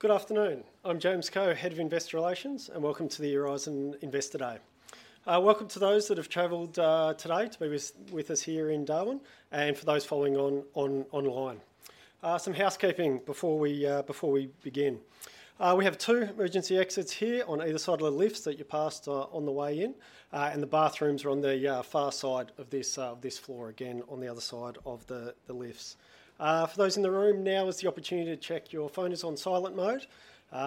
Good afternoon. I'm James Coe, Head of Investor Relations, welcome to the Aurizon Investor Day. Welcome to those that have traveled today to be with us here in Darwin, and for those following on online. Some housekeeping before we begin. We have two emergency exits here on either side of the lifts that you passed on the way in, and the bathrooms are on the far side of this floor, again, on the other side of the lifts. For those in the room, now is the opportunity to check your phone is on silent mode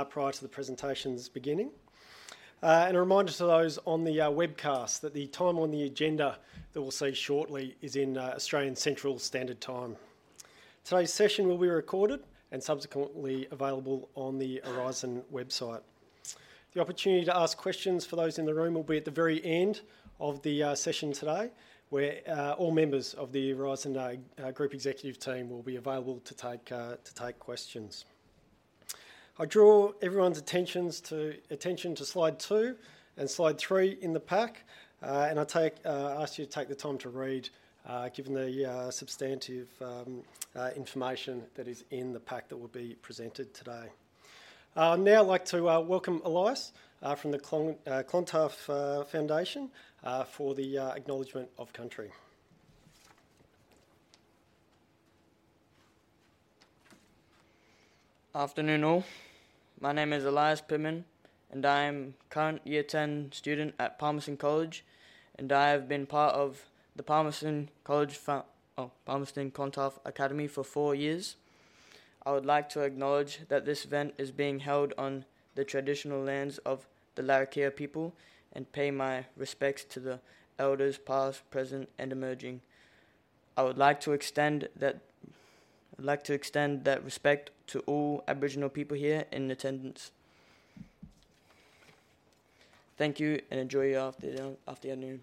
prior to the presentations beginning. A reminder to those on the webcast that the time on the agenda that we'll see shortly is in Australian Central Standard Time. Today's session will be recorded and subsequently available on the Aurizon website. The opportunity to ask questions for those in the room will be at the very end of the session today, where all members of the Aurizon Group Executive Team will be available to take questions. I draw everyone's attention to slide 2 and slide 3 in the pack, and I ask you to take the time to read, given the substantive information that is in the pack that will be presented today. I'd like to welcome Elias from the Clontarf Foundation for the Acknowledgement of Country. Afternoon, all. My name is Elias Pitman, and I am current year 10 student at Palmerston College, and I have been part of the Palmerston Clontarf Academy for 4 years. I would like to acknowledge that this event is being held on the traditional lands of the Larrakia people and pay my respects to the elders, past, present, and emerging. I would like to extend that respect to all Aboriginal people here in attendance. Thank you, and enjoy your afternoon.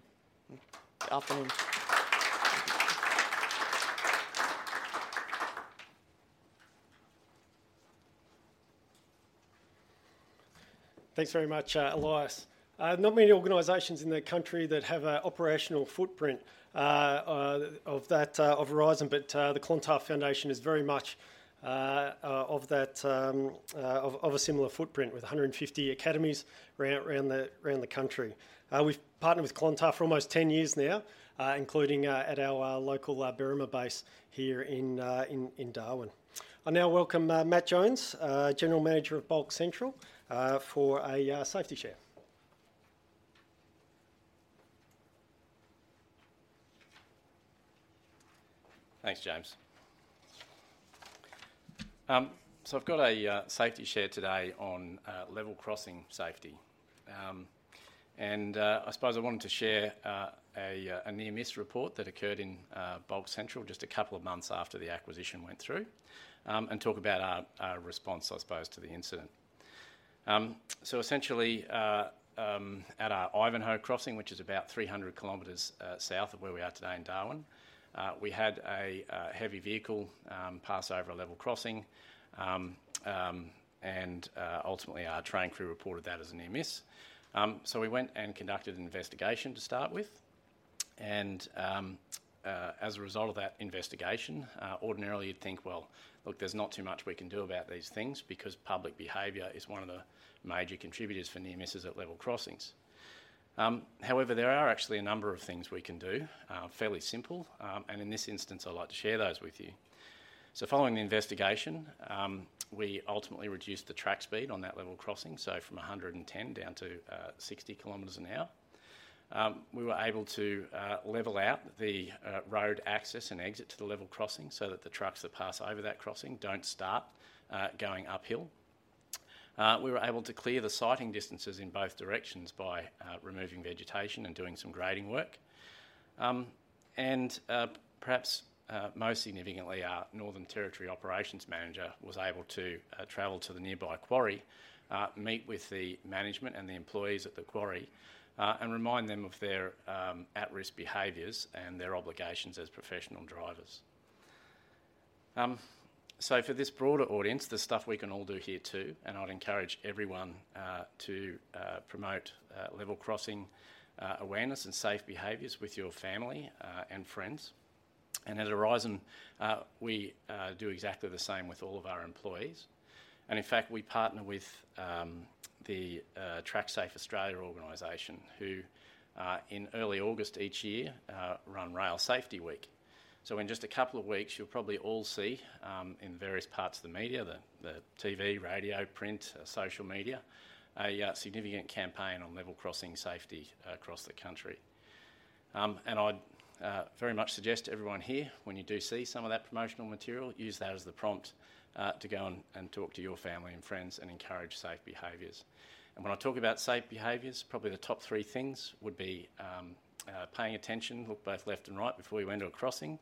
Thanks very much, Elias. Not many organizations in the country that have a operational footprint of that of Aurizon, but the Clontarf Foundation is very much of that, of a similar footprint, with 150 academies around the country. We've partnered with Clontarf for almost 10 years now, including at our local Berrimah base here in Darwin. I now welcome Matt Jones, General Manager of Bulk Central, for a safety share. Thanks, James. I've got a safety share today on level crossing safety. I suppose I wanted to share a near-miss report that occurred in Bulk Central just two months after the acquisition went through and talk about our response, I suppose, to the incident. Essentially, at our Ivanhoe crossing, which is about 300 kilometers south of where we are today in Darwin, we had a heavy vehicle pass over a level crossing. Ultimately our train crew reported that as a near-miss. We went and conducted an investigation to start with. As a result of that investigation, ordinarily you'd think, "Well, look, there's not too much we can do about these things," because public behavior is one of the major contributors for near misses at level crossings. However, there are actually a number of things we can do, fairly simple, and in this instance, I'd like to share those with you. Following the investigation, we ultimately reduced the track speed on that level crossing, from 110 down to 60 kilometers an hour. We were able to level out the road access and exit to the level crossing so that the trucks that pass over that crossing don't start going uphill. We were able to clear the sighting distances in both directions by removing vegetation and doing some grading work. Perhaps most significantly, our Northern Territory operations manager was able to travel to the nearby quarry, meet with the management and the employees at the quarry, and remind them of their at-risk behaviors and their obligations as professional drivers. For this broader audience, there's stuff we can all do here, too, and I'd encourage everyone to promote level crossing awareness and safe behaviors with your family and friends. At Aurizon, we do exactly the same with all of our employees. In fact, we partner with the TrackSAFE Foundation organization, who in early August each year run Rail Safety Week. In just a couple of weeks, you'll probably all see in various parts of the media, the TV, radio, print, social media, a significant campaign on level crossing safety across the country. I'd very much suggest to everyone here, when you do see some of that promotional material, use that as the prompt to go and talk to your family and friends and encourage safe behaviors. When I talk about safe behaviors, probably the top three things would be paying attention, look both left and right before you enter a crossing.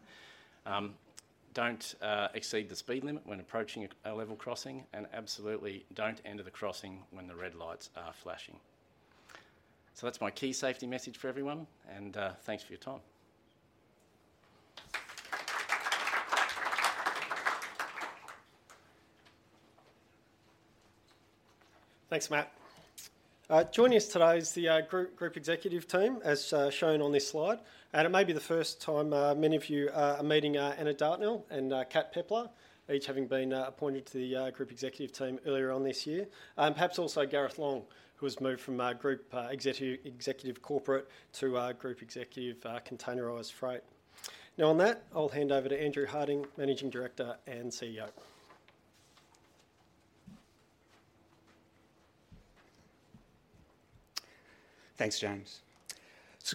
Don't exceed the speed limit when approaching a level crossing, absolutely don't enter the crossing when the red lights are flashing. That's my key safety message for everyone, and thanks for your time.... Thanks, Matt. Joining us today is the group executive team, as shown on this slide. It may be the first time many of you are meeting Anna Dartnell and Kat Pepler, each having been appointed to the group executive team earlier on this year. Perhaps also Gareth Long, who has moved from group executive corporate to group executive containerized freight. Now, on that, I'll hand over to Andrew Harding, Managing Director and CEO. Thanks, James.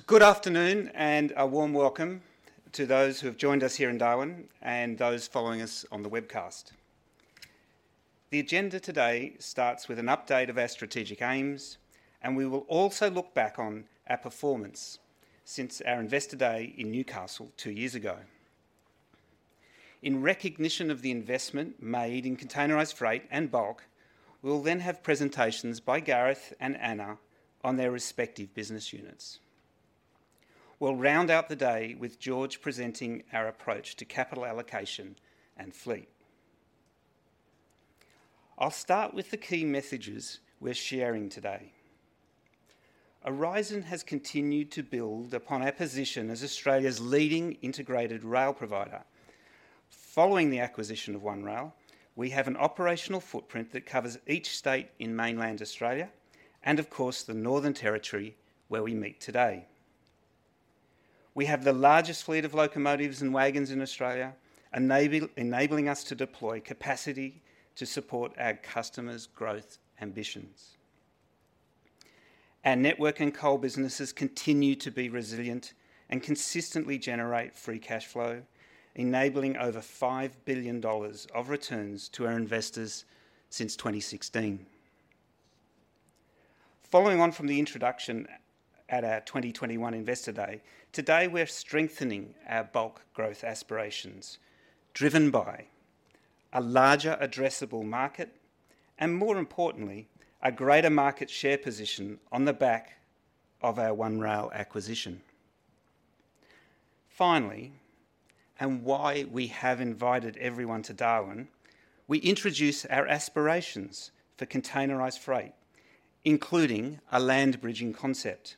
Good afternoon, and a warm welcome to those who have joined us here in Darwin and those following us on the webcast. The agenda today starts with an update of our strategic aims, and we will also look back on our performance since our Investor Day in Newcastle two years ago. In recognition of the investment made in containerized freight and bulk, we'll then have presentations by Gareth and Anna on their respective business units. We'll round out the day with George presenting our approach to capital allocation and fleet. I'll start with the key messages we're sharing today. Aurizon has continued to build upon our position as Australia's leading integrated rail provider. Following the acquisition of One Rail, we have an operational footprint that covers each state in mainland Australia, of course, the Northern Territory, where we meet today. We have the largest fleet of locomotives and wagons in Australia, enabling us to deploy capacity to support our customers' growth ambitions. Our network and coal businesses continue to be resilient and consistently generate free cash flow, enabling over $‎ 5 billion of returns to our investors since 2016. Following on from the introduction at our 2021 Investor Day, today we're strengthening our bulk growth aspirations, driven by a larger addressable market, and more importantly, a greater market share position on the back of our One Rail acquisition. Finally, why we have invited everyone to Darwin, we introduce our aspirations for containerized freight, including a land bridging concept.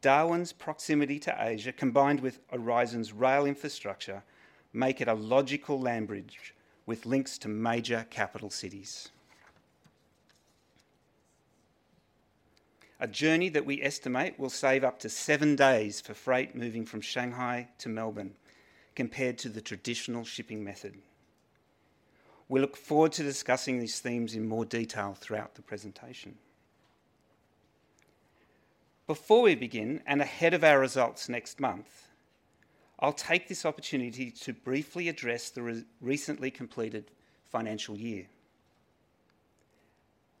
Darwin's proximity to Asia, combined with Aurizon's rail infrastructure, make it a logical land bridge with links to major capital cities. A journey that we estimate will save up to 7 days for freight moving from Shanghai to Melbourne, compared to the traditional shipping method. We look forward to discussing these themes in more detail throughout the presentation. Before we begin, ahead of our results next month, I'll take this opportunity to briefly address the recently completed financial year.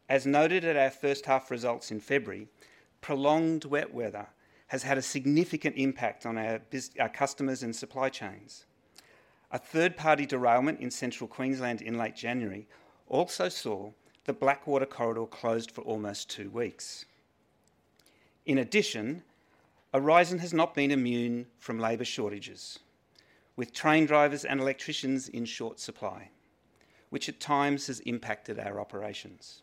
As noted at our first half results in February, prolonged wet weather has had a significant impact on our customers and supply chains. A third-party derailment in Central Queensland in late January also saw the Blackwater corridor closed for almost 2 weeks. In addition, Aurizon has not been immune from labor shortages, with train drivers and electricians in short supply, which at times has impacted our operations.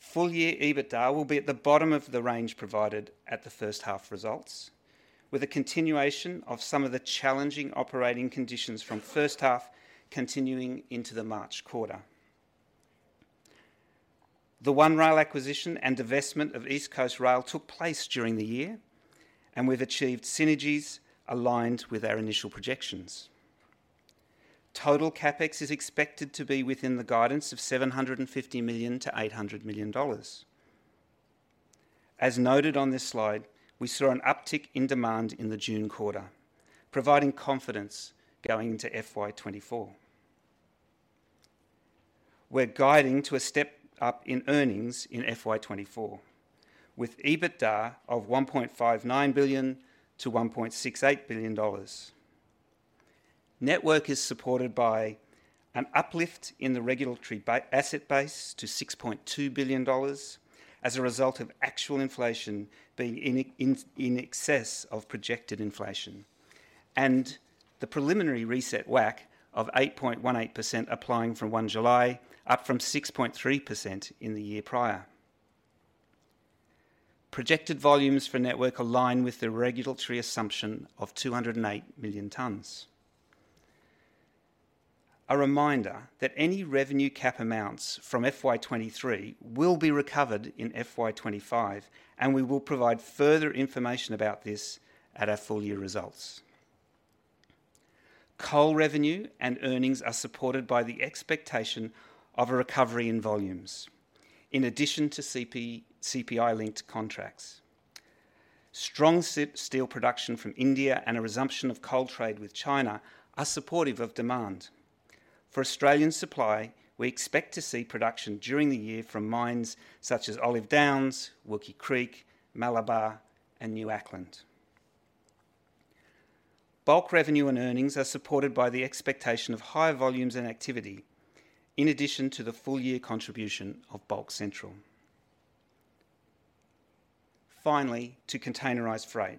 Full-year EBITDA will be at the bottom of the range provided at the first half results, with a continuation of some of the challenging operating conditions from first half continuing into the March quarter. The One Rail acquisition and divestment of East Coast Rail took place during the year, and we've achieved synergies aligned with our initial projections. Total CapEx is expected to be within the guidance of $‎ 750 million-$‎ 800 million. As noted on this slide, we saw an uptick in demand in the June quarter, providing confidence going into FY 2024. We're guiding to a step up in earnings in FY 2024, with EBITDA of $‎ 1.59 billion-$‎ 1.68 billion. Network is supported by an uplift in the regulatory asset base to $‎ 6.2 billion as a result of actual inflation being in excess of projected inflation, and the preliminary reset WACC of 8.18% applying from 1 July, up from 6.3% in the year prior. Projected volumes for network align with the regulatory assumption of 208 million tonnes. A reminder that any revenue cap amounts from FY23 will be recovered in FY25, and we will provide further information about this at our full-year results. Coal revenue and earnings are supported by the expectation of a recovery in volumes, in addition to CPI-linked contracts. Strong steel production from India and a resumption of coal trade with China are supportive of demand. For Australian supply, we expect to see production during the year from mines such as Olive Downs, Wilkie Creek, Malabar, and New Acland. Bulk revenue and earnings are supported by the expectation of higher volumes and activity, in addition to the full-year contribution of Bulk Central. Finally, to containerized freight,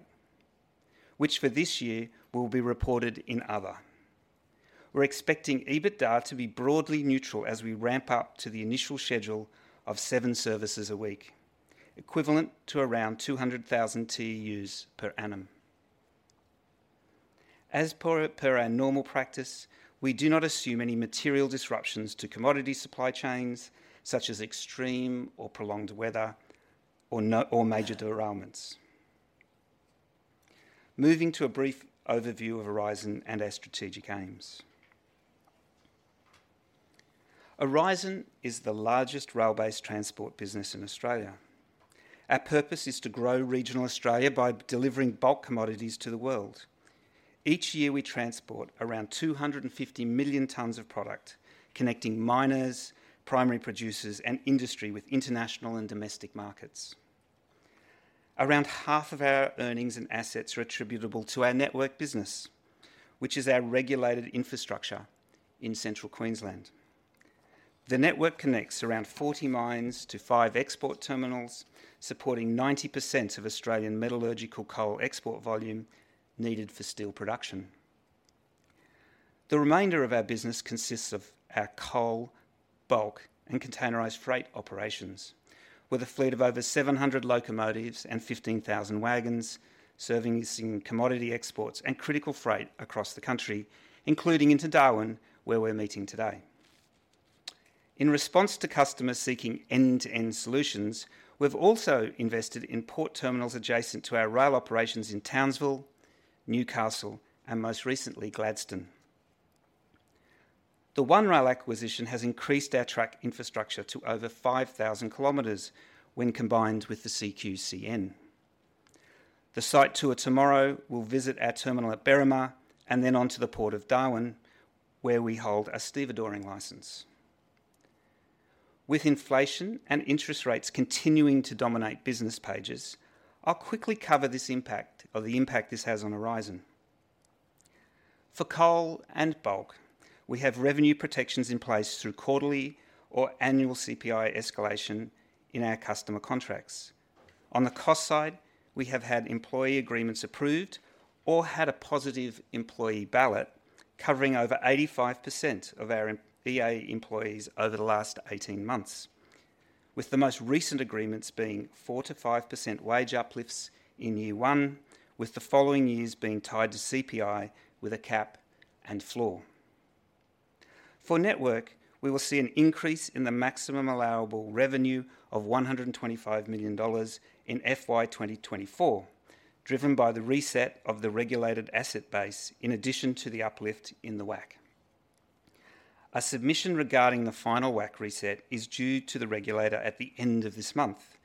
which for this year will be reported in other. We're expecting EBITDA to be broadly neutral as we ramp up to the initial schedule of seven services a week, equivalent to around 200,000 TEUs per annum. As per our normal practice, we do not assume any material disruptions to commodity supply chains, such as extreme or prolonged weather or major derailments. Moving to a brief overview of Aurizon and our strategic aims. Aurizon is the largest rail-based transport business in Australia. Our purpose is to grow regional Australia by delivering bulk commodities to the world. Each year, we transport around 250 million tons of product, connecting miners, primary producers, and industry with international and domestic markets. Around half of our earnings and assets are attributable to our network business, which is our regulated infrastructure in Central Queensland. The network connects around 40 mines to 5 export terminals, supporting 90% of Australian metallurgical coal export volume needed for steel production. The remainder of our business consists of our coal, bulk, and containerized freight operations, with a fleet of over 700 locomotives and 15,000 wagons servicing commodity exports and critical freight across the country, including into Darwin, where we're meeting today. In response to customers seeking end-to-end solutions, we've also invested in port terminals adjacent to our rail operations in Townsville, Newcastle, and most recently, Gladstone. The One Rail acquisition has increased our track infrastructure to over 5,000 kilometers when combined with the CQCN. The site tour tomorrow will visit our terminal at Berrimah, and then on to the Port of Darwin, where we hold a stevedoring license. With inflation and interest rates continuing to dominate business pages, I'll quickly cover this impact or the impact this has on Aurizon. For coal and bulk, we have revenue protections in place through quarterly or annual CPI escalation in our customer contracts. On the cost side, we have had employee agreements approved or had a positive employee ballot, covering over 85% of our EA employees over the last 18 months, with the most recent agreements being 4%-5% wage uplifts in year one, with the following years being tied to CPI with a cap and floor. For network, we will see an increase in the maximum allowable revenue of $‎ 125 million in FY 2024, driven by the reset of the regulated asset base, in addition to the uplift in the WACC. A submission regarding the final WACC reset is due to the regulator at the end of this month,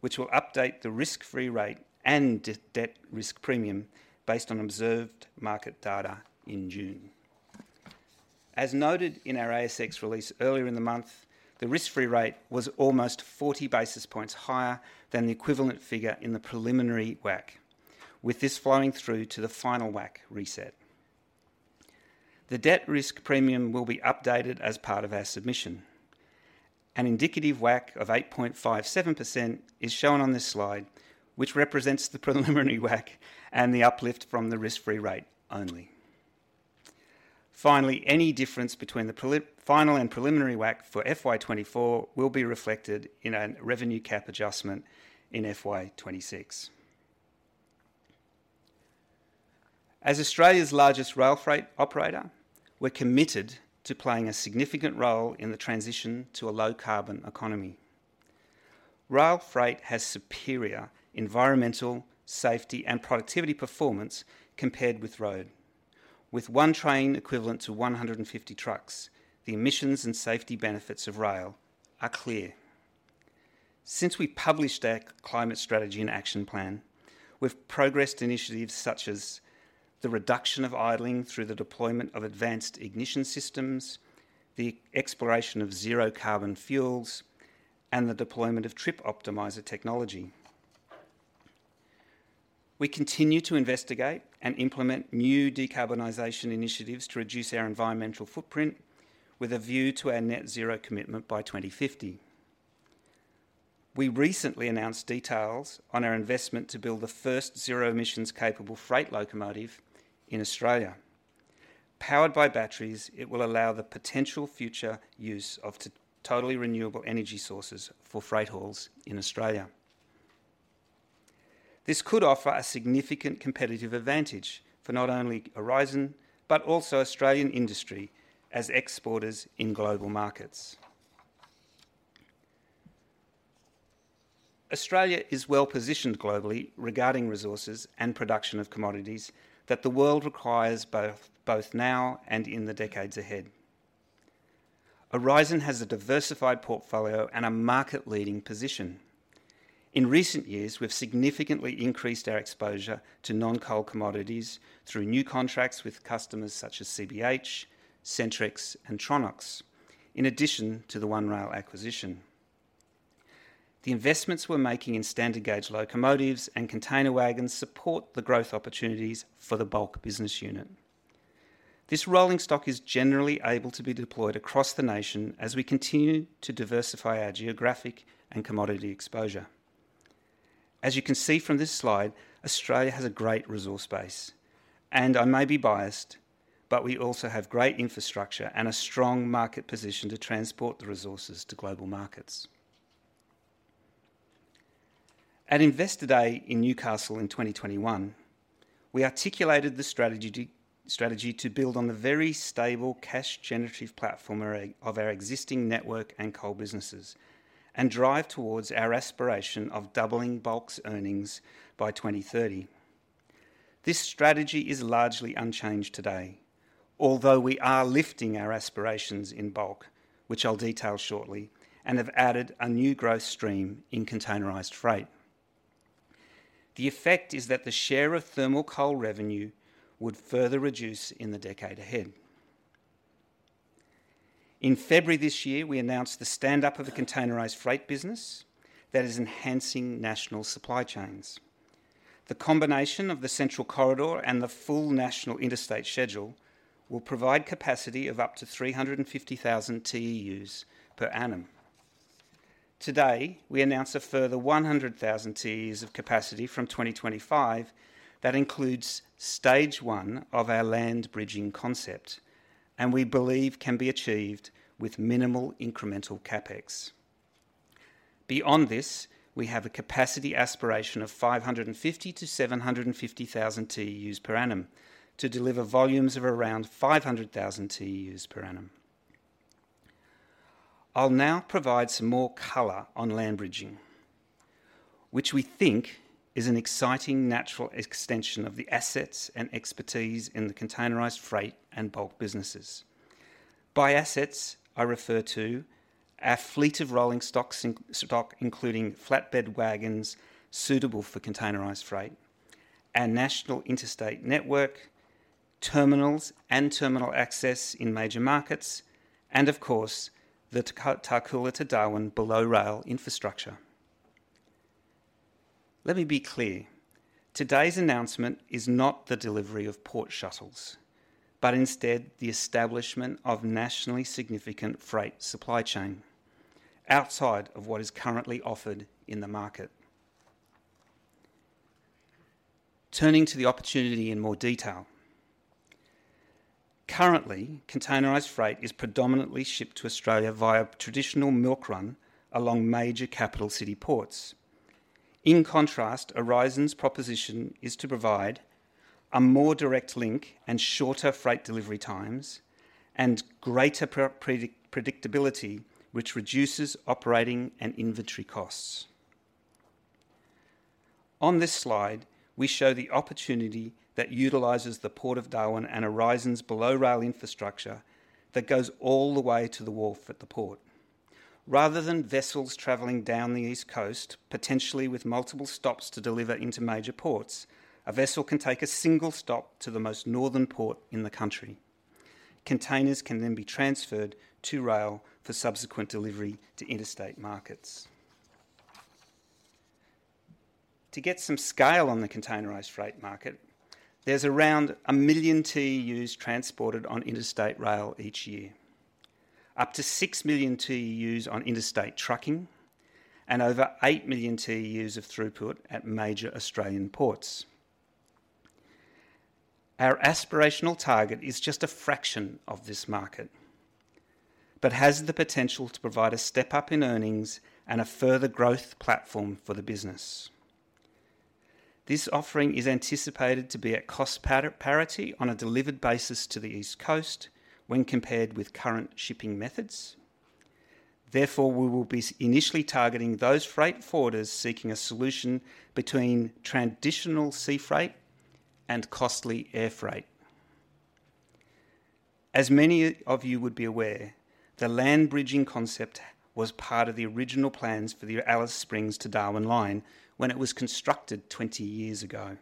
which will update the risk-free rate and debt risk premium based on observed market data in June. As noted in our ASX release earlier in the month, the risk-free rate was almost 40 basis points higher than the equivalent figure in the preliminary WACC, with this flowing through to the final WACC reset. The debt risk premium will be updated as part of our submission. An indicative WACC of 8.57% is shown on this slide, which represents the preliminary WACC and the uplift from the risk-free rate only. Finally, any difference between the final and preliminary WACC for FY 2024 will be reflected in a revenue cap adjustment in FY 2026. As Australia's largest rail freight operator, we're committed to playing a significant role in the transition to a low-carbon economy. Rail freight has superior environmental, safety, and productivity performance compared with road. With one train equivalent to 150 trucks, the emissions and safety benefits of rail are clear. Since we published our climate strategy and action plan, we've progressed initiatives such as the reduction of idling through the deployment of advanced ignition systems, the exploration of zero-carbon fuels, and the deployment of Trip Optimizer technology. We continue to investigate and implement new decarbonization initiatives to reduce our environmental footprint with a view to our net zero commitment by 2050. We recently announced details on our investment to build the first zero-emissions-capable freight locomotive in Australia. Powered by batteries, it will allow the potential future use of totally renewable energy sources for freight hauls in Australia. This could offer a significant competitive advantage for not only Aurizon, but also Australian industry as exporters in global markets. Australia is well-positioned globally regarding resources and production of commodities that the world requires both now and in the decades ahead. Aurizon has a diversified portfolio and a market-leading position. In recent years, we've significantly increased our exposure to non-coal commodities through new contracts with customers such as CBH, Centrex, and Tronox, in addition to the One Rail acquisition. The investments we're making in standard gauge locomotives and container wagons support the growth opportunities for the bulk business unit. This rolling stock is generally able to be deployed across the nation as we continue to diversify our geographic and commodity exposure. As you can see from this slide, Australia has a great resource base, and I may be biased, but we also have great infrastructure and a strong market position to transport the resources to global markets. At Investor Day in Newcastle in 2021, we articulated the strategy to build on the very stable, cash-generative platform of our existing network and coal businesses and drive towards our aspiration of doubling Bulk's earnings by 2030. This strategy is largely unchanged today, although we are lifting our aspirations in Bulk, which I'll detail shortly, and have added a new growth stream in containerized freight. The effect is that the share of thermal coal revenue would further reduce in the decade ahead. In February this year, we announced the stand-up of a containerized freight business that is enhancing national supply chains. The combination of the central corridor and the full national interstate schedule will provide capacity of up to 350,000 TEUs per annum. Today, we announce a further 100,000 TEUs of capacity from 2025 that includes stage one of our land bridging concept, and we believe can be achieved with minimal incremental CapEx. Beyond this, we have a capacity aspiration of 550,000-750,000 TEUs per annum to deliver volumes of around 500,000 TEUs per annum. I'll now provide some more color on land bridging, which we think is an exciting natural extension of the assets and expertise in the containerized freight and bulk businesses. By assets, I refer to our fleet of rolling stocks in stock, including flatbed wagons suitable for containerized freight, our national interstate network, terminals and terminal access in major markets, and of course, the Tarcoola to Darwin below rail infrastructure. Let me be clear, today's announcement is not the delivery of port shuttles, but instead the establishment of nationally significant freight supply chain outside of what is currently offered in the market. Turning to the opportunity in more detail. Currently, containerized freight is predominantly shipped to Australia via traditional milk run along major capital city ports. In contrast, Aurizon's proposition is to provide a more direct link and shorter freight delivery times and greater predictability, which reduces operating and inventory costs. On this slide, we show the opportunity that utilizes the Port of Darwin and Aurizon's below rail infrastructure that goes all the way to the wharf at the port. Rather than vessels traveling down the East Coast, potentially with multiple stops to deliver into major ports, a vessel can take a single stop to the most northern port in the country. Containers can be transferred to rail for subsequent delivery to interstate markets. To get some scale on the containerized freight market, there's around 1 million TEUs transported on interstate rail each year, up to 6 million TEUs on interstate trucking, and over 8 million TEUs of throughput at major Australian ports. Our aspirational target is just a fraction of this market, but has the potential to provide a step up in earnings and a further growth platform for the business. This offering is anticipated to be at cost parity on a delivered basis to the East Coast when compared with current shipping methods. Therefore, we will be initially targeting those freight forwarders seeking a solution between traditional sea freight and costly air freight. As many of you would be aware, the land bridging concept was part of the original plans for the Alice Springs to Darwin line when it was constructed 20 years ago.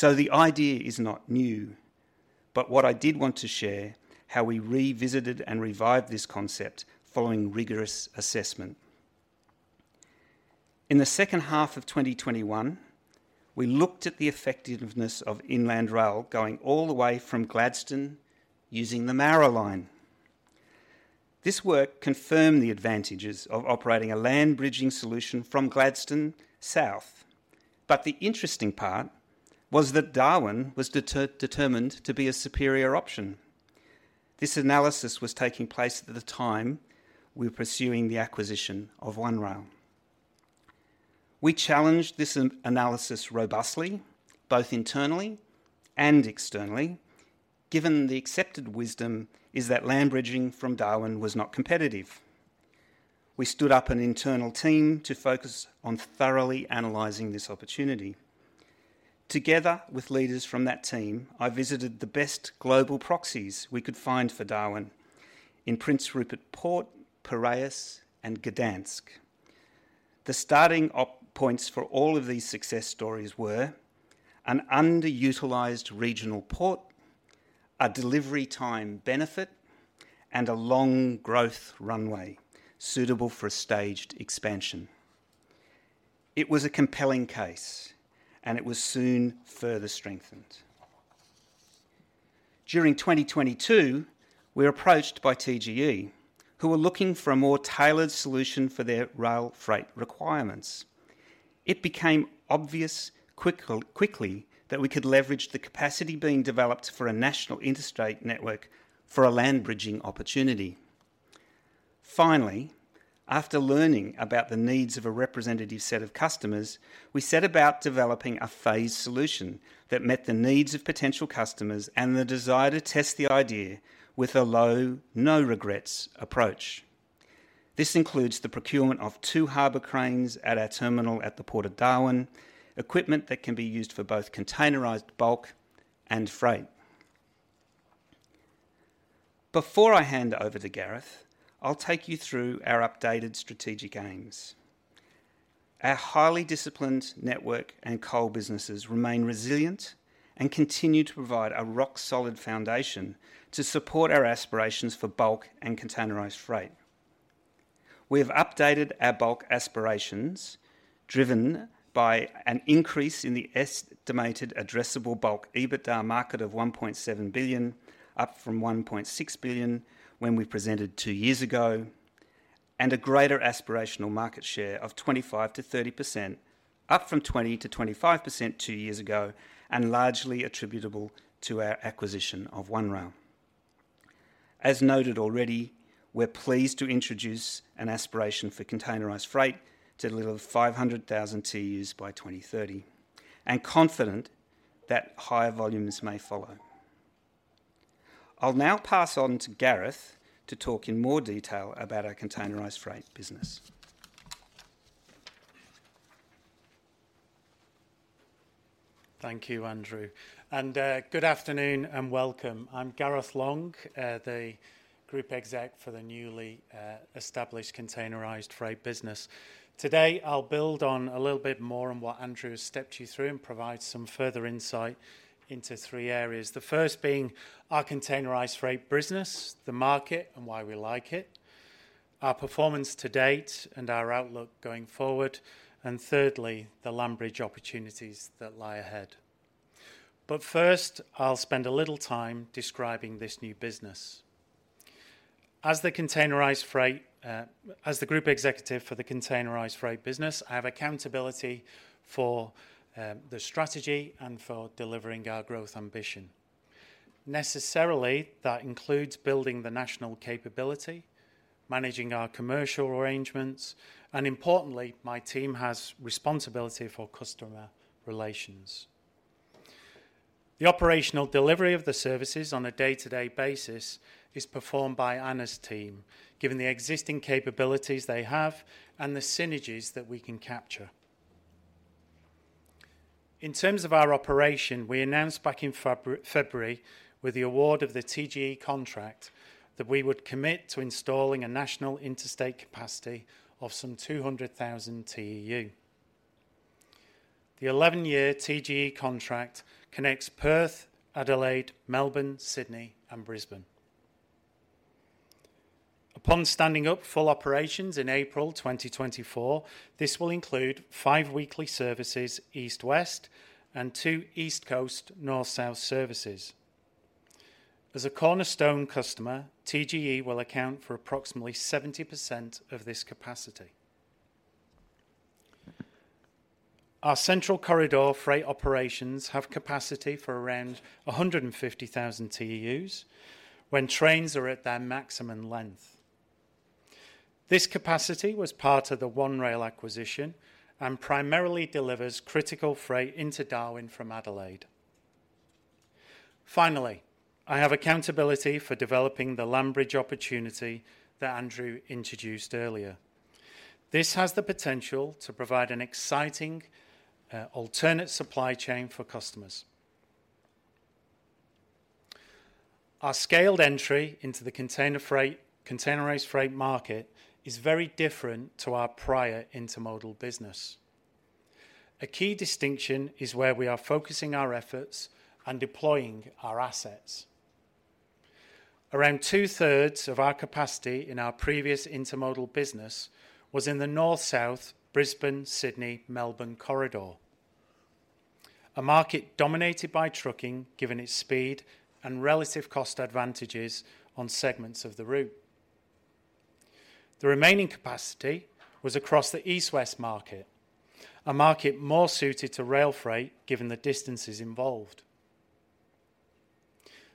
The idea is not new, but what I did want to share, how we revisited and revived this concept following rigorous assessment. In the second half of 2021, we looked at the effectiveness of inland rail going all the way from Gladstone using the Moura line. This work confirmed the advantages of operating a land bridging solution from Gladstone south, but the interesting part was that Darwin was determined to be a superior option. This analysis was taking place at the time we were pursuing the acquisition of One Rail. We challenged this analysis robustly, both internally and externally, given the accepted wisdom is that land bridging from Darwin was not competitive. We stood up an internal team to focus on thoroughly analyzing this opportunity. Together with leaders from that team, I visited the best global proxies we could find for Darwin in Prince Rupert Port, Piraeus, and Gdansk. The starting op points for all of these success stories were: an underutilized regional port, a delivery time benefit, and a long growth runway suitable for a staged expansion. It was a compelling case, and it was soon further strengthened. During 2022, we were approached by TGE, who were looking for a more tailored solution for their rail freight requirements. It became obvious quickly that we could leverage the capacity being developed for a national interstate network for a land bridging opportunity. Finally, after learning about the needs of a representative set of customers, we set about developing a phased solution that met the needs of potential customers and the desire to test the idea with a low, no-regrets approach. This includes the procurement of two harbor cranes at our terminal at the Port of Darwin, equipment that can be used for both containerized bulk and freight. Before I hand over to Gareth, I'll take you through our updated strategic aims. Our highly disciplined network and coal businesses remain resilient and continue to provide a rock-solid foundation to support our aspirations for bulk and containerized freight. We have updated our bulk aspirations, driven by an increase in the estimated addressable bulk EBITDA market of $‎ 1.7 billion, up from $‎ 1.6 billion when we presented two years ago, and a greater aspirational market share of 25%-30%, up from 20%-25% two years ago, and largely attributable to our acquisition of One Rail. As noted already, we're pleased to introduce an aspiration for containerized freight to deliver 500,000 TEUs by 2030, and confident that higher volumes may follow. I'll now pass on to Gareth to talk in more detail about our containerized freight business. Thank you, Andrew, and good afternoon and welcome. I'm Gareth Long, the Group Executive for the newly established Containerised Freight business. Today, I'll build on a little bit more on what Andrew has stepped you through and provide some further insight into three areas. The first being our Containerised Freight business, the market, and why we like it, our performance to date and our outlook going forward, and thirdly, the land bridge opportunities that lie ahead. First, I'll spend a little time describing this new business. As the Group Executive for the Containerised Freight business, I have accountability for the strategy and for delivering our growth ambition. Necessarily, that includes building the national capability, managing our commercial arrangements, and importantly, my team has responsibility for customer relations. The operational delivery of the services on a day-to-day basis is performed by Anna's team, given the existing capabilities they have and the synergies that we can capture. In terms of our operation, we announced back in February, with the award of the TGE contract, that we would commit to installing a national interstate capacity of some 200,000 TEU. The 11-year TGE contract connects Perth, Adelaide, Melbourne, Sydney, and Brisbane. Upon standing up full operations in April 2024, this will include 5 weekly services, east-west, and 2 east coast, north-south services. As a cornerstone customer, TGE will account for approximately 70% of this capacity. Our central corridor freight operations have capacity for around 150,000 TEUs when trains are at their maximum length. This capacity was part of the One Rail acquisition and primarily delivers critical freight into Darwin from Adelaide. Finally, I have accountability for developing the land bridge opportunity that Andrew introduced earlier. This has the potential to provide an exciting, alternate supply chain for customers. Our scaled entry into the containerized freight market is very different to our prior intermodal business. A key distinction is where we are focusing our efforts and deploying our assets. Around two-thirds of our capacity in our previous intermodal business was in the north-south, Brisbane, Sydney, Melbourne corridor, a market dominated by trucking, given its speed and relative cost advantages on segments of the route. The remaining capacity was across the east-west market, a market more suited to rail freight, given the distances involved.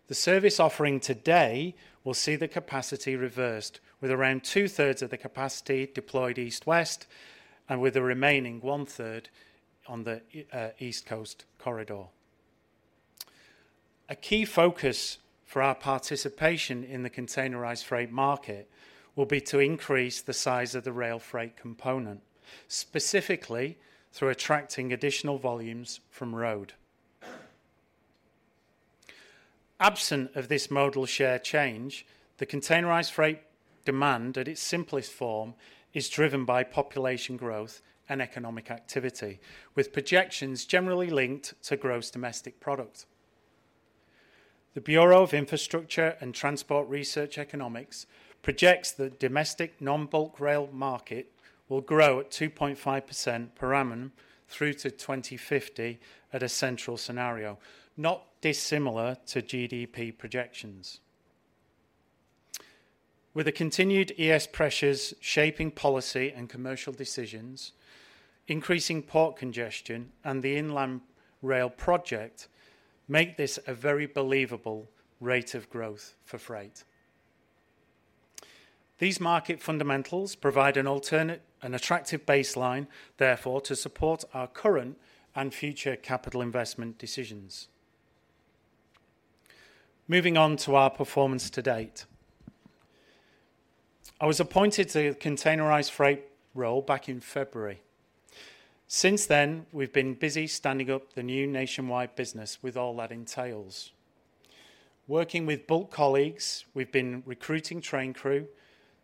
The service offering today will see the capacity reversed, with around two-thirds of the capacity deployed east-west and with the remaining one-third on the east coast corridor. A key focus for our participation in the containerized freight market will be to increase the size of the rail freight component, specifically through attracting additional volumes from road. Absent of this modal share change, the containerized freight demand, at its simplest form, is driven by population growth and economic activity, with projections generally linked to gross domestic product. The Bureau of Infrastructure and Transport Research Economics projects the domestic non-bulk rail market will grow at 2.5% per annum through to 2050 at a central scenario, not dissimilar to GDP projections. With the continued ES pressures shaping policy and commercial decisions, increasing port congestion, and the inland rail project make this a very believable rate of growth for freight. These market fundamentals provide an attractive baseline, therefore, to support our current and future capital investment decisions. Moving on to our performance to date. I was appointed to the containerized freight role back in February. Since then, we've been busy standing up the new nationwide business with all that entails. Working with bulk colleagues, we've been recruiting train crew,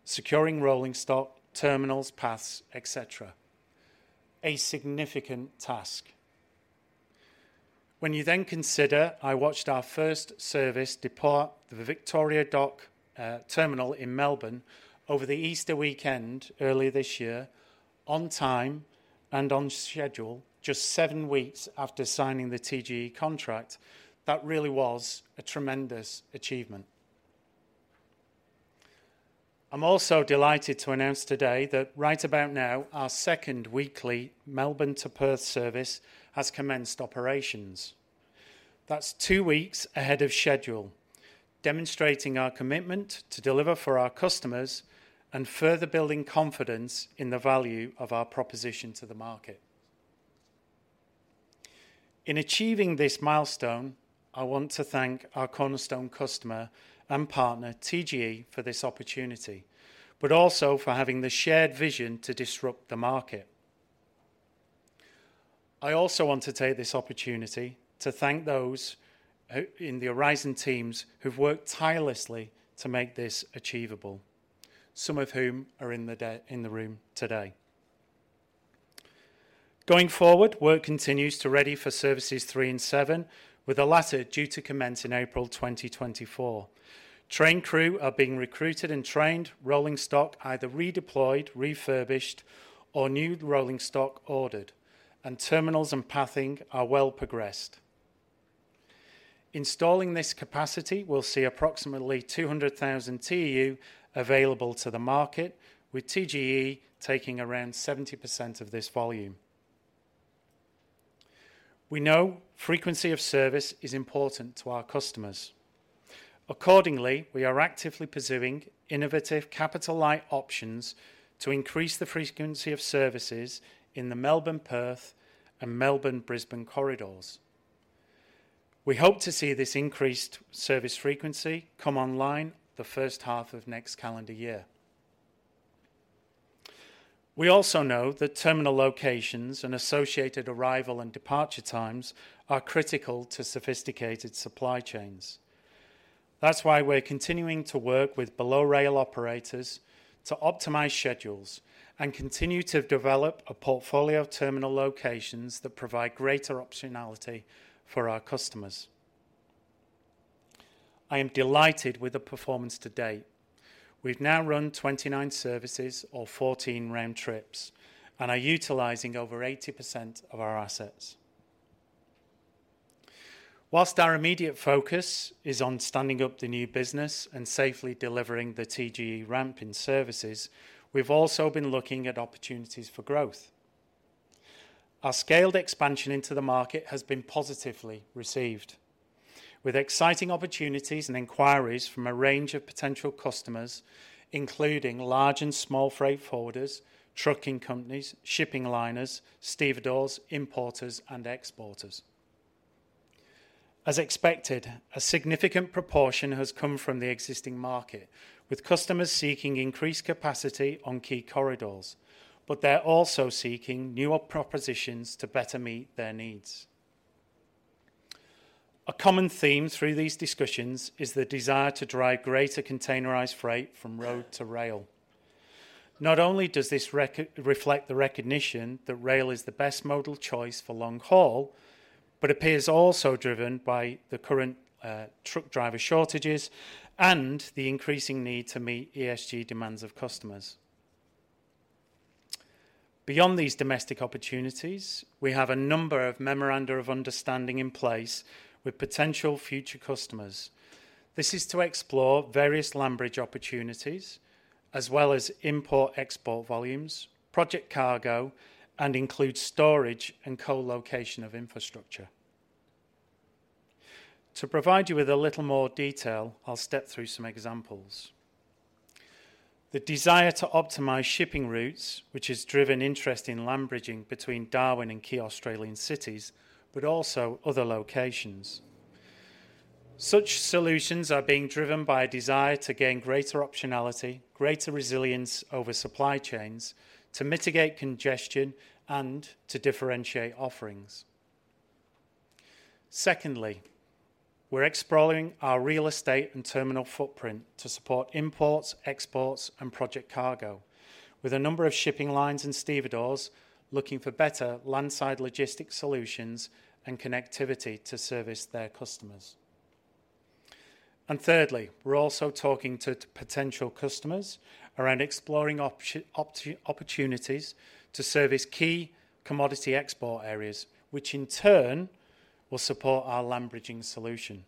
securing rolling stock, terminals, paths, et cetera. A significant task. When you then consider, I watched our first service depart the Victoria Dock terminal in Melbourne over the Easter weekend, earlier this year, on time and on schedule, just seven weeks after signing the TGE contract, that really was a tremendous achievement. I'm also delighted to announce today that right about now, our second weekly Melbourne to Perth service has commenced operations. That's two weeks ahead of schedule, demonstrating our commitment to deliver for our customers and further building confidence in the value of our proposition to the market. In achieving this milestone, I want to thank our cornerstone customer and partner, TGE, for this opportunity, but also for having the shared vision to disrupt the market. I also want to take this opportunity to thank those in the Aurizon teams who've worked tirelessly to make this achievable, some of whom are in the room today. Going forward, work continues to ready for services 3 and 7, with the latter due to commence in April 2024. Train crew are being recruited and trained, rolling stock either redeployed, refurbished, or new rolling stock ordered, and terminals and pathing are well progressed. Installing this capacity will see approximately 200,000 TEU available to the market, with TGE taking around 70% of this volume. We know frequency of service is important to our customers. We are actively pursuing innovative capital-light options to increase the frequency of services in the Melbourne-Perth and Melbourne-Brisbane corridors. We hope to see this increased service frequency come online the first half of next calendar year. We also know that terminal locations and associated arrival and departure times are critical to sophisticated supply chains. That's why we're continuing to work with below rail operators to optimize schedules and continue to develop a portfolio of terminal locations that provide greater optionality for our customers. I am delighted with the performance to date. We've now run 29 services or 14 round trips and are utilizing over 80% of our assets. Whilst our immediate focus is on standing up the new business and safely delivering the TGE ramp in services, we've also been looking at opportunities for growth. Our scaled expansion into the market has been positively received, with exciting opportunities and inquiries from a range of potential customers, including large and small freight forwarders, trucking companies, shipping liners, stevedores, importers, and exporters. As expected, a significant proportion has come from the existing market, with customers seeking increased capacity on key corridors, but they're also seeking newer propositions to better meet their needs. A common theme through these discussions is the desire to drive greater containerized freight from road to rail. Not only does this reflect the recognition that rail is the best modal choice for long haul, but appears also driven by the current truck driver shortages and the increasing need to meet ESG demands of customers. Beyond these domestic opportunities, we have a number of memoranda of understanding in place with potential future customers. This is to explore various land bridge opportunities, as well as import/export volumes, project cargo, and include storage and co-location of infrastructure. To provide you with a little more detail, I'll step through some examples. The desire to optimize shipping routes, which has driven interest in land bridging between Darwin and key Australian cities, also other locations. Such solutions are being driven by a desire to gain greater optionality, greater resilience over supply chains, to mitigate congestion, and to differentiate offerings. Secondly, we're exploring our real estate and terminal footprint to support imports, exports, and project cargo, with a number of shipping lines and stevedores looking for better landside logistics solutions and connectivity to service their customers. Thirdly, we're also talking to potential customers around exploring opportunities to service key commodity export areas, which in turn will support our land bridging solution.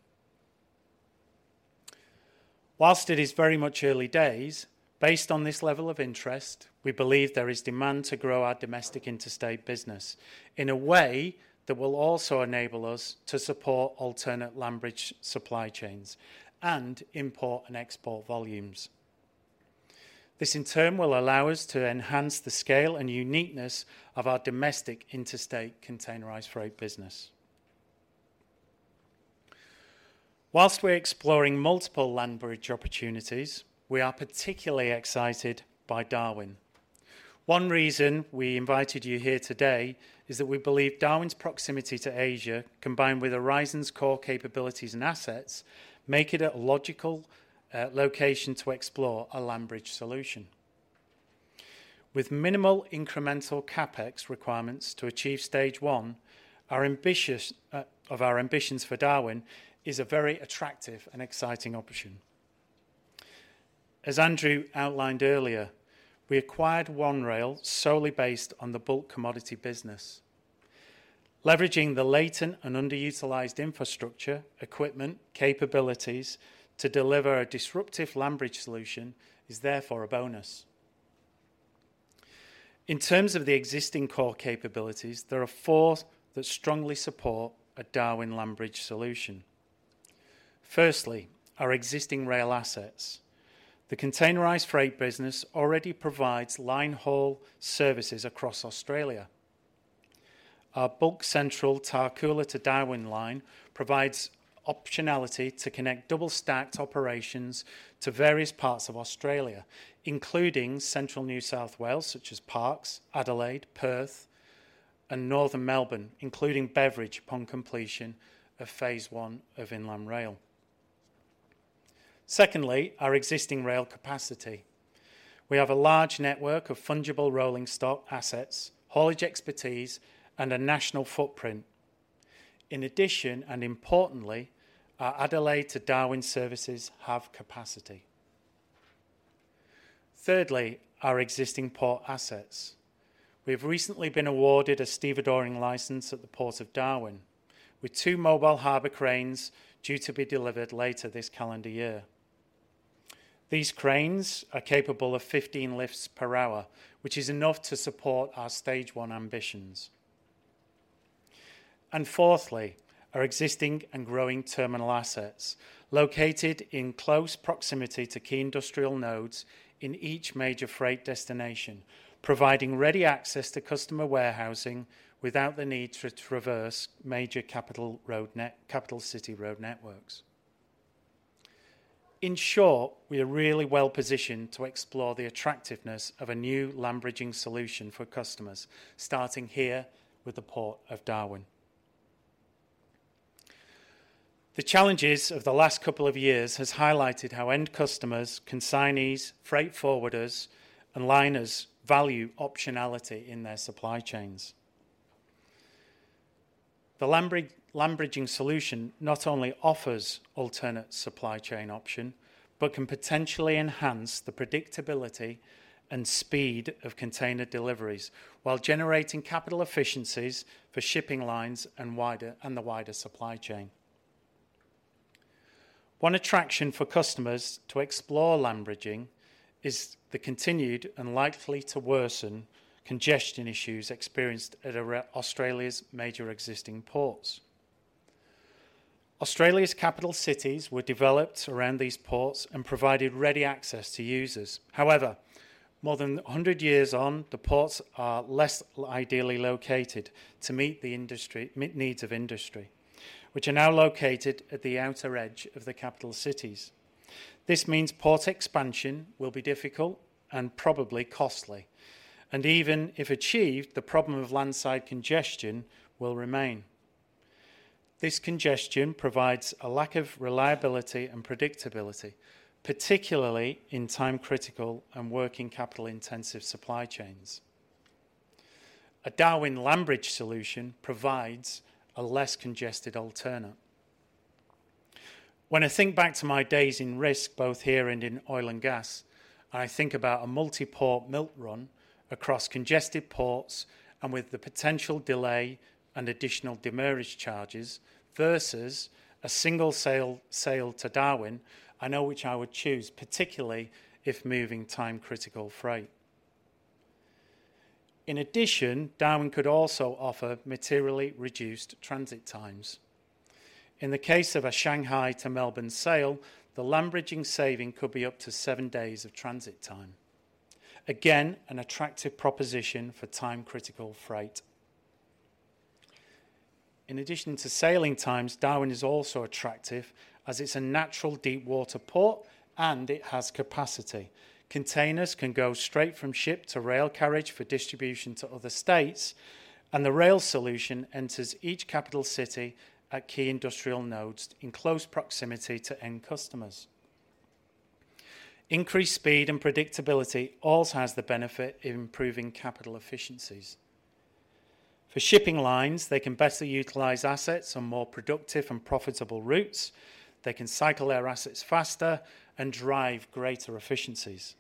Whilst it is very much early days, based on this level of interest, we believe there is demand to grow our domestic interstate business in a way that will also enable us to support alternate land bridge supply chains and import and export volumes. This, in turn, will allow us to enhance the scale and uniqueness of our domestic interstate containerized freight business. Whilst we're exploring multiple land bridge opportunities, we are particularly excited by Darwin. One reason we invited you here today is that we believe Darwin's proximity to Asia, combined with Aurizon's core capabilities and assets, make it a logical location to explore a land bridge solution. With minimal incremental CapEx requirements to achieve stage one of our ambitions for Darwin is a very attractive and exciting option. As Andrew outlined earlier, we acquired One Rail solely based on the bulk commodity business. Leveraging the latent and underutilized infrastructure, equipment, capabilities to deliver a disruptive land bridge solution is therefore a bonus. In terms of the existing core capabilities, there are 4 that strongly support a Darwin land bridge solution. Firstly, our existing rail assets. The containerized freight business already provides line haul services across Australia. Our Bulk Central Tarcoola to Darwin line provides optionality to connect double-stacked operations to various parts of Australia, including central New South Wales, such as Parkes, Adelaide, Perth, and Northern Melbourne, including Beveridge, upon completion of phase one of Inland Rail. Secondly, our existing rail capacity. We have a large network of fungible rolling stock assets, haulage expertise, and a national footprint. In addition, and importantly, our Adelaide to Darwin services have capacity. Thirdly, our existing port assets. We have recently been awarded a stevedoring license at the Port of Darwin, with 2 mobile harbor cranes due to be delivered later this calendar year. These cranes are capable of 15 lifts per hour, which is enough to support our stage 1 ambitions. Fourthly, our existing and growing terminal assets, located in close proximity to key industrial nodes in each major freight destination, providing ready access to customer warehousing without the need to traverse major capital city road networks. In short, we are really well-positioned to explore the attractiveness of a new land bridging solution for customers, starting here with the Port of Darwin. The challenges of the last couple of years has highlighted how end customers, consignees, freight forwarders, and liners value optionality in their supply chains. The land bridging solution not only offers alternate supply chain option, but can potentially enhance the predictability and speed of container deliveries while generating capital efficiencies for shipping lines and the wider supply chain. One attraction for customers to explore land bridging is the continued, and likely to worsen, congestion issues experienced at Australia's major existing ports. Australia's capital cities were developed around these ports and provided ready access to users. More than 100 years on, the ports are less ideally located to meet needs of industry, which are now located at the outer edge of the capital cities. This means port expansion will be difficult and probably costly, and even if achieved, the problem of landside congestion will remain. This congestion provides a lack of reliability and predictability, particularly in time-critical and working capital-intensive supply chains. A Darwin land bridge solution provides a less congested alternate. When I think back to my days in risk, both here and in oil and gas, I think about a multi-port milk run across congested ports and with the potential delay and additional demurrage charges versus a single sail to Darwin, I know which I would choose, particularly if moving time-critical freight. In addition, Darwin could also offer materially reduced transit times. In the case of a Shanghai to Melbourne sail, the land bridging saving could be up to 7 days of transit time. Again, an attractive proposition for time-critical freight. In addition to sailing times, Darwin is also attractive as it's a natural deepwater port, and it has capacity. Containers can go straight from ship to rail carriage for distribution to other states, and the rail solution enters each capital city at key industrial nodes in close proximity to end customers. Increased speed and predictability also has the benefit of improving capital efficiencies. For shipping lines, they can better utilize assets on more productive and profitable routes, they can cycle their assets faster, and drive greater efficiencies.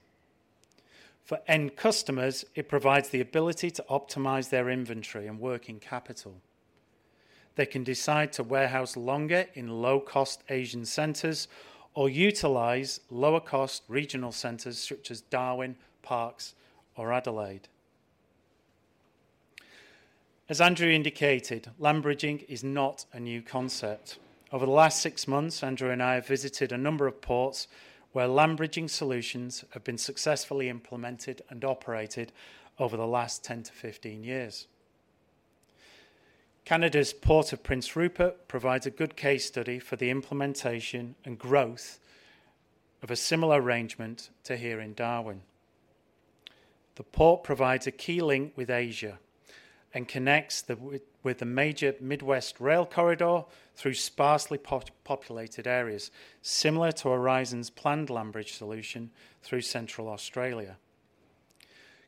For end customers, it provides the ability to optimize their inventory and working capital. They can decide to warehouse longer in low-cost Asian centers or utilize lower-cost regional centers such as Darwin, Parkes, or Adelaide. As Andrew indicated, land bridging is not a new concept. Over the last 6 months, Andrew and I have visited a number of ports where land bridging solutions have been successfully implemented and operated over the last 10-15 years. Canada's Port of Prince Rupert provides a good case study for the implementation and growth of a similar arrangement to here in Darwin. The port provides a key link with Asia and connects with the major Midwest rail corridor through sparsely populated areas, similar to Aurizon's planned land bridge solution through Central Australia.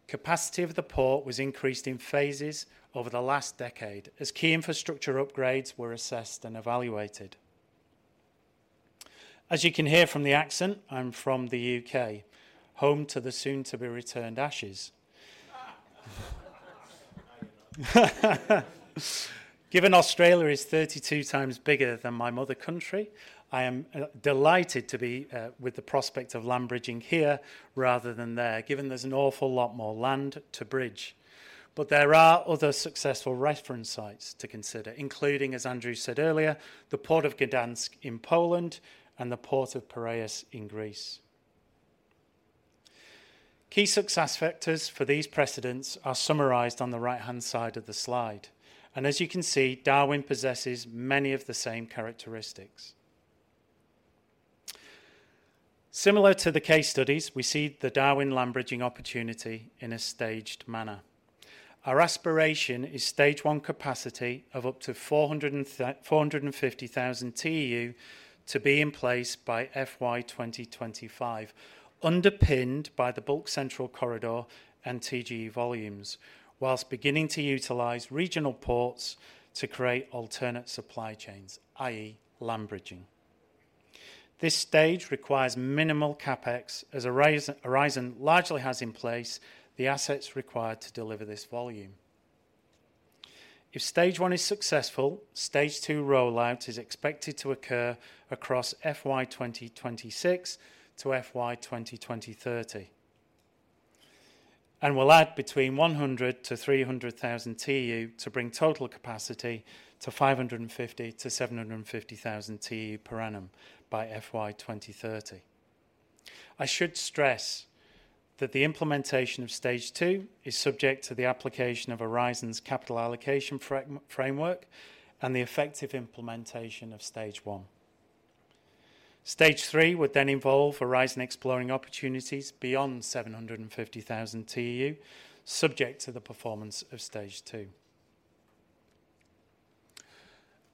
Capacity of the port was increased in phases over the last decade as key infrastructure upgrades were assessed and evaluated. As you can hear from the accent, I'm from the U.K., home to the soon-to-be-returned ashes. Given Australia is 32 times bigger than my mother country, I am delighted to be with the prospect of land bridging here rather than there, given there's an awful lot more land to bridge. There are other successful reference sites to consider, including, as Andrew said earlier, the Port of Gdansk in Poland and the Port of Piraeus in Greece. Key success factors for these precedents are summarized on the right-hand side of the slide. As you can see, Darwin possesses many of the same characteristics. Similar to the case studies, we see the Darwin land bridging opportunity in a staged manner. Our aspiration is stage one capacity of up to 450,000 TEU to be in place by FY 2025, underpinned by the Bulk Central Corridor and TGE volumes, whilst beginning to utilize regional ports to create alternate supply chains, i.e., land bridging. This stage requires minimal CapEx, as Aurizon largely has in place the assets required to deliver this volume. If stage one is successful, stage two rollout is expected to occur across FY 2026 to FY 2030, and will add between 100,000-300,000 TEU to bring total capacity to 550,000-750,000 TEU per annum by FY 2030. I should stress that the implementation of stage two is subject to the application of Aurizon's capital allocation framework and the effective implementation of stage one. Stage three would involve Aurizon exploring opportunities beyond 750,000 TEU, subject to the performance of stage two.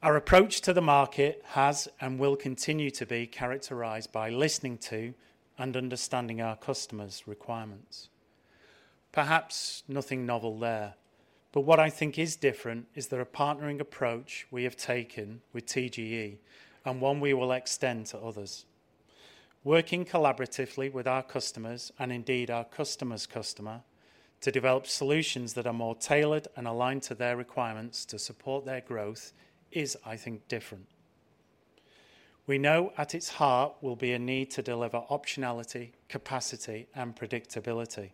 Our approach to the market has and will continue to be characterized by listening to and understanding our customers' requirements. Perhaps nothing novel there. What I think is different is the partnering approach we have taken with TGE, and one we will extend to others. Working collaboratively with our customers, and indeed our customer's customer, to develop solutions that are more tailored and aligned to their requirements to support their growth is, I think, different. We know at its heart will be a need to deliver optionality, capacity, and predictability.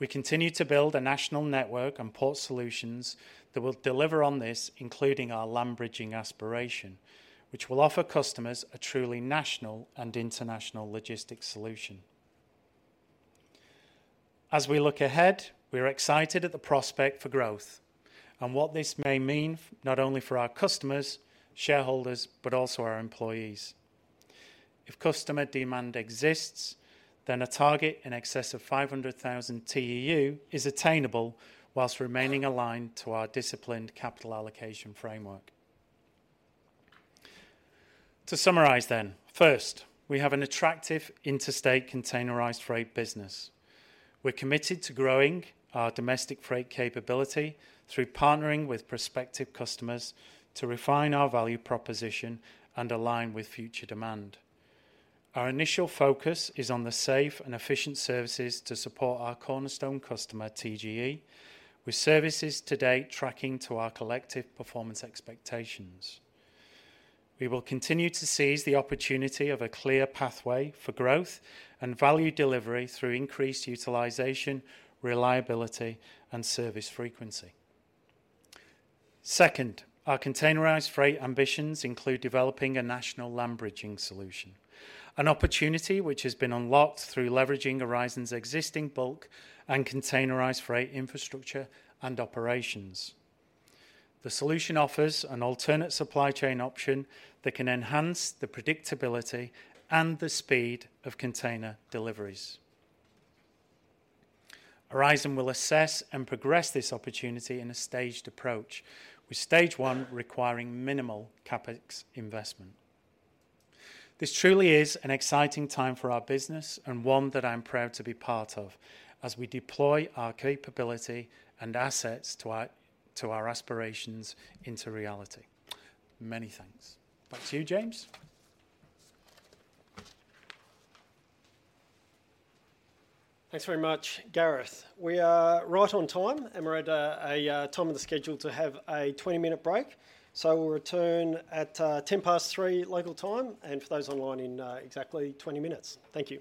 We continue to build a national network and port solutions that will deliver on this, including our land bridging aspiration, which will offer customers a truly national and international logistics solution. As we look ahead, we're excited at the prospect for growth and what this may mean, not only for our customers, shareholders, but also our employees. If customer demand exists, then a target in excess of 500,000 TEU is attainable whilst remaining aligned to our disciplined capital allocation framework. To summarize, first, we have an attractive interstate containerized freight business. We're committed to growing our domestic freight capability through partnering with prospective customers to refine our value proposition and align with future demand. Our initial focus is on the safe and efficient services to support our cornerstone customer, TGE, with services to date tracking to our collective performance expectations. We will continue to seize the opportunity of a clear pathway for growth and value delivery through increased utilization, reliability, and service frequency. Second, our containerized freight ambitions include developing a national land bridging solution, an opportunity which has been unlocked through leveraging Aurizon's existing bulk and containerized freight infrastructure and operations. The solution offers an alternate supply chain option that can enhance the predictability and the speed of container deliveries. Aurizon will assess and progress this opportunity in a staged approach, with stage one requiring minimal CapEx investment. This truly is an exciting time for our business and one that I'm proud to be part of, as we deploy our capability and assets to our aspirations into reality. Many thanks. Back to you, James. Thanks very much, Gareth. We are right on time, and we're at a time in the schedule to have a 20-minute break. We'll return at 3:10 P.M. local time, and for those online, in exactly 20 minutes. Thank you. ...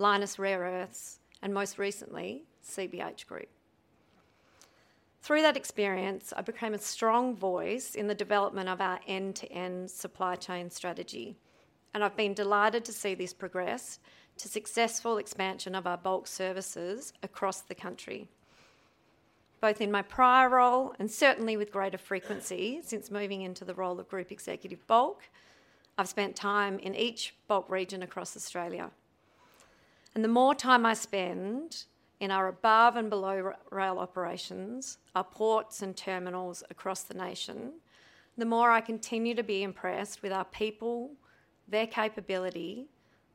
Lynas Rare Earths, and most recently, CBH Group. Through that experience, I became a strong voice in the development of our end-to-end supply chain strategy, and I've been delighted to see this progress to successful expansion of our bulk services across the country. Both in my prior role, and certainly with greater frequency since moving into the role of Group Executive, Bulk, I've spent time in each bulk region across Australia. The more time I spend in our above and below rail operations, our ports and terminals across the nation, the more I continue to be impressed with our people, their capability,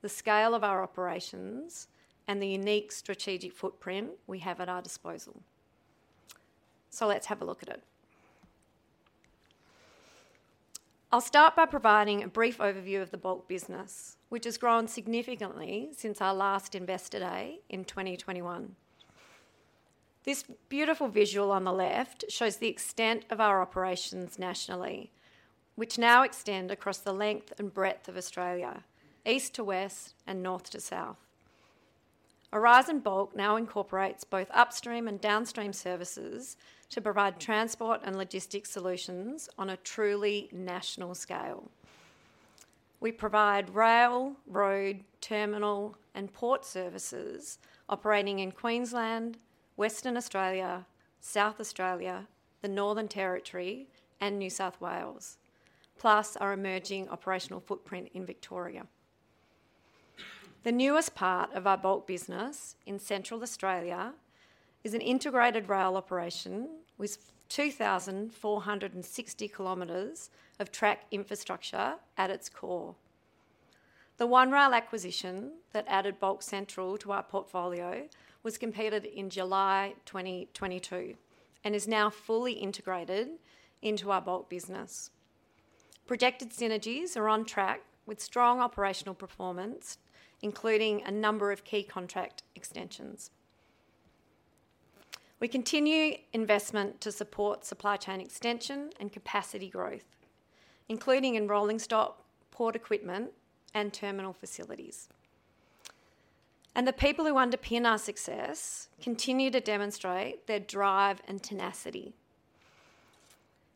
the scale of our operations, and the unique strategic footprint we have at our disposal. Let's have a look at it. I'll start by providing a brief overview of the bulk business, which has grown significantly since our last Investor Day in 2021. This beautiful visual on the left shows the extent of our operations nationally, which now extend across the length and breadth of Australia, east to west and north to south. Aurizon Bulk now incorporates both upstream and downstream services to provide transport and logistics solutions on a truly national scale. We provide rail, road, terminal, and port services operating in Queensland, Western Australia, South Australia, the Northern Territory, and New South Wales, plus our emerging operational footprint in Victoria. The newest part of our bulk business in Central Australia is an integrated rail operation with 2,460 km of track infrastructure at its core. The One Rail acquisition that added Bulk Central to our portfolio was completed in July 2022, is now fully integrated into our bulk business. Projected synergies are on track with strong operational performance, including a number of key contract extensions. We continue investment to support supply chain extension and capacity growth, including in rolling stock, port equipment, and terminal facilities. The people who underpin our success continue to demonstrate their drive and tenacity,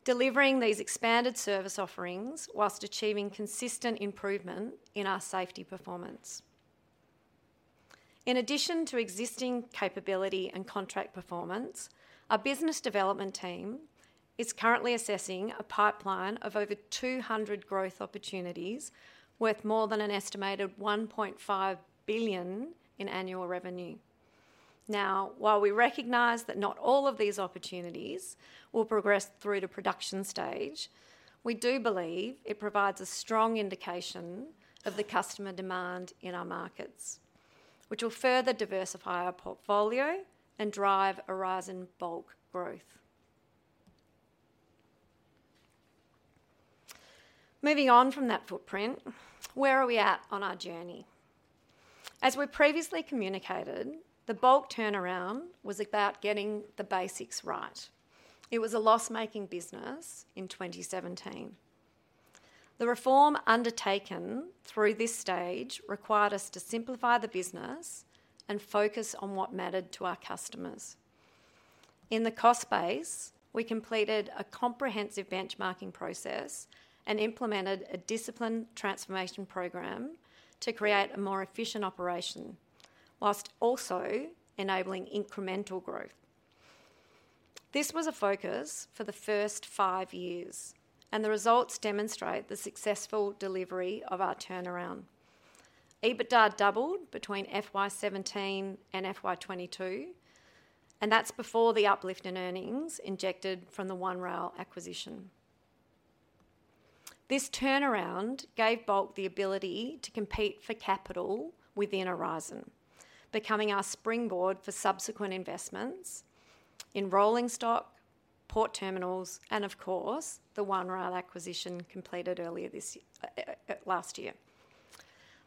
delivering these expanded service offerings whilst achieving consistent improvement in our safety performance. In addition to existing capability and contract performance, our business development team is currently assessing a pipeline of over 200 growth opportunities, worth more than an estimated $‎ 1.5 billion in annual revenue. While we recognize that not all of these opportunities will progress through to production stage, we do believe it provides a strong indication of the customer demand in our markets, which will further diversify our portfolio and drive Aurizon Bulk growth. Moving on from that footprint, where are we at on our journey? As we previously communicated, the bulk turnaround was about getting the basics right. It was a loss-making business in 2017. The reform undertaken through this stage required us to simplify the business and focus on what mattered to our customers. In the cost base, we completed a comprehensive benchmarking process and implemented a disciplined transformation program to create a more efficient operation, while also enabling incremental growth. This was a focus for the first five years, and the results demonstrate the successful delivery of our turnaround. EBITDA doubled between FY 2017 and FY 2022, and that's before the uplift in earnings injected from the One Rail acquisition. This turnaround gave Bulk the ability to compete for capital within Aurizon, becoming our springboard for subsequent investments in rolling stock, port terminals, and of course, the One Rail acquisition completed earlier last year.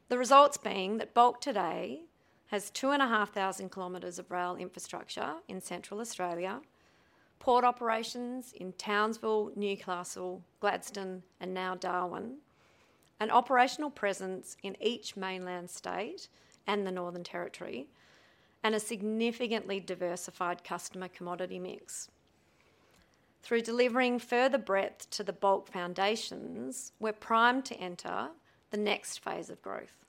The results being that Bulk today has 2,500 kilometers of rail infrastructure in Central Australia, port operations in Townsville, Newcastle, Gladstone, and now Darwin, an operational presence in each mainland state and the Northern Territory, and a significantly diversified customer commodity mix. Through delivering further breadth to the Bulk foundations, we're primed to enter the next phase of growth,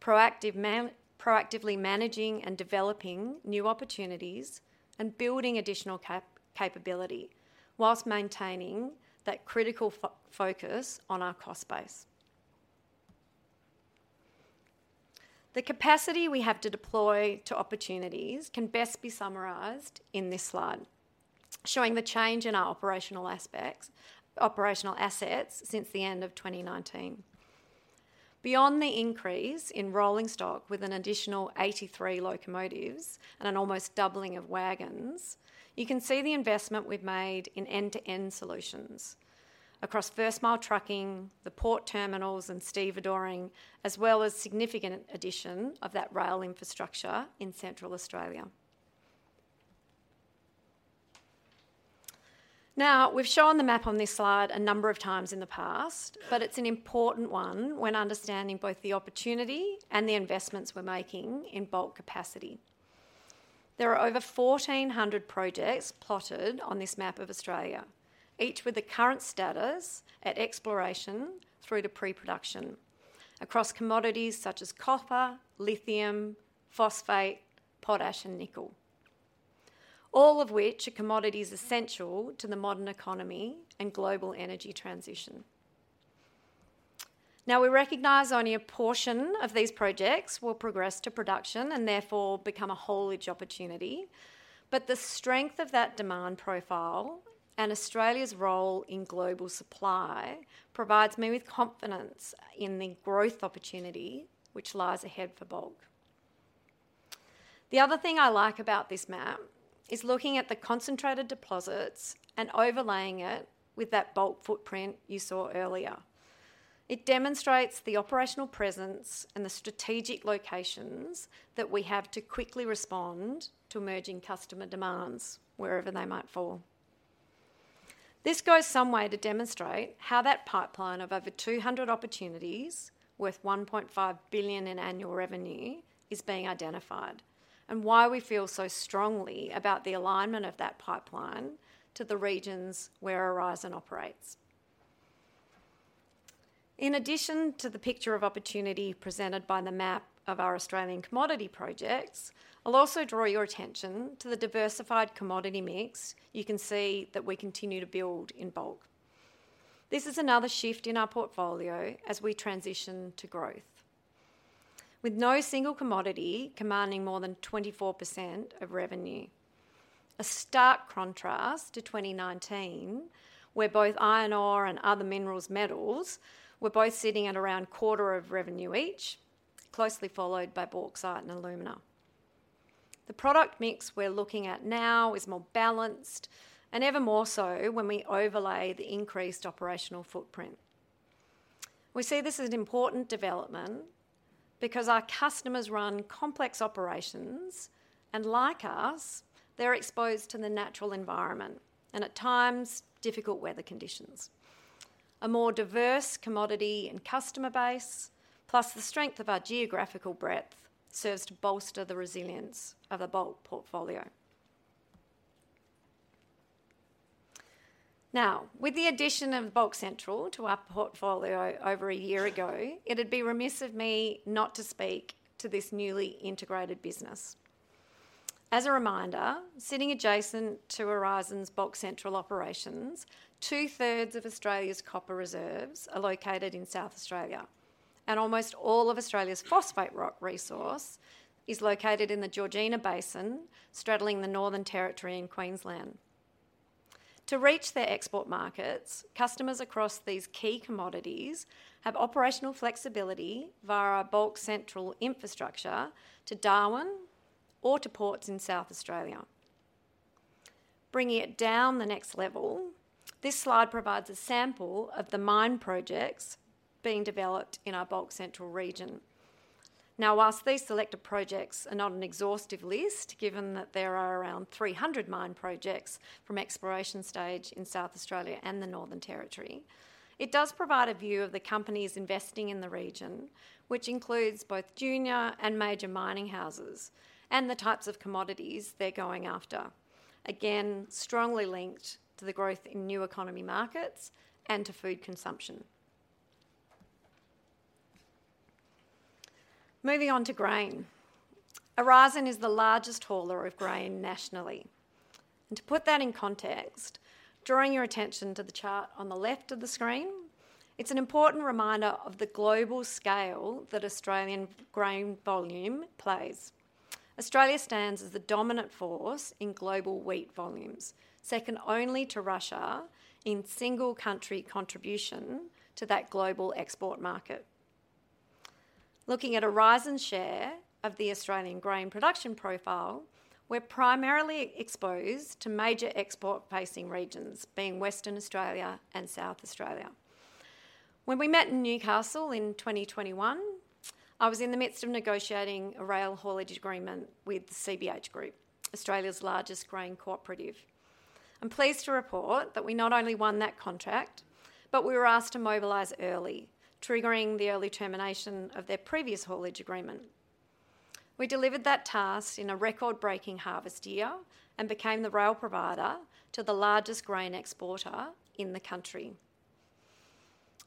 proactively managing and developing new opportunities and building additional capability, whilst maintaining that critical focus on our cost base. The capacity we have to deploy to opportunities can best be summarized in this slide, showing the change in our operational aspects, operational assets since the end of 2019. Beyond the increase in rolling stock, with an additional 83 locomotives and an almost doubling of wagons, you can see the investment we've made in end-to-end solutions across first-mile trucking, the port terminals, and stevedoring, as well as significant addition of that rail infrastructure in Central Australia. We've shown the map on this slide a number of times in the past, but it's an important one when understanding both the opportunity and the investments we're making in bulk capacity. There are over 1,400 projects plotted on this map of Australia, each with a current status at exploration through to pre-production, across commodities such as copper, lithium, phosphate, potash, and nickel, all of which are commodities essential to the modern economy and global energy transition. We recognize only a portion of these projects will progress to production and therefore become a haulage opportunity, but the strength of that demand profile and Australia's role in global supply provides me with confidence in the growth opportunity which lies ahead for Bulk. The other thing I like about this map is looking at the concentrated deposits and overlaying it with that Bulk footprint you saw earlier. It demonstrates the operational presence and the strategic locations that we have to quickly respond to emerging customer demands, wherever they might fall. This goes some way to demonstrate how that pipeline of over 200 opportunities, worth $‎ 1.5 billion in annual revenue, is being identified, and why we feel so strongly about the alignment of that pipeline to the regions where Aurizon operates. In addition to the picture of opportunity presented by the map of our Australian commodity projects, I'll also draw your attention to the diversified commodity mix you can see that we continue to build in bulk. This is another shift in our portfolio as we transition to growth, with no single commodity commanding more than 24% of revenue. A stark contrast to 2019, where both iron ore and other minerals, metals were both sitting at around quarter of revenue each, closely followed by bauxite and alumina. The product mix we're looking at now is more balanced, and ever more so when we overlay the increased operational footprint. We see this as an important development because our customers run complex operations, and like us, they're exposed to the natural environment, and at times, difficult weather conditions. A more diverse commodity and customer base, plus the strength of our geographical breadth, serves to bolster the resilience of the bulk portfolio. Now, with the addition of Bulk Central to our portfolio over a year ago, it'd be remiss of me not to speak to this newly integrated business. As a reminder, sitting adjacent to Aurizon's Bulk Central operations, two-thirds of Australia's copper reserves are located in South Australia, and almost all of Australia's phosphate rock resource is located in the Georgina Basin, straddling the Northern Territory and Queensland. To reach their export markets, customers across these key commodities have operational flexibility via our Bulk Central infrastructure to Darwin or to ports in South Australia. Bringing it down the next level, this slide provides a sample of the mine projects being developed in our Bulk Central region. Whilst these selected projects are not an exhaustive list, given that there are around 300 mine projects from exploration stage in South Australia and the Northern Territory, it does provide a view of the companies investing in the region, which includes both junior and major mining houses, and the types of commodities they're going after. Again, strongly linked to the growth in new economy markets and to food consumption. Moving on to grain. Aurizon is the largest hauler of grain nationally. To put that in context, drawing your attention to the chart on the left of the screen, it's an important reminder of the global scale that Australian grain volume plays. Australia stands as the dominant force in global wheat volumes, second only to Russia in single country contribution to that global export market. Looking at Aurizon's share of the Australian grain production profile, we're primarily exposed to major export-facing regions, being Western Australia and South Australia. When we met in Newcastle in 2021, I was in the midst of negotiating a rail haulage agreement with the CBH Group, Australia's largest grain cooperative. I'm pleased to report that we not only won that contract, but we were asked to mobilize early, triggering the early termination of their previous haulage agreement. We delivered that task in a record-breaking harvest year and became the rail provider to the largest grain exporter in the country.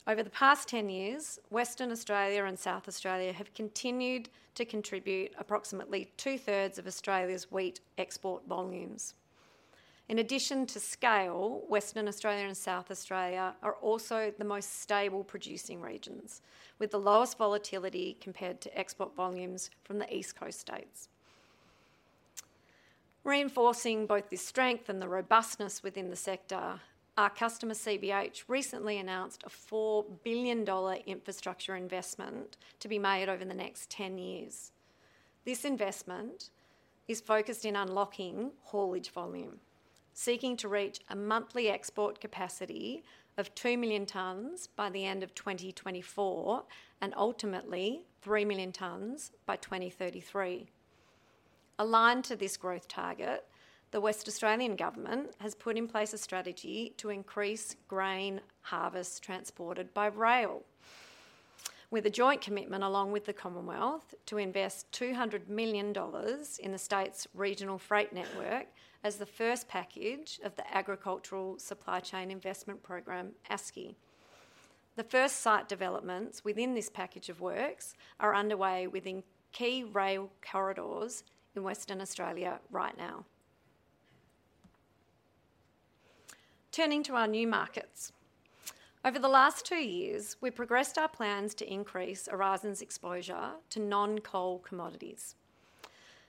Over the past 10 years, Western Australia and South Australia have continued to contribute approximately two-thirds of Australia's wheat export volumes. In addition to scale, Western Australia and South Australia are also the most stable producing regions, with the lowest volatility compared to export volumes from the East Coast states. Reinforcing both the strength and the robustness within the sector, our customer, CBH, recently announced an $‎ 4 billion infrastructure investment to be made over the next 10 years. This investment is focused in unlocking haulage volume, seeking to reach a monthly export capacity of 2 million tons by the end of 2024, and ultimately, 3 million tons by 2033. Aligned to this growth target, the Western Australian government has put in place a strategy to increase grain harvest transported by rail, with a joint commitment, along with the Commonwealth, to invest $‎ 200 million in the state's regional freight network as the first package of the Agricultural Supply Chain Investment Program, ASCI. The first site developments within this package of works are underway within key rail corridors in Western Australia right now. Turning to our new markets. Over the last 2 years, we progressed our plans to increase Aurizon's exposure to non-coal commodities.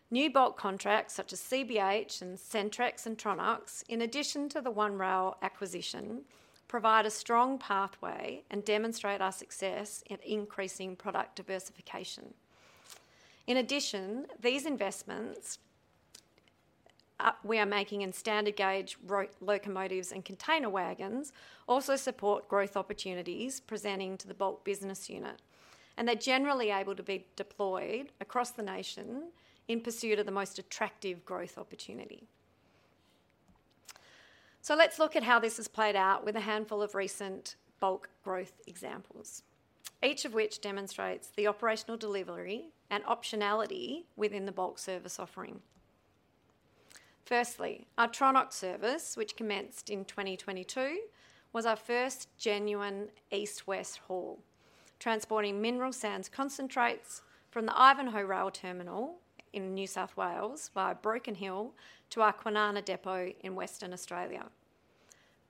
New bulk contracts such as CBH and Centrex and Tronox, in addition to the One Rail acquisition, provide a strong pathway and demonstrate our success in increasing product diversification. In addition, these investments we are making in standard gauge locomotives and container wagons also support growth opportunities presenting to the Bulk business unit, and they're generally able to be deployed across the nation in pursuit of the most attractive growth opportunity. Let's look at how this has played out with a handful of recent Bulk growth examples, each of which demonstrates the operational delivery and optionality within the Bulk service offering. Our Tronox service, which commenced in 2022, was our first genuine east-west haul, transporting mineral sands concentrates from the Ivanhoe Rail Terminal in New South Wales via Broken Hill to our Kwinana Depot in Western Australia.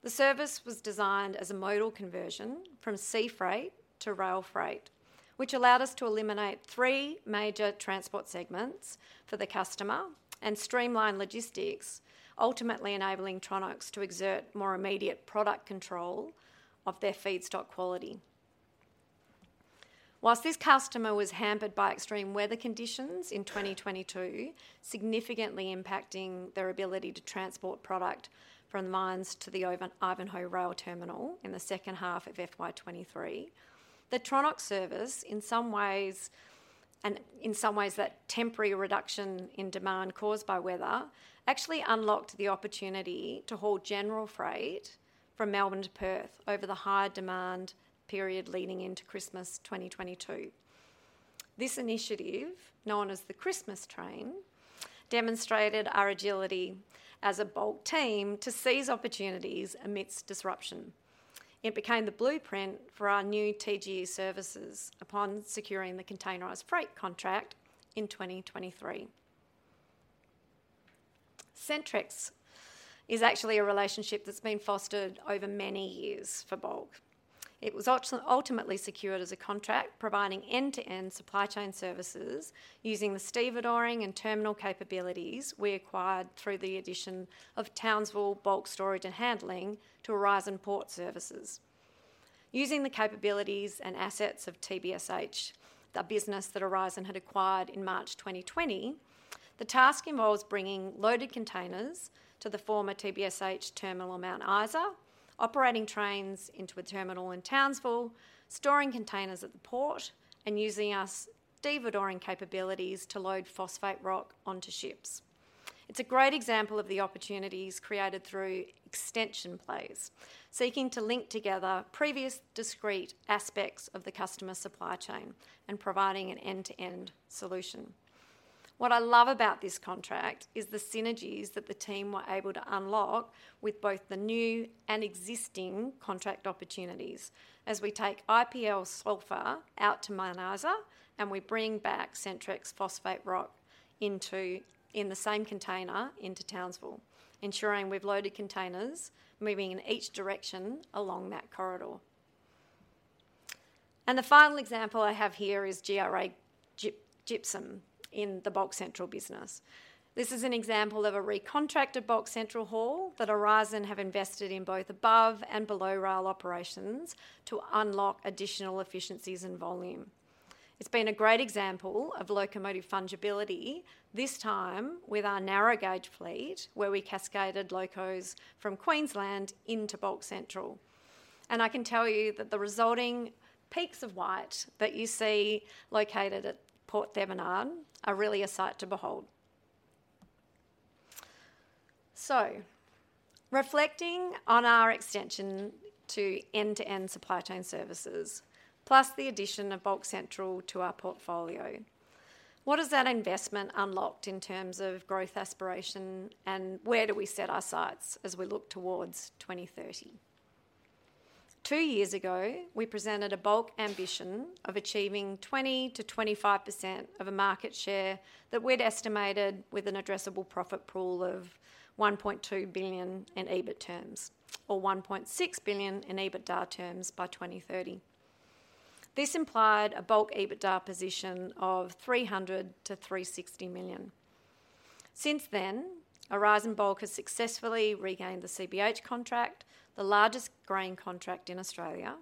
The service was designed as a modal conversion from sea freight to rail freight, which allowed us to eliminate three major transport segments for the customer and streamline logistics, ultimately enabling Tronox to exert more immediate product control of their feedstock quality. Whilst this customer was hampered by extreme weather conditions in 2022, significantly impacting their ability to transport product from the mines to the Ivanhoe Rail Terminal in the second half of FY 2023, the Tronox service, in some ways, that temporary reduction in demand caused by weather, actually unlocked the opportunity to haul general freight from Melbourne to Perth over the higher demand period leading into Christmas 2022. This initiative, known as the Christmas Train, demonstrated our agility as a Bulk team to seize opportunities amidst disruption. It became the blueprint for our new TGE services upon securing the containerized freight contract in 2023. Centrex is actually a relationship that's been fostered over many years for Bulk. It was ultimately secured as a contract, providing end-to-end supply chain services using the stevedoring and terminal capabilities we acquired through the addition of Townsville Bulk Storage and Handling to Aurizon Port Services. Using the capabilities and assets of TBSH, the business that Aurizon had acquired in March 2020, the task involves bringing loaded containers to the former TBSH terminal, Mount Isa, operating trains into a terminal in Townsville, storing containers at the port, and using our stevedoring capabilities to load phosphate rock onto ships. It's a great example of the opportunities created through extension plays, seeking to link together previous discrete aspects of the customer supply chain and providing an end-to-end solution. What I love about this contract is the synergies that the team were able to unlock with both the new and existing contract opportunities, as we take IPL sulfur out to Mount Isa, and we bring back Centrex phosphate rock into in the same container into Townsville, ensuring we've loaded containers moving in each direction along that corridor. The final example I have here is GRA Gypsum in the Bulk Central business. This is an example of a recontracted Bulk Central haul that Aurizon have invested in both above and below rail operations to unlock additional efficiencies and volume. It's been a great example of locomotive fungibility, this time with our narrow gauge fleet, where we cascaded locos from Queensland into Bulk Central. I can tell you that the resulting peaks of white that you see located at Port Germein are really a sight to behold. Reflecting on our extension to end-to-end supply chain services, plus the addition of Bulk Central to our portfolio, what has that investment unlocked in terms of growth aspiration, and where do we set our sights as we look towards 2030? 2 years ago, we presented a Bulk ambition of achieving 20%-25% of a market share that we'd estimated with an addressable profit pool of $‎ 1.2 billion in EBIT terms, or $‎ 1.6 billion in EBITDA terms by 2030. This implied a Bulk EBITDA position of $‎ 300 million-$‎ 360 million. Since then, Aurizon Bulk has successfully regained the CBH contract, the largest grain contract in Australia.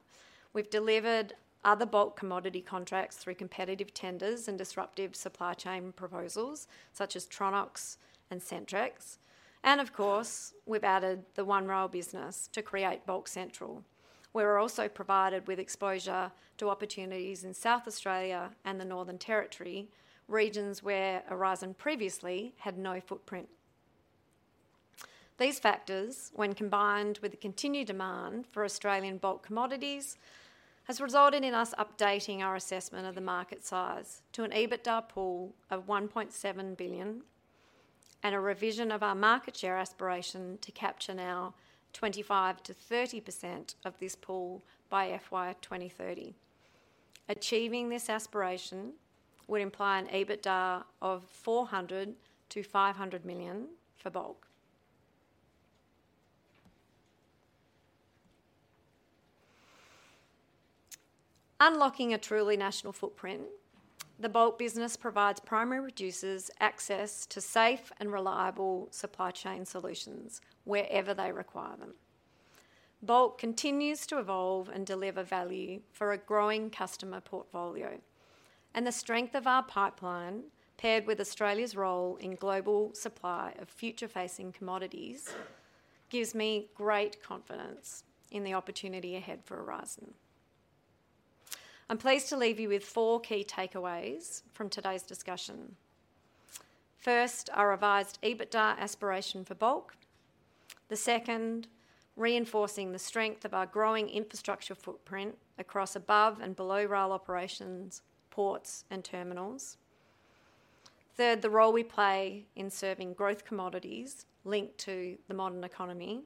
We've delivered other bulk commodity contracts through competitive tenders and disruptive supply chain proposals, such as Tronox and Centrex, and of course, we've added the One Rail business to create Bulk Central. We were also provided with exposure to opportunities in South Australia and the Northern Territory, regions where Aurizon previously had no footprint. These factors, when combined with the continued demand for Australian bulk commodities, has resulted in us updating our assessment of the market size to an EBITDA pool of $‎ 1.7 billion, and a revision of our market share aspiration to capture now 25%-30% of this pool by FY 2030. Achieving this aspiration would imply an EBITDA of $‎ 400 million-$‎ 500 million for Bulk. Unlocking a truly national footprint, the Bulk business provides primary producers access to safe and reliable supply chain solutions wherever they require them. Bulk continues to evolve and deliver value for a growing customer portfolio. The strength of our pipeline, paired with Australia's role in global supply of future-facing commodities, gives me great confidence in the opportunity ahead for Aurizon. I'm pleased to leave you with four key takeaways from today's discussion. First, our revised EBITDA aspiration for Bulk. The second, reinforcing the strength of our growing infrastructure footprint across above and below rail operations, ports, and terminals. Third, the role we play in serving growth commodities linked to the modern economy.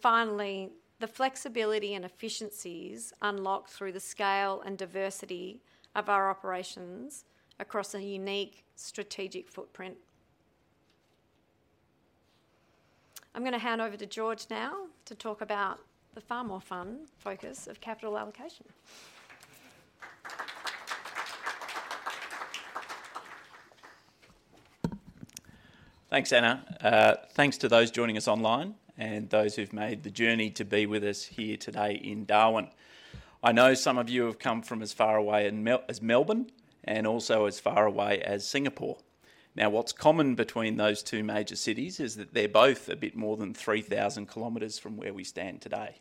Finally, the flexibility and efficiencies unlocked through the scale and diversity of our operations across a unique strategic footprint. I'm gonna hand over to George now to talk about the far more fun focus of capital allocation. Thanks, Anna. Thanks to those joining us online and those who've made the journey to be with us here today in Darwin. I know some of you have come from as far away as Melbourne, and also as far away as Singapore. What's common between those two major cities is that they're both a bit more than 3,000 kilometers from where we stand today.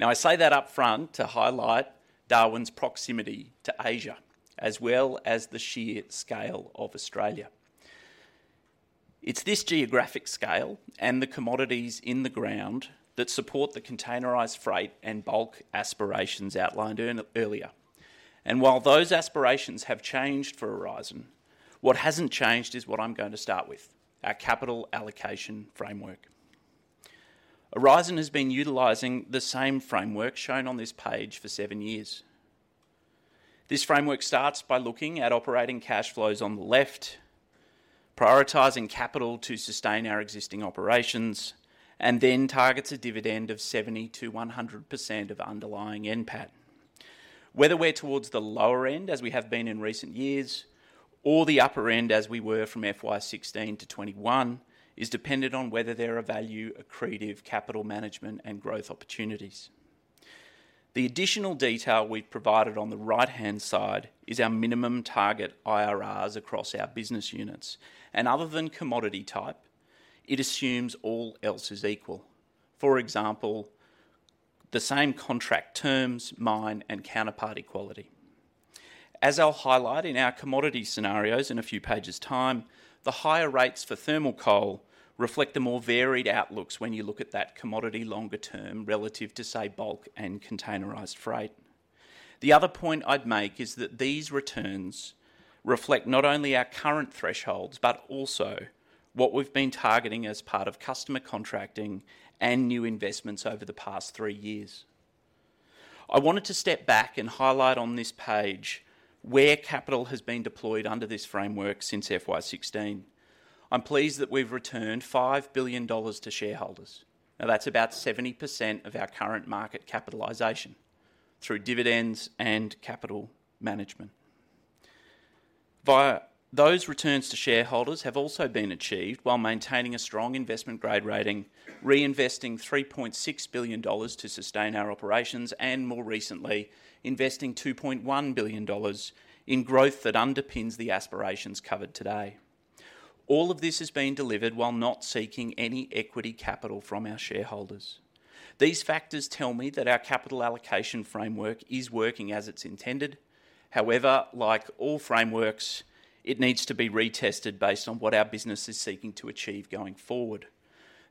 I say that upfront to highlight Darwin's proximity to Asia, as well as the sheer scale of Australia. It's this geographic scale and the commodities in the ground that support the containerized freight and bulk aspirations outlined earlier. While those aspirations have changed for Aurizon, what hasn't changed is what I'm going to start with, our capital allocation framework. Aurizon has been utilizing the same framework shown on this page for 7 years. This framework starts by looking at operating cash flows on the left, prioritizing capital to sustain our existing operations, then targets a dividend of 70%-100% of underlying NPAT. Whether we're towards the lower end, as we have been in recent years, or the upper end, as we were from FY16-21, is dependent on whether there are value-accretive capital management and growth opportunities. The additional detail we've provided on the right-hand side is our minimum target IRRs across our business units, and other than commodity type, it assumes all else is equal. For example, the same contract terms, mine, and counterparty quality. As I'll highlight in our commodity scenarios in a few pages' time, the higher rates for thermal coal reflect the more varied outlooks when you look at that commodity longer term relative to, say, bulk and containerized freight. The other point I'd make is that these returns reflect not only our current thresholds, but also what we've been targeting as part of customer contracting and new investments over the past three years. I wanted to step back and highlight on this page where capital has been deployed under this framework since FY 16. I'm pleased that we've returned $‎ 5 billion to shareholders. That's about 70% of our current market capitalization through dividends and capital management. Those returns to shareholders have also been achieved while maintaining a strong investment-grade rating, reinvesting $‎ 3.6 billion to sustain our operations, and more recently, investing $‎ 2.1 billion in growth that underpins the aspirations covered today. All of this has been delivered while not seeking any equity capital from our shareholders. These factors tell me that our capital allocation framework is working as it's intended. Like all frameworks, it needs to be retested based on what our business is seeking to achieve going forward.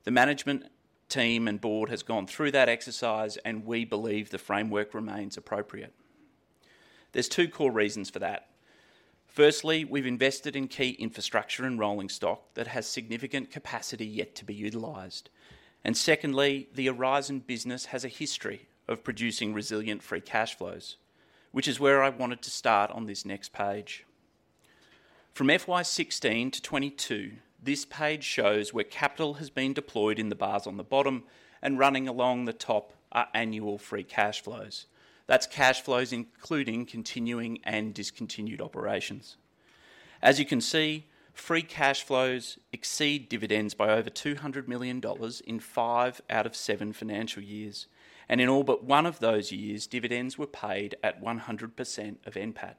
The management team and board has gone through that exercise, and we believe the framework remains appropriate. There's 2 core reasons for that. Firstly, we've invested in key infrastructure and rolling stock that has significant capacity yet to be utilized. Secondly, the Aurizon business has a history of producing resilient free cash flows, which is where I wanted to start on this next page. From FY 16 to 22, this page shows where capital has been deployed in the bars on the bottom, and running along the top are annual free cash flows. That's cash flows, including continuing and discontinued operations. As you can see, free cash flows exceed dividends by over $‎ 200 million in five out of seven financial years, and in all but one of those years, dividends were paid at 100% of NPAT.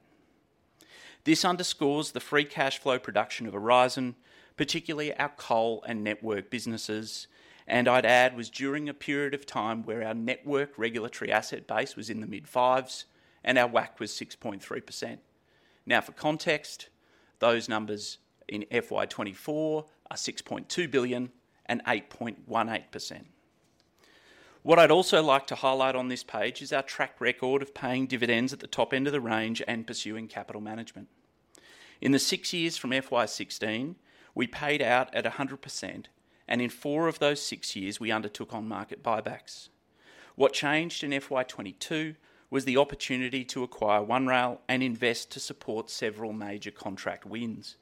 This underscores the free cash flow production of Aurizon, particularly our coal and network businesses, and I'd add, was during a period of time where our network regulatory asset base was in the mid-5s and our WACC was 6.3%. For context, those numbers in FY 2024 are $‎ 6.2 billion and 8.18%. What I'd also like to highlight on this page is our track record of paying dividends at the top end of the range and pursuing capital management. In the 6 years from FY16, we paid out at 100%. In 4 of those 6 years, we undertook on-market buybacks. What changed in FY22 was the opportunity to acquire One Rail and invest to support several major contract wins.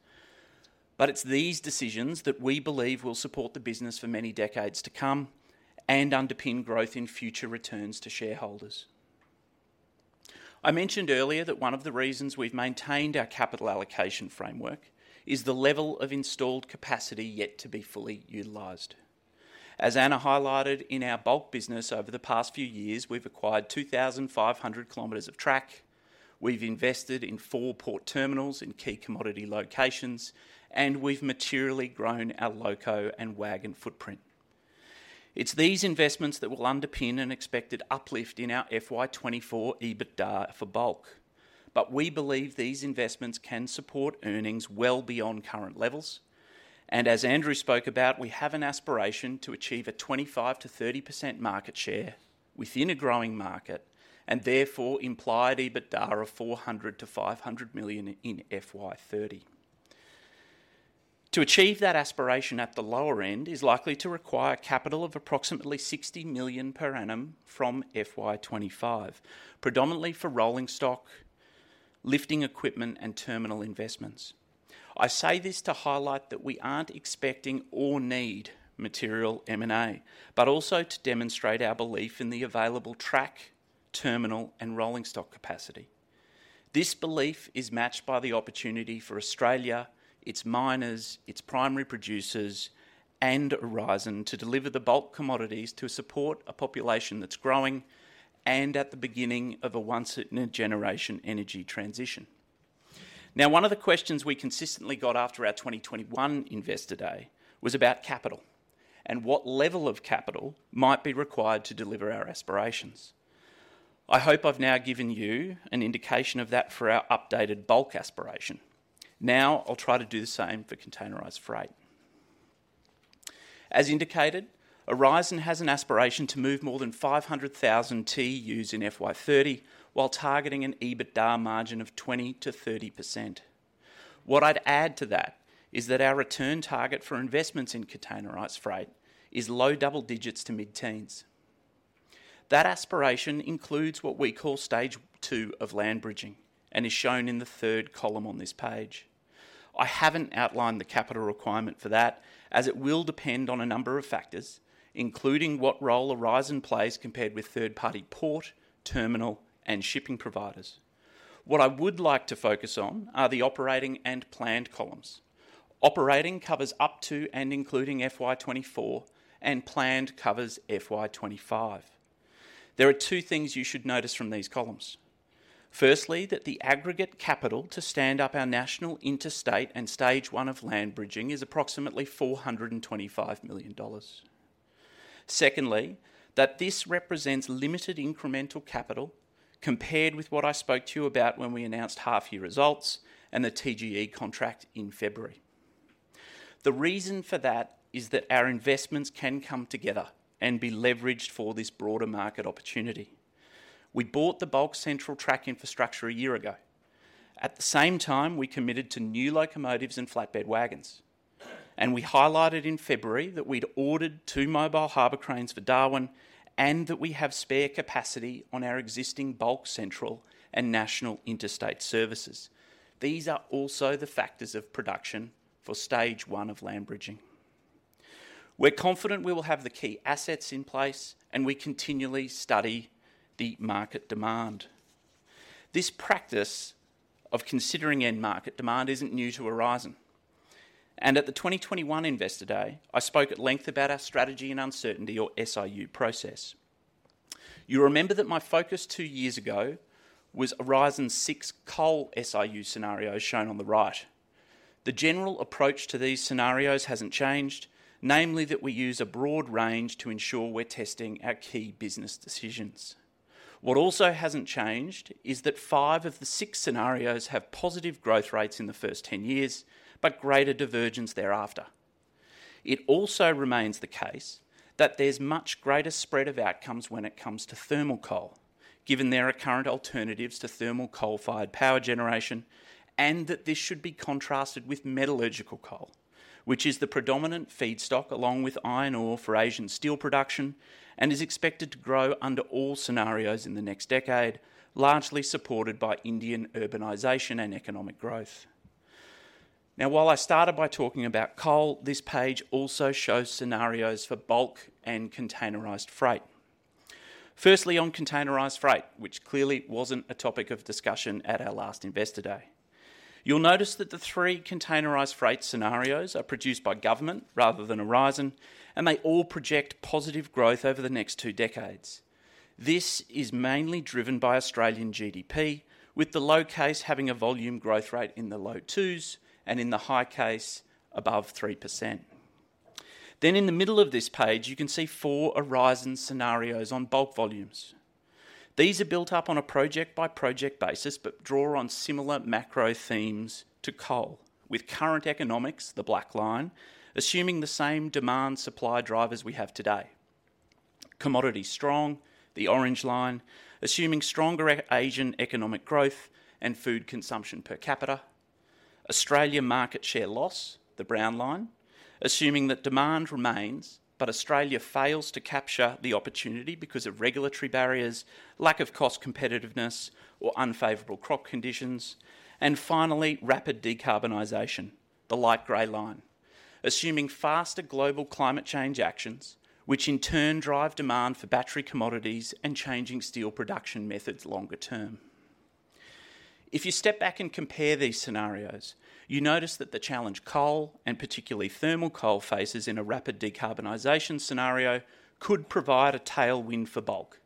It's these decisions that we believe will support the business for many decades to come and underpin growth in future returns to shareholders. I mentioned earlier that one of the reasons we've maintained our capital allocation framework is the level of installed capacity yet to be fully utilized. Anna highlighted, in our bulk business over the past few years, we've acquired 2,500 kilometers of track. We've invested in 4 port terminals in key commodity locations. We've materially grown our loco and wagon footprint. It's these investments that will underpin an expected uplift in our FY24 EBITDA for bulk. We believe these investments can support earnings well beyond current levels, and as Andrew Harding spoke about, we have an aspiration to achieve a 25%-30% market share within a growing market, and therefore, implied EBITDA of $‎ 400 million-$‎ 500 million in FY30. To achieve that aspiration at the lower end is likely to require capital of approximately $‎ 60 million per annum from FY25, predominantly for rolling stock, lifting equipment, and terminal investments. I say this to highlight that we aren't expecting or need material M&A, but also to demonstrate our belief in the available track, terminal, and rolling stock capacity. This belief is matched by the opportunity for Australia, its miners, its primary producers, and Aurizon to deliver the bulk commodities to support a population that's growing and at the beginning of a once-in-a-generation energy transition. Now, one of the questions we consistently got after our 2021 Investor Day was about capital and what level of capital might be required to deliver our aspirations. I hope I've now given you an indication of that for our updated bulk aspiration. Now, I'll try to do the same for containerized freight. As indicated, Aurizon has an aspiration to move more than 500,000 TUs in FY30, while targeting an EBITDA margin of 20%-30%. What I'd add to that is that our return target for investments in containerized freight is low double digits to mid-teens. That aspiration includes what we call Stage Two of land bridging and is shown in the third column on this page. I haven't outlined the capital requirement for that, as it will depend on a number of factors, including what role Aurizon plays compared with third-party port, terminal, and shipping providers. What I would like to focus on are the operating and planned columns. Operating covers up to and including F.Y. 2024, and Planned covers F.Y. 2025. There are two things you should notice from these columns. Firstly, that the aggregate capital to stand up our national, interstate, and Stage One of land bridging is approximately $‎ 425 million. Secondly, that this represents limited incremental capital compared with what I spoke to you about when we announced half-year results and the TGE contract in February. The reason for that is that our investments can come together and be leveraged for this broader market opportunity. We bought the Bulk Central track infrastructure a year ago. At the same time, we committed to new locomotives and flatbed wagons. We highlighted in February that we'd ordered 2 mobile harbor cranes for Darwin, and that we have spare capacity on our existing Bulk Central and national interstate services. These are also the factors of production for Stage 1 of land bridging. We're confident we will have the key assets in place. We continually study the market demand. This practice of considering end market demand isn't new to Aurizon. At the 2021 Investor Day, I spoke at length about our strategy and uncertainty, or SIU, process. You remember that my focus 2 years ago was Aurizon's 6 coal SIU scenarios, shown on the right. The general approach to these scenarios hasn't changed, namely, that we use a broad range to ensure we're testing our key business decisions. What also hasn't changed is that 5 of the 6 scenarios have positive growth rates in the first 10 years, but greater divergence thereafter. It also remains the case that there's much greater spread of outcomes when it comes to thermal coal, given there are current alternatives to thermal coal-fired power generation, and that this should be contrasted with metallurgical coal, which is the predominant feedstock, along with iron ore, for Asian steel production, and is expected to grow under all scenarios in the next decade, largely supported by Indian urbanization and economic growth. Now, while I started by talking about coal, this page also shows scenarios for bulk and containerized freight. Firstly, on containerized freight, which clearly wasn't a topic of discussion at our last Investor Day. You'll notice that the three containerized freight scenarios are produced by government rather than Aurizon. They all project positive growth over the next two decades. This is mainly driven by Australian GDP, with the low case having a volume growth rate in the low twos and in the high case, above 3%. In the middle of this page, you can see four Aurizon scenarios on bulk volumes. These are built up on a project-by-project basis, but draw on similar macro themes to coal, with current economics, the black line, assuming the same demand-supply drivers we have today. Commodity strong, the orange line, assuming stronger Asian economic growth and food consumption per capita. Australia market share loss, the brown line, assuming that demand remains, but Australia fails to capture the opportunity because of regulatory barriers, lack of cost competitiveness, or unfavorable crop conditions. Finally, rapid decarbonization, the light gray line, assuming faster global climate change actions, which in turn drive demand for battery commodities and changing steel production methods longer term. If you step back and compare these scenarios, you notice that the challenge coal, and particularly thermal coal, faces in a rapid decarbonization scenario could provide a tailwind for bulk...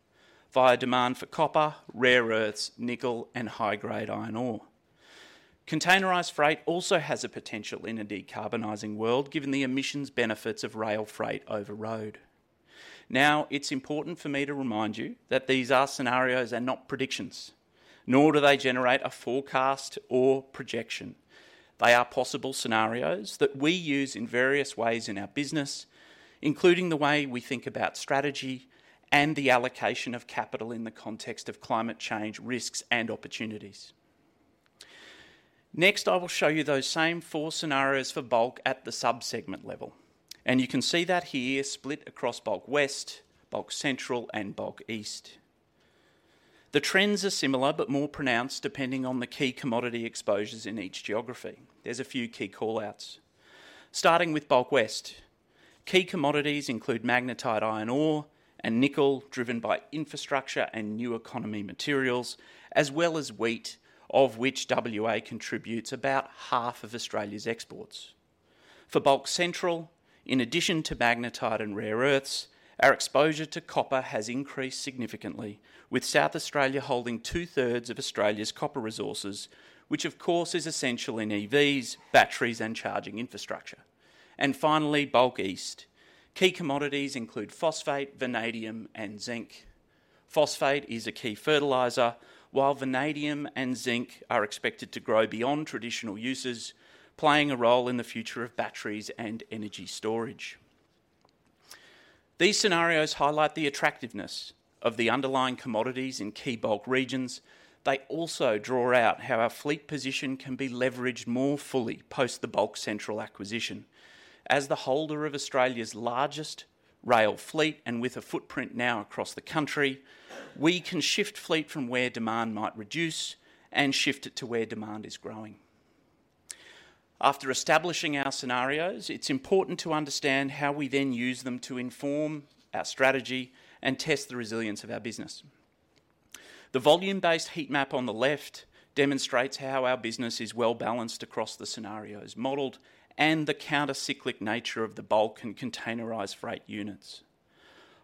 via demand for copper, rare earths, nickel, and high-grade iron ore. Containerized freight also has a potential in a decarbonizing world, given the emissions benefits of rail freight over road. It's important for me to remind you that these are scenarios and not predictions, nor do they generate a forecast or projection. They are possible scenarios that we use in various ways in our business, including the way we think about strategy and the allocation of capital in the context of climate change risks and opportunities. I will show you those same four scenarios for bulk at the sub-segment level, and you can see that here split across Bulk West, Bulk Central, and Bulk East. The trends are similar but more pronounced, depending on the key commodity exposures in each geography. There's a few key call-outs. Starting with Bulk West, key commodities include magnetite iron ore and nickel, driven by infrastructure and new economy materials, as well as wheat, of which WA contributes about half of Australia's exports. For Bulk Central, in addition to magnetite and rare earths, our exposure to copper has increased significantly, with South Australia holding two-thirds of Australia's copper resources, which of course is essential in EVs, batteries, and charging infrastructure. Finally, Bulk East. Key commodities include phosphate, vanadium, and zinc. Phosphate is a key fertilizer, while vanadium and zinc are expected to grow beyond traditional uses, playing a role in the future of batteries and energy storage. These scenarios highlight the attractiveness of the underlying commodities in key bulk regions. They also draw out how our fleet position can be leveraged more fully post the Bulk Central acquisition. As the holder of Australia's largest rail fleet, with a footprint now across the country, we can shift fleet from where demand might reduce and shift it to where demand is growing. After establishing our scenarios, it's important to understand how we then use them to inform our strategy and test the resilience of our business. The volume-based heat map on the left demonstrates how our business is well-balanced across the scenarios modeled and the counter-cyclic nature of the bulk and containerized freight units.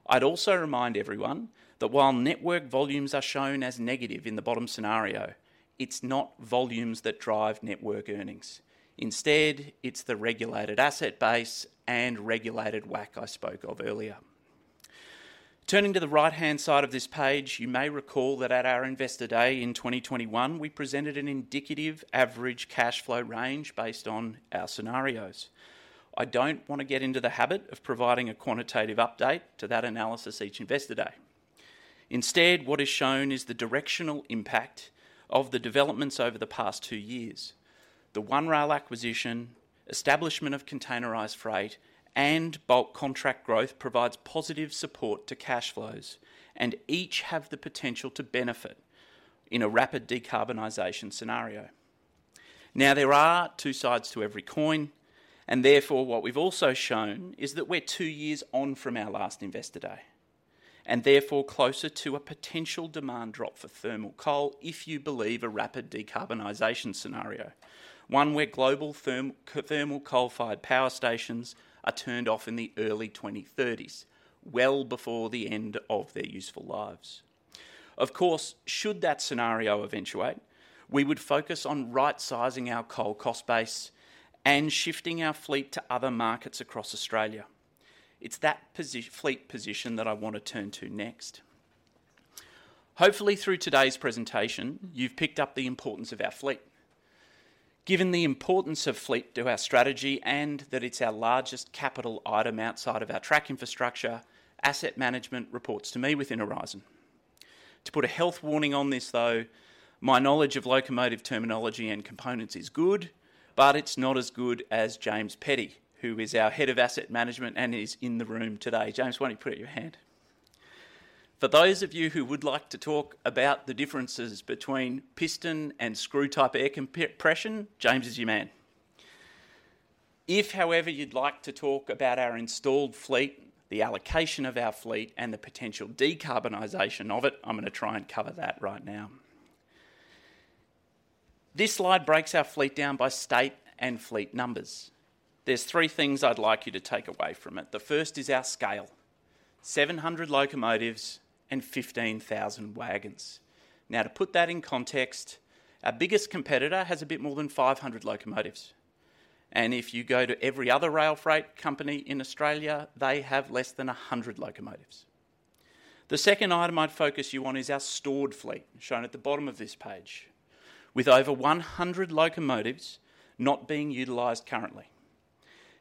I'd also remind everyone that while network volumes are shown as negative in the bottom scenario, it's not volumes that drive network earnings. Instead, it's the regulated asset base and regulated WACC I spoke of earlier. Turning to the right-hand side of this page, you may recall that at our Investor Day in 2021, we presented an indicative average cash flow range based on our scenarios. I don't want to get into the habit of providing a quantitative update to that analysis each Investor Day. Instead, what is shown is the directional impact of the developments over the past 2 years. The One Rail acquisition, establishment of containerized freight, and bulk contract growth provides positive support to cash flows, and each have the potential to benefit in a rapid decarbonization scenario. There are 2 sides to every coin, what we've also shown is that we're 2 years on from our last Investor Day, closer to a potential demand drop for thermal coal if you believe a rapid decarbonization scenario, one where global thermal coal-fired power stations are turned off in the early 2030s, well before the end of their useful lives. Of course, should that scenario eventuate, we would focus on right-sizing our coal cost base and shifting our fleet to other markets across Australia. It's that fleet position that I want to turn to next. Hopefully, through today's presentation, you've picked up the importance of our fleet. Given the importance of fleet to our strategy and that it's our largest capital item outside of our track infrastructure, asset management reports to me within Aurizon. To put a health warning on this, though, my knowledge of locomotive terminology and components is good, but it's not as good as James Petty, who is our Head of Asset Management and is in the room today. James, why don't you put up your hand? For those of you who would like to talk about the differences between piston and screw-type air compression, James is your man. If, however, you'd like to talk about our installed fleet, the allocation of our fleet, and the potential decarbonization of it, I'm gonna try and cover that right now. This slide breaks our fleet down by state and fleet numbers. There's three things I'd like you to take away from it. The first is our scale: 700 locomotives and 15,000 wagons. To put that in context, our biggest competitor has a bit more than 500 locomotives, and if you go to every other rail freight company in Australia, they have less than 100 locomotives. The second item I'd focus you on is our stored fleet, shown at the bottom of this page, with over 100 locomotives not being utilized currently.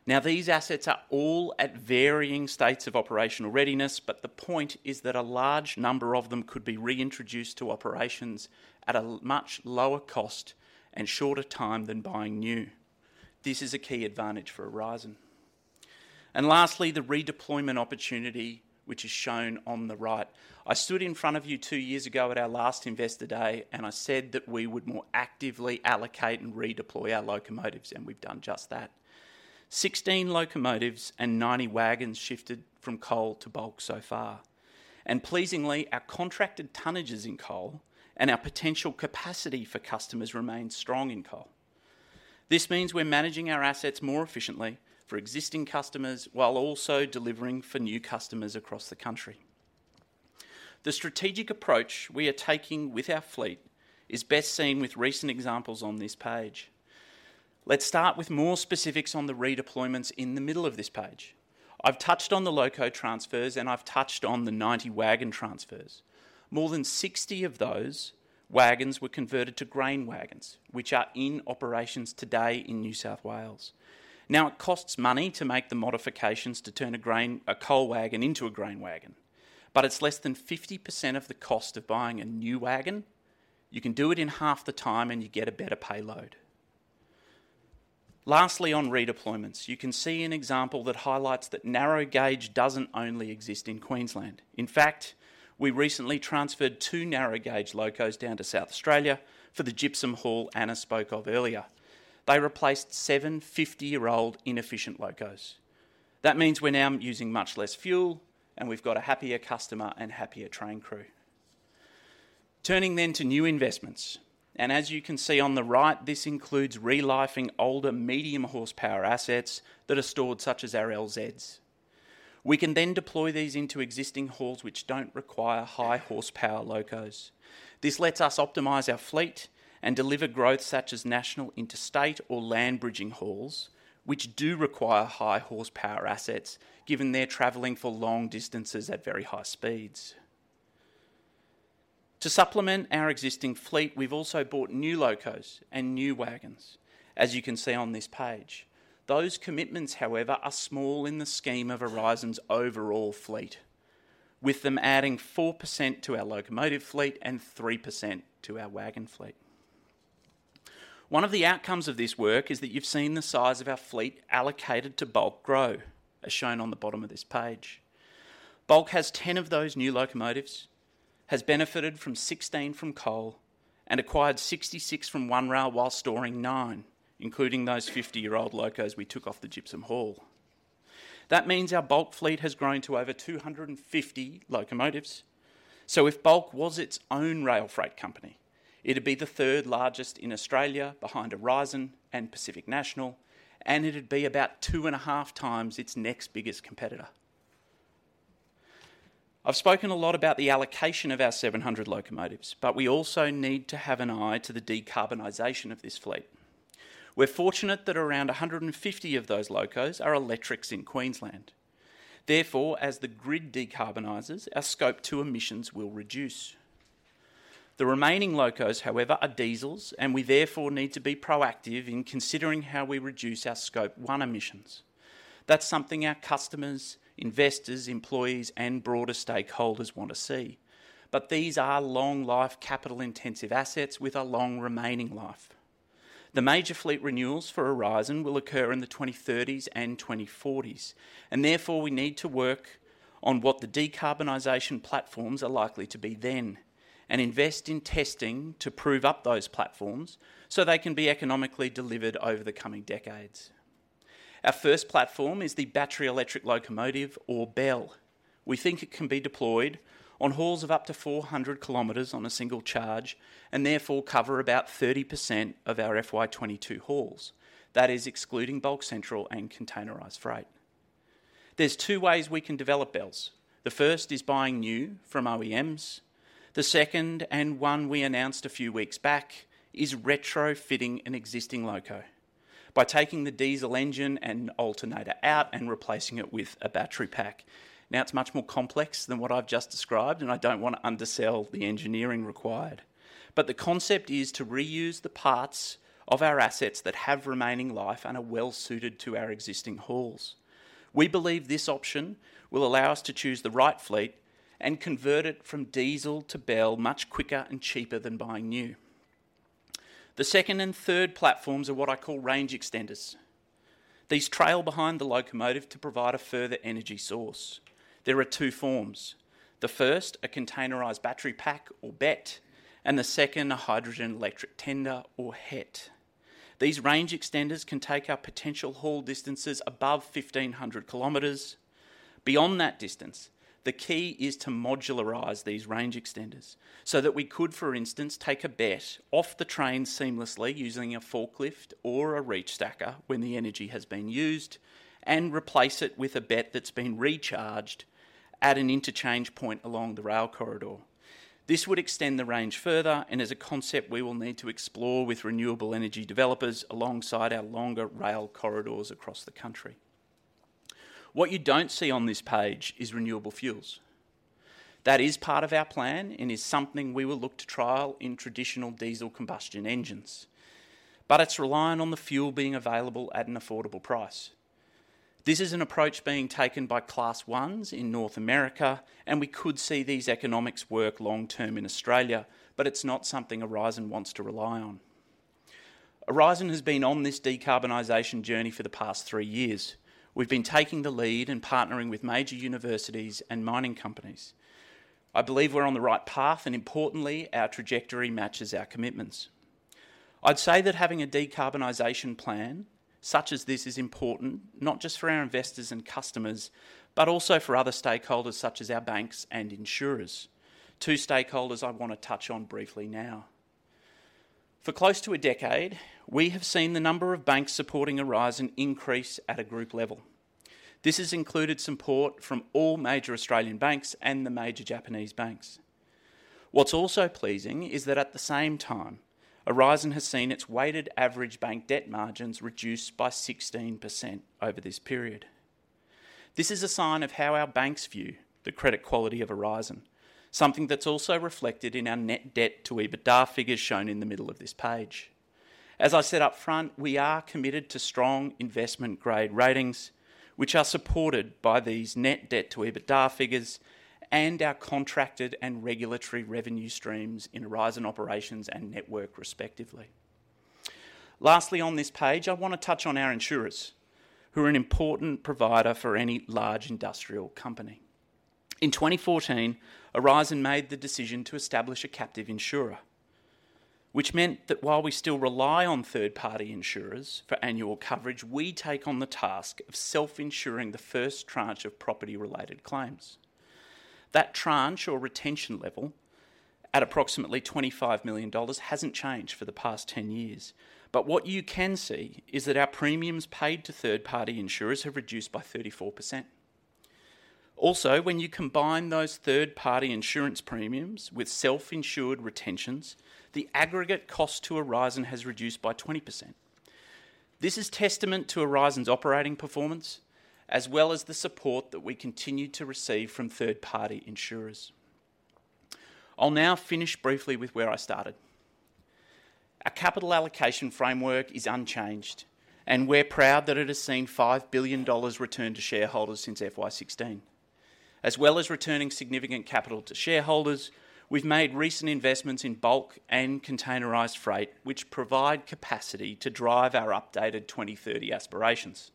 These assets are all at varying states of operational readiness, but the point is that a large number of them could be reintroduced to operations at a much lower cost and shorter time than buying new. This is a key advantage for Aurizon. Lastly, the redeployment opportunity, which is shown on the right. I stood in front of you two years ago at our last Investor Day, and I said that we would more actively allocate and redeploy our locomotives, and we've done just that. 16 locomotives and 90 wagons shifted from coal to bulk so far. Pleasingly, our contracted tonnages in coal and our potential capacity for customers remains strong in coal. This means we're managing our assets more efficiently for existing customers, while also delivering for new customers across the country. The strategic approach we are taking with our fleet is best seen with recent examples on this page. Let's start with more specifics on the redeployments in the middle of this page. I've touched on the loco transfers. I've touched on the 90 wagon transfers. More than 60 of those wagons were converted to grain wagons, which are in operations today in New South Wales. It costs money to make the modifications to turn a coal wagon into a grain wagon, but it's less than 50% of the cost of buying a new wagon, you can do it in half the time, you get a better payload. Lastly, on redeployments, you can see an example that highlights that narrow gauge doesn't only exist in Queensland. In fact, we recently transferred two narrow-gauge locos down to South Australia for the gypsum haul Anna spoke of earlier. They replaced seven 50-year-old inefficient locos. That means we're now using much less fuel, we've got a happier customer and happier train crew. Turning to new investments, as you can see on the right, this includes re-lifing older medium-horsepower assets that are stored, such as our LZs. We can deploy these into existing hauls, which don't require high-horsepower locos. This lets us optimize our fleet and deliver growth, such as national, interstate, or land bridging hauls, which do require high-horsepower assets, given they're traveling for long distances at very high speeds. To supplement our existing fleet, we've also bought new locos and new wagons, as you can see on this page. Those commitments, however, are small in the scheme of Aurizon's overall fleet, with them adding 4% to our locomotive fleet and 3% to our wagon fleet. One of the outcomes of this work is that you've seen the size of our fleet allocated to Bulk grow, as shown on the bottom of this page. Bulk has 10 of those new locomotives, has benefited from 16 from coal, and acquired 66 from One Rail while storing 9, including those 50-year-old locos we took off the gypsum haul. That means our Bulk fleet has grown to over 250 locomotives. If Bulk was its own rail freight company, it'd be the third largest in Australia behind Aurizon and Pacific National, and it'd be about 2.5 times its next biggest competitor. I've spoken a lot about the allocation of our 700 locomotives. We also need to have an eye to the decarbonization of this fleet. We're fortunate that around 150 of those locos are electrics in Queensland. Therefore, as the grid decarbonizes, our Scope 2 emissions will reduce. The remaining locos, however, are diesels. We therefore need to be proactive in considering how we reduce our Scope 1 emissions. That's something our customers, investors, employees, and broader stakeholders want to see. These are long-life, capital-intensive assets with a long remaining life. The major fleet renewals for Aurizon will occur in the 2030s and 2040s, and therefore, we need to work on what the decarbonization platforms are likely to be then, and invest in testing to prove up those platforms so they can be economically delivered over the coming decades. Our first platform is the battery electric locomotive or BEL. We think it can be deployed on hauls of up to 400 kilometers on a single charge, and therefore cover about 30% of our FY22 hauls. That is excluding Bulk Central and containerized freight. There's 2 ways we can develop BELs. The first is buying new from OEMs. The second, and one we announced a few weeks back, is retrofitting an existing loco by taking the diesel engine and alternator out and replacing it with a battery pack. It's much more complex than what I've just described, and I don't want to undersell the engineering required, but the concept is to reuse the parts of our assets that have remaining life and are well-suited to our existing hauls. We believe this option will allow us to choose the right fleet and convert it from diesel to BEL much quicker and cheaper than buying new. The second and third platforms are what I call range extenders. These trail behind the locomotive to provide a further energy source. There are two forms: the first, a containerized battery pack, or BET, and the second, a hydrogen electric tender, or HET. These range extenders can take our potential haul distances above 1,500 kilometers. Beyond that distance, the key is to modularize these range extenders so that we could, for instance, take a BET off the train seamlessly using a forklift or a reach stacker when the energy has been used, and replace it with a BET that's been recharged at an interchange point along the rail corridor. This would extend the range further and is a concept we will need to explore with renewable energy developers alongside our longer rail corridors across the country. What you don't see on this page is renewable fuels. That is part of our plan and is something we will look to trial in traditional diesel combustion engines, but it's reliant on the fuel being available at an affordable price. This is an approach being taken by Class Ones in North America, and we could see these economics work long-term in Australia, but it's not something Aurizon wants to rely on. Aurizon has been on this decarbonization journey for the past three years. We've been taking the lead and partnering with major universities and mining companies. I believe we're on the right path, and importantly, our trajectory matches our commitments. I'd say that having a decarbonization such as this is important, not just for our investors and customers, but also for other stakeholders, such as our banks and insurers, two stakeholders I want to touch on briefly now. For close to a decade, we have seen the number of banks supporting Aurizon increase at a group level. This has included support from all major Australian banks and the major Japanese banks. What's also pleasing is that at the same time, Aurizon has seen its weighted average bank debt margins reduced by 16% over this period. This is a sign of how our banks view the credit quality of Aurizon, something that's also reflected in our net debt to EBITDA figures shown in the middle of this page. As I said up front, we are committed to strong investment-grade ratings, which are supported by these net debt to EBITDA figures and our contracted and regulatory revenue streams in Aurizon operations and network, respectively. Lastly, on this page, I want to touch on our insurers, who are an important provider for any large industrial company. In 2014, Aurizon made the decision to establish a captive insurer, which meant that while we still rely on third-party insurers for annual coverage, we take on the task of self-insuring the first tranche of property-related claims. That tranche or retention level, at approximately $‎ 25 million, hasn't changed for the past 10 years, but what you can see is that our premiums paid to third-party insurers have reduced by 34%. When you combine those third-party insurance premiums with self-insured retentions, the aggregate cost to Aurizon has reduced by 20%. This is testament to Aurizon's operating performance, as well as the support that we continue to receive from third-party insurers. I'll now finish briefly with where I started. Our capital allocation framework is unchanged, and we're proud that it has seen $‎ 5 billion returned to shareholders since FY16. As well as returning significant capital to shareholders, we've made recent investments in bulk and containerized freight, which provide capacity to drive our updated 2030 aspirations.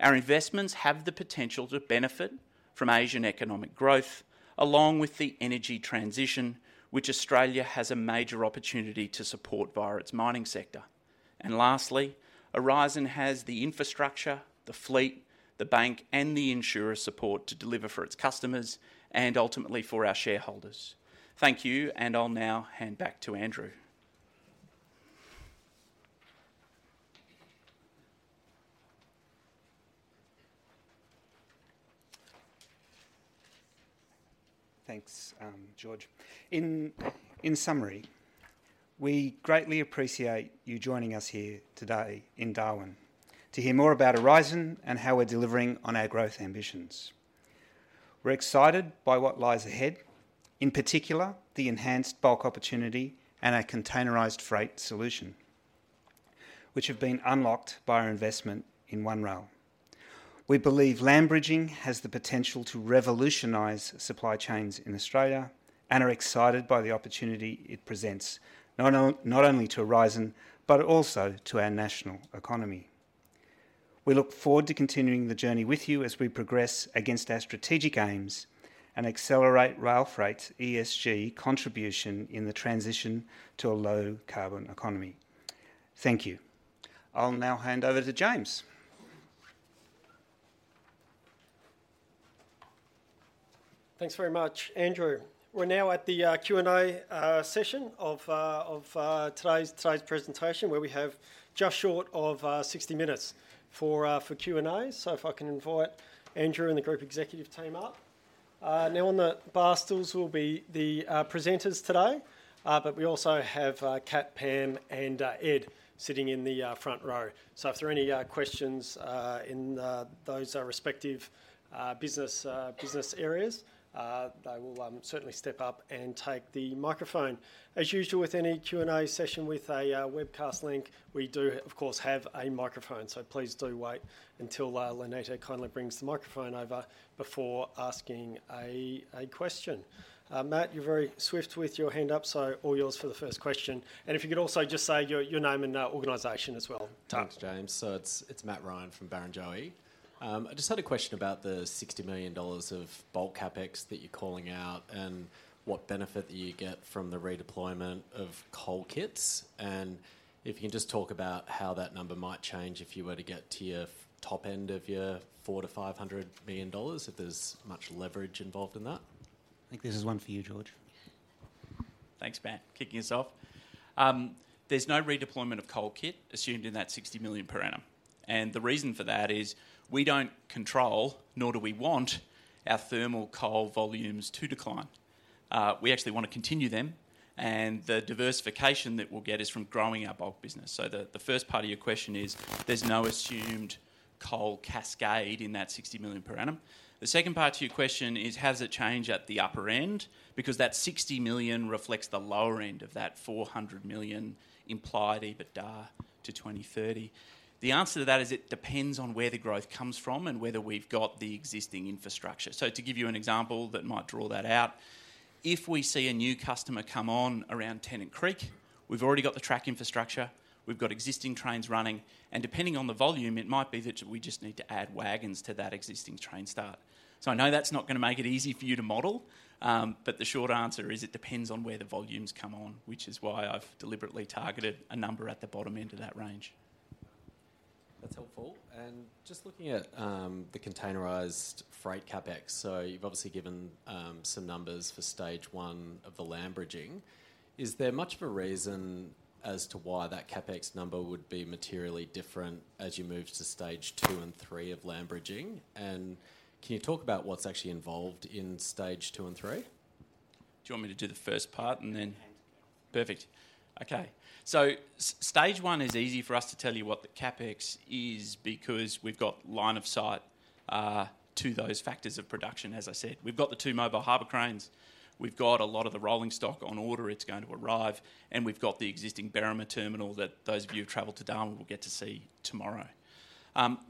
Our investments have the potential to benefit from Asian economic growth, along with the energy transition, which Australia has a major opportunity to support via its mining sector. Lastly, Aurizon has the infrastructure, the fleet, the bank, and the insurer support to deliver for its customers and ultimately for our shareholders. Thank you. I'll now hand back to Andrew. Thanks, George. In summary, we greatly appreciate you joining us here today in Darwin to hear more about Aurizon and how we're delivering on our growth ambitions. We're excited by what lies ahead, in particular, the enhanced bulk opportunity and our containerized freight solution, which have been unlocked by our investment in One Rail. We believe land bridging has the potential to revolutionize supply chains in Australia and are excited by the opportunity it presents, not only to Aurizon, but also to our national economy. We look forward to continuing the journey with you as we progress against our strategic aims and accelerate rail freight's ESG contribution in the transition to a low-carbon economy. Thank you. I'll now hand over to James. Thanks very much, Andrew. We're now at the Q&A session of today's presentation, where we have just short of 60 minutes for Q&A. If I can invite Andrew and the group executive team up. Now on the bar stools will be the presenters today, but we also have Cat, Pam, and Ed sitting in the front row. If there are any questions in those respective business areas, they will certainly step up and take the microphone. As usual, with any Q&A session with a webcast link, we do, of course, have a microphone, please do wait until Lynette kindly brings the microphone over before asking a question. Matt, you're very swift with your hand up. All yours for the first question. If you could also just say your name and organization as well, thanks. Thanks, James. It's Matt Ryan from Barrenjoey. I just had a question about the $‎ 60 million of bulk CapEx that you're calling out and what benefit that you get from the redeployment of coal kits, and if you can just talk about how that number might change if you were to get to your top end of your $‎ 400 million-$‎ 500 million, if there's much leverage involved in that? I think this is one for you, George. Thanks, Matt, kicking us off. There's no redeployment of coal kit assumed in that $‎ 60 million per annum. The reason for that is we don't control, nor do we want, our thermal coal volumes to decline. We actually want to continue them. The diversification that we'll get is from growing our bulk business. The first part of your question is, there's no assumed coal cascade in that $‎ 60 million per annum. The second part to your question is, has it changed at the upper end? Because that $‎ 60 million reflects the lower end of that $‎ 400 million implied EBITDA to 2030. The answer to that is it depends on where the growth comes from and whether we've got the existing infrastructure. To give you an example that might draw that out, if we see a new customer come on around Tennant Creek, we've already got the track infrastructure, we've got existing trains running, and depending on the volume, it might be that we just need to add wagons to that existing train start. I know that's not gonna make it easy for you to model, but the short answer is it depends on where the volumes come on, which is why I've deliberately targeted a number at the bottom end of that range. That's helpful. Just looking at the containerized freight CapEx, you've obviously given some numbers for stage one of the landbridging. Is there much of a reason as to why that CapEx number would be materially different as you move to stage two and three of landbridging? Can you talk about what's actually involved in stage two and three? Do you want me to do the first part and then- Yeah. Perfect. Okay. Stage one is easy for us to tell you what the CapEx is, because we've got line of sight to those factors of production, as I said. We've got the two mobile harbor cranes, we've got a lot of the rolling stock on order, it's going to arrive, and we've got the existing Berrimah Terminal that those of you who've traveled to Darwin will get to see tomorrow.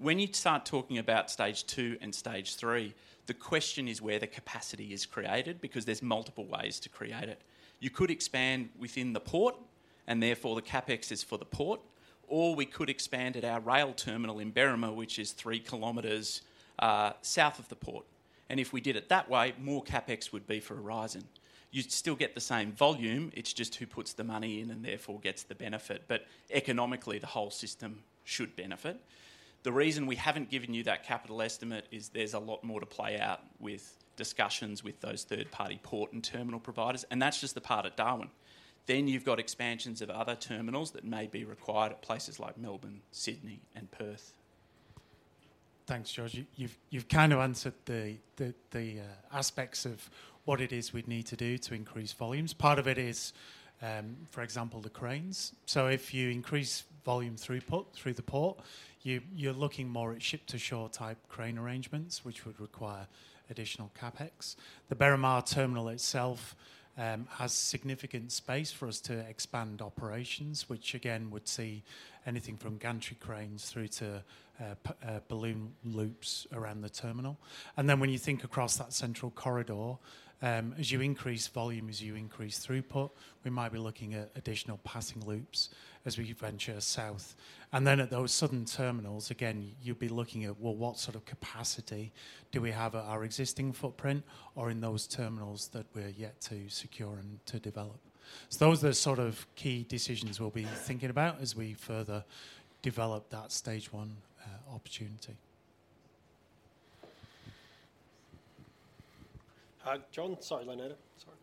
When you start talking about stage two and stage three, the question is where the capacity is created, because there's multiple ways to create it. You could expand within the port, and therefore, the CapEx is for the port, or we could expand at our rail terminal in Berrimah, which is three kilometers south of the port. If we did it that way, more CapEx would be for Aurizon. You'd still get the same volume, it's just who puts the money in and therefore gets the benefit. Economically, the whole system should benefit. The reason we haven't given you that capital estimate is there's a lot more to play out with discussions with those third-party port and terminal providers, and that's just the part at Darwin. You've got expansions of other terminals that may be required at places like Melbourne, Sydney, and Perth. Thanks, George. You've kind of answered the aspects of what it is we'd need to do to increase volumes. Part of it is, for example, the cranes. If you increase volume throughput through the port, you're looking more at ship-to-shore type crane arrangements, which would require additional CapEx. The Berrimah Terminal itself has significant space for us to expand operations, which again, would see anything from gantry cranes through to balloon loops around the terminal. Then when you think across that central corridor, as you increase volume, as you increase throughput, we might be looking at additional passing loops as we venture south. At those southern terminals, again, you'd be looking at, well, what sort of capacity do we have at our existing footprint or in those terminals that we're yet to secure and to develop? Those are the sort of key decisions we'll be thinking about as we further develop that stage one opportunity. John? Sorry, Leda. Sorry. It's all right.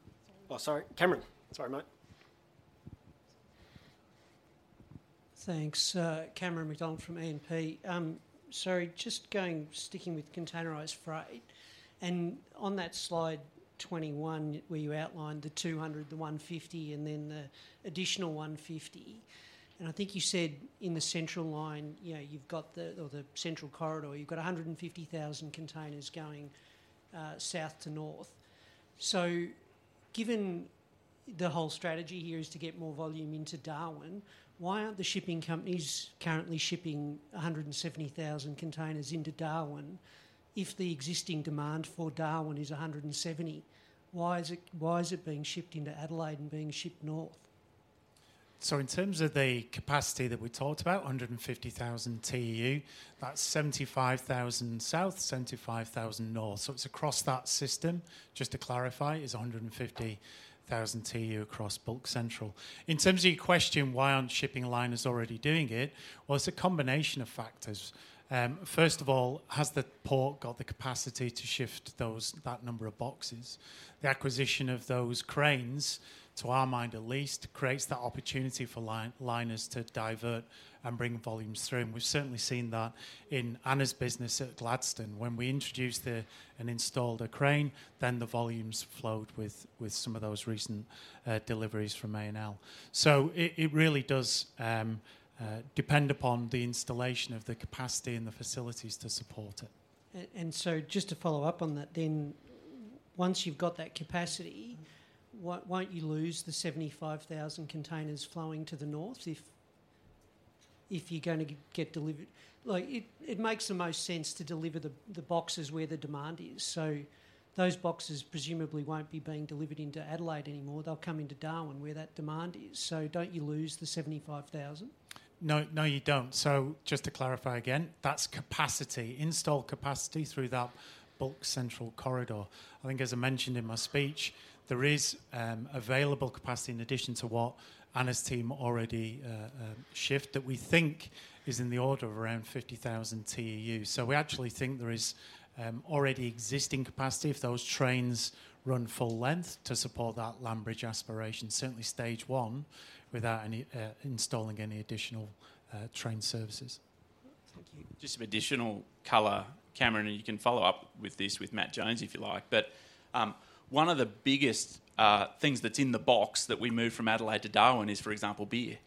Oh, sorry, Cameron. Sorry, mate. Thanks. Cameron McDonald from E&P. Just going, sticking with containerized freight, on that slide 21, where you outlined the 200, the 150, and then the additional 150, and I think you said in the central line, you know, you've got the central corridor, you've got 150,000 containers going south to north. Given the whole strategy here is to get more volume into Darwin, why aren't the shipping companies currently shipping 170,000 containers into Darwin, if the existing demand for Darwin is 170? Why is it being shipped into Adelaide and being shipped north? In terms of the capacity that we talked about, 150,000 TEU, that's 75,000 south, 75,000 north. It's across that system, just to clarify, is 150,000 TEU across Bulk Central. In terms of your question, why aren't shipping liners already doing it? Well, it's a combination of factors. First of all, has the port got the capacity to shift that number of boxes? The acquisition of those cranes, to our mind at least, creates the opportunity for liners to divert and bring volumes through, and we've certainly seen that in Anna's business at Gladstone. When we introduced and installed a crane, then the volumes flowed with some of those recent deliveries from ANL. It really does depend upon the installation of the capacity and the facilities to support it. Just to follow up on that then, once you've got that capacity, won't you lose the 75,000 containers flowing to the north if you're gonna get delivered. Like, it makes the most sense to deliver the boxes where the demand is. Those boxes presumably won't be being delivered into Adelaide anymore, they'll come into Darwin, where that demand is. Don't you lose the 75,000? No, no, you don't. Just to clarify again, that's capacity, installed capacity through that Bulk Central Corridor. I think as I mentioned in my speech, there is available capacity in addition to what Anna's team already shift, that we think is in the order of around 50,000 TEU. We actually think there is already existing capacity if those trains run full length to support that landbridge aspiration, certainly stage one, without any installing any additional train services. Thank you. Just some additional color, Cameron, and you can follow up with this with Matt Jones, if you like. One of the biggest things that's in the box that we move from Adelaide to Darwin is, for example, beer.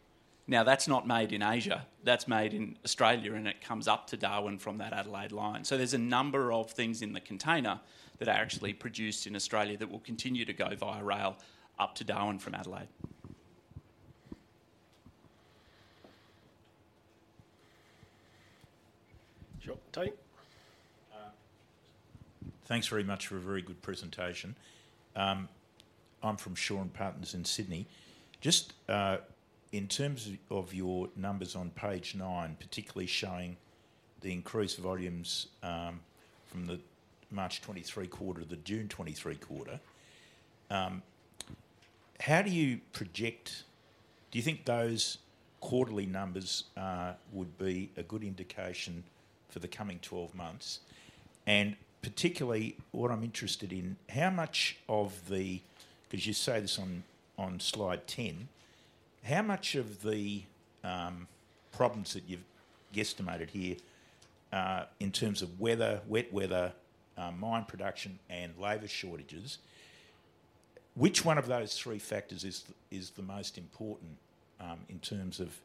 That's not made in Asia, that's made in Australia, and it comes up to Darwin from that Adelaide line. There's a number of things in the container that are actually produced in Australia that will continue to go via rail up to Darwin from Adelaide. Sure. Tony? Thanks very much for a very good presentation. I'm from Shaw and Partners in Sydney. Just in terms of your numbers on page 9, particularly showing the increased volumes from the March 2023 quarter to the June 2023 quarter, how do you think those quarterly numbers would be a good indication for the coming 12 months? Particularly, what I'm interested in, how much of the, 'cause you say this on slide 10, how much of the problems that you've guesstimated here, in terms of weather, wet weather, mine production, and labor shortages, which one of those three factors is the most important in terms of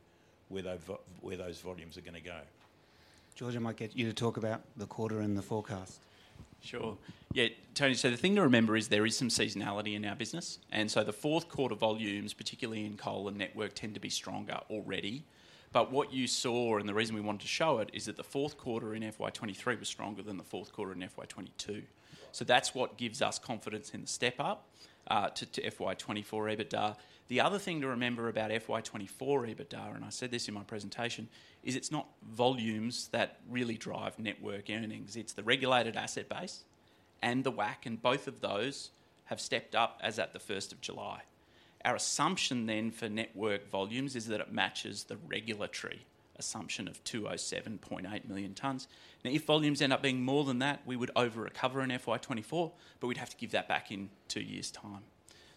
where those volumes are gonna go? George, I might get you to talk about the quarter and the forecast. Sure. Yeah, Tony, the thing to remember is there is some seasonality in our business, the fourth quarter volumes, particularly in coal and network, tend to be stronger already. What you saw, the reason we wanted to show it, is that the fourth quarter in FY 2023 was stronger than the fourth quarter in FY 2022. That's what gives us confidence in the step up to FY 2024 EBITDA. The other thing to remember about FY 2024 EBITDA, I said this in my presentation, is it's not volumes that really drive network earnings. It's the regulated asset base and the WACC, both of those have stepped up as at the first of July. Our assumption then for network volumes is that it matches the regulatory assumption of 207.8 million tonnes. If volumes end up being more than that, we would over-recover in FY 2024, we'd have to give that back in 2 years' time.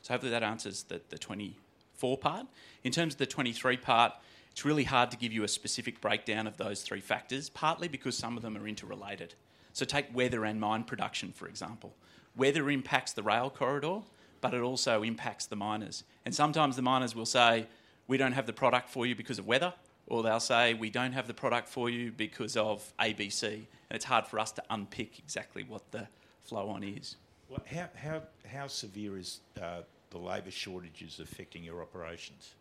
Hopefully that answers the 2024 part. In terms of the 2023 part, it's really hard to give you a specific breakdown of those 3 factors, partly because some of them are interrelated. Take weather and mine production, for example. Weather impacts the rail corridor, it also impacts the miners. Sometimes the miners will say, "We don't have the product for you because of weather," or they'll say, "We don't have the product for you because of A, B, C," it's hard for us to unpick exactly what the flow on is. How severe is the labor shortages affecting your operations?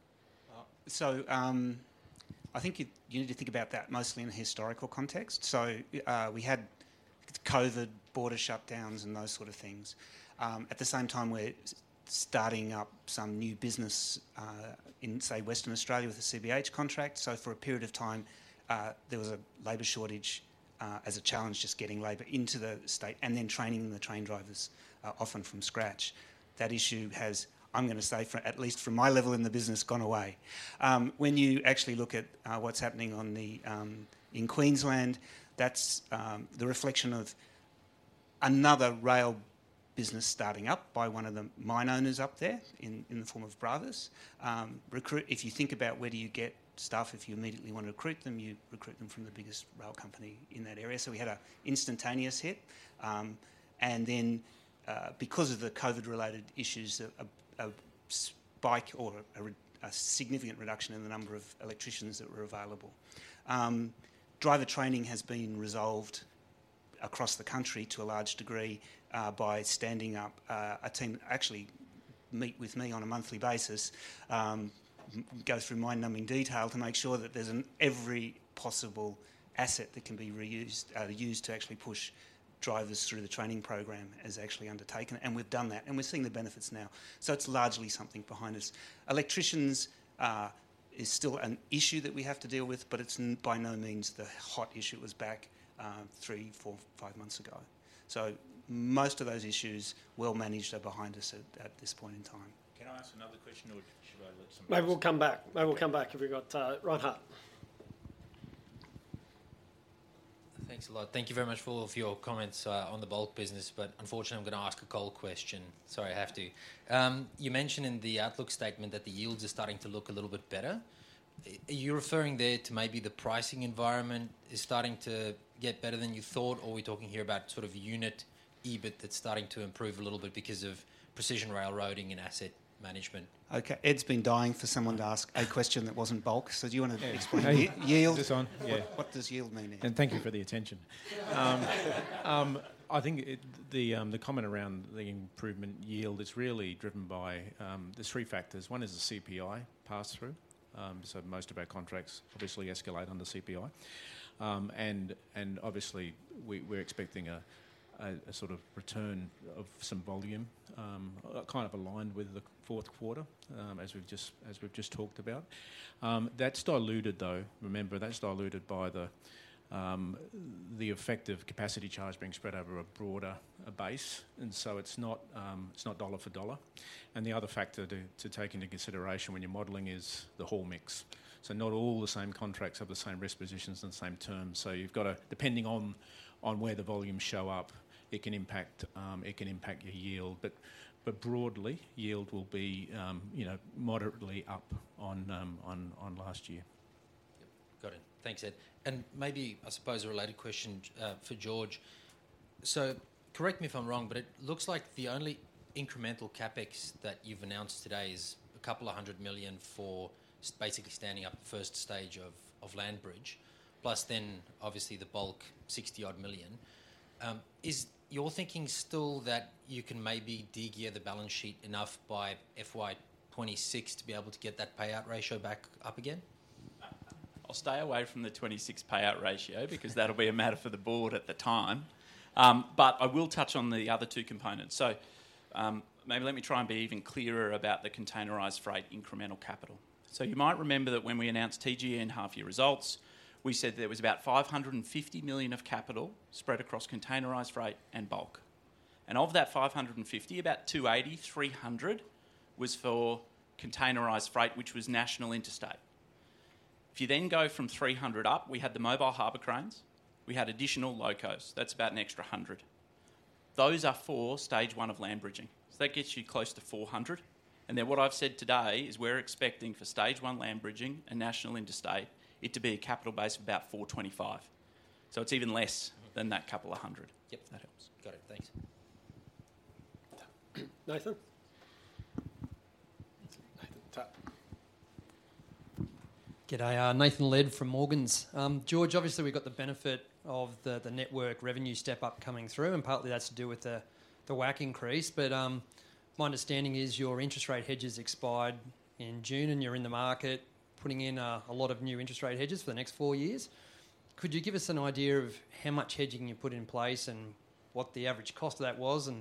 I think you need to think about that mostly in a historical context. We had COVID border shutdowns and those sort of things. At the same time, we're starting up some new business in, say, Western Australia with the CBH contract. For a period of time, there was a labor shortage as a challenge, just getting labor into the state, and then training the train drivers often from scratch. That issue has, I'm gonna say, for at least from my level in the business, gone away. When you actually look at what's happening in Queensland, that's the reflection of another rail business starting up by one of the mine owners up there in the form of Bravus. If you think about where do you get staff, if you immediately want to recruit them, you recruit them from the biggest rail company in that area. We had a instantaneous hit and then, because of the COVID-related issues, a spike or a significant reduction in the number of electricians that were available. Driver training has been resolved across the country to a large degree, by standing up a team that actually meet with me on a monthly basis, go through mind-numbing detail to make sure that there's an every possible asset that can be reused, used to actually push drivers through the training program is actually undertaken, and we've done that, and we're seeing the benefits now. It's largely something behind us. Electricians, is still an issue that we have to deal with, but it's by no means the hot issue it was back, 3, 4, 5 months ago. Most of those issues, well managed, are behind us at this point in time. Can I ask another question, or should I let someone else? Maybe we'll come back if you've got Ron Hart. Thanks a lot. Thank you very much for all of your comments on the bulk business. Unfortunately, I'm gonna ask a coal question. Sorry, I have to. You mentioned in the outlook statement that the yields are starting to look a little bit better. Are you referring there to maybe the pricing environment is starting to get better than you thought, or are we talking here about sort of unit EBIT that's starting to improve a little bit because of precision railroading and asset management? Okay, Ed's been dying for someone to ask a question that wasn't bulk, so do you wanna explain yield? Is this on? Yeah. What does yield mean, Ed? Thank you for the attention. I think the comment around the improvement yield is really driven by three factors. One is the CPI pass-through. Most of our contracts obviously escalate on the CPI. Obviously, we're expecting a sort of return of some volume kind of aligned with the fourth quarter as we've just talked about. That's diluted, though. Remember, that's diluted by the effect of capacity charge being spread over a broader base, it's not dollar for dollar. The other factor to take into consideration when you're modeling is the whole mix. Not all the same contracts have the same risk positions and the same terms, you've got to. Depending on where the volumes show up, it can impact your yield. Broadly, yield will be, you know, moderately up on last year. Yep, got it. Thanks, Ed. Maybe, I suppose, a related question for George. Correct me if I'm wrong, but it looks like the only incremental CapEx that you've announced today is $‎ 200 million for basically standing up the first stage of Landbridge, plus then obviously the bulk, $‎ 60 million. Is your thinking still that you can maybe de-gear the balance sheet enough by FY 2026 to be able to get that payout ratio back up again? I'll stay away from the 26 payout ratio, because that'll be a matter for the board at the time. I will touch on the other two components. Maybe let me try and be even clearer about the containerized freight incremental capital. You might remember that when we announced TGE half-year results, we said there was about $‎ 550 million of capital spread across containerized freight and bulk, and of that $‎ 550 million, about $‎ 280 million, $‎ 300 million was for containerized freight, which was national interstate... if you then go from $‎ 300 million up, we had the mobile harbor cranes, we had additional locos, that's about an extra $‎ 100 million. Those are for stage one of land bridging, that gets you close to $‎ 400 million. What I've said today is we're expecting for stage one land bridging and national interstate, it to be a capital base of about $‎ 425. It's even less than that $‎ 200. Yep, that helps. Got it, thanks. Nathan? Nathan Tupp. G'day, Nathan Lead from Morgans. George, obviously, we got the benefit of the network revenue step-up coming through, and partly that's to do with the WACC increase. My understanding is your interest rate hedges expired in June, and you're in the market putting in a lot of new interest rate hedges for the next four years. Could you give us an idea of how much hedging you put in place, and what the average cost of that was? If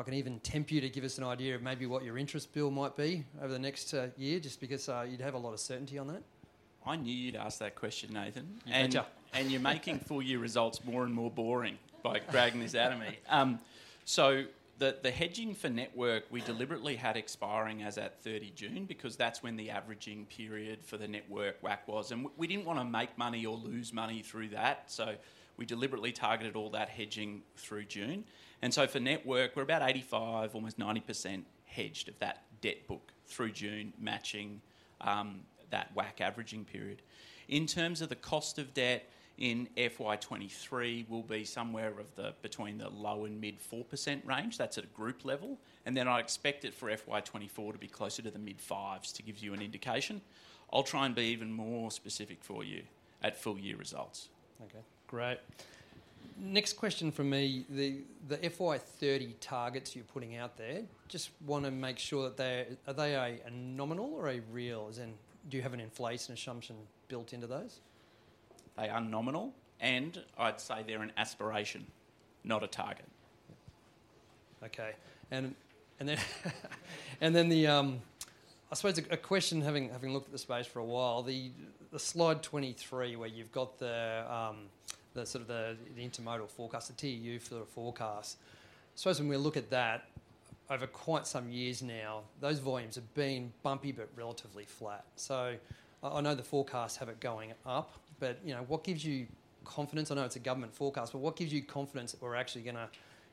I can even tempt you to give us an idea of maybe what your interest bill might be over the next year, just because you'd have a lot of certainty on that. I knew you'd ask that question, Nathan. I gotcha. You're making full year results more and more boring by dragging this out of me. The hedging for network, we deliberately had expiring as at 30 June, because that's when the averaging period for the network WACC was, and we didn't wanna make money or lose money through that, so we deliberately targeted all that hedging through June. For network, we're about 85, almost 90% hedged of that debt book through June, matching that WACC averaging period. In terms of the cost of debt in FY 2023 will be somewhere between the low- and mid-4% range, that's at a group level. Then I expect it for FY 2024 to be closer to the mid-5s, to give you an indication. I'll try and be even more specific for you at full year results. Okay, great. Next question from me, the FY 30 targets you're putting out there, just wanna make sure that they. Are they a nominal or a real? Do you have an inflation assumption built into those? They are nominal, and I'd say they're an aspiration, not a target. Okay. Then, I suppose a question having looked at the space for a while, the slide 23, where you've got the sort of the intermodal forecast, the TEU for the forecast. I suppose when we look at that, over quite some years now, those volumes have been bumpy but relatively flat. I know the forecasts have it going up, but, you know, what gives you confidence? I know it's a government forecast, but what gives you confidence that we're actually gonna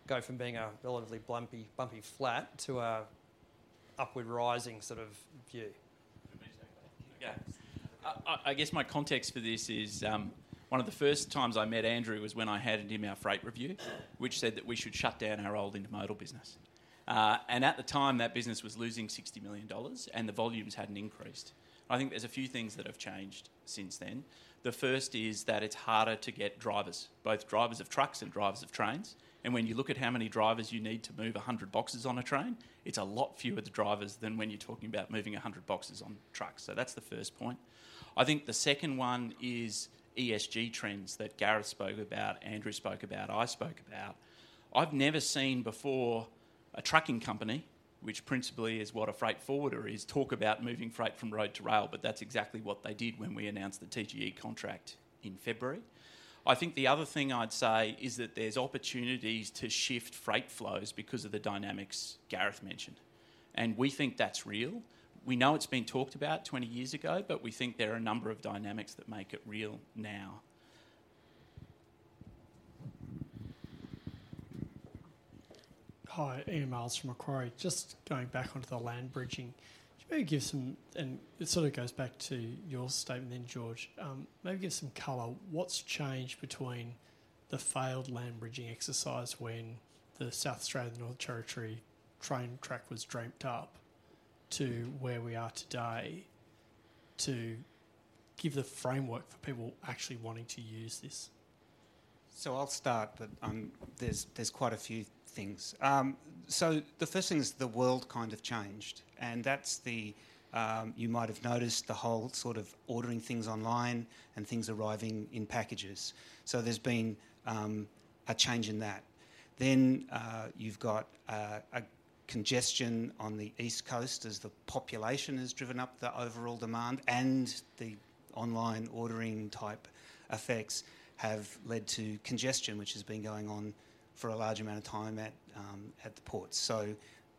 go from being a relatively blumpy, bumpy flat to a upward rising sort of view? Yeah. I guess my context for this is one of the first times I met Andrew Harding was when I handed him our freight review, which said that we should shut down our old intermodal business. At the time, that business was losing $‎ 60 million, and the volumes hadn't increased. I think there's a few things that have changed since then. The first is that it's harder to get drivers, both drivers of trucks and drivers of trains, and when you look at how many drivers you need to move 100 boxes on a train, it's a lot fewer drivers than when you're talking about moving 100 boxes on trucks. That's the first point. I think the second one is ESG trends that Gareth Long spoke about, Andrew Harding spoke about, I spoke about. I've never seen before a trucking company, which principally is what a freight forwarder is, talk about moving freight from road to rail. That's exactly what they did when we announced the TGE contract in February. I think the other thing I'd say is that there's opportunities to shift freight flows because of the dynamics Gareth mentioned. We think that's real. We know it's been talked about 20 years ago. We think there are a number of dynamics that make it real now. Hi, Ian Myles from Macquarie. Just going back onto the land bridging, maybe give some color, what's changed between the failed land bridging exercise when the South Australian, Northern Territory train track was dreamt up, to where we are today, to give the framework for people actually wanting to use this? I'll start, there's quite a few things. The first thing is the world kind of changed, and that's the, you might have noticed, the whole sort of ordering things online and things arriving in packages. There's been a change in that. You've got a congestion on the East Coast as the population has driven up the overall demand, and the online ordering type effects have led to congestion, which has been going on for a large amount of time at the ports.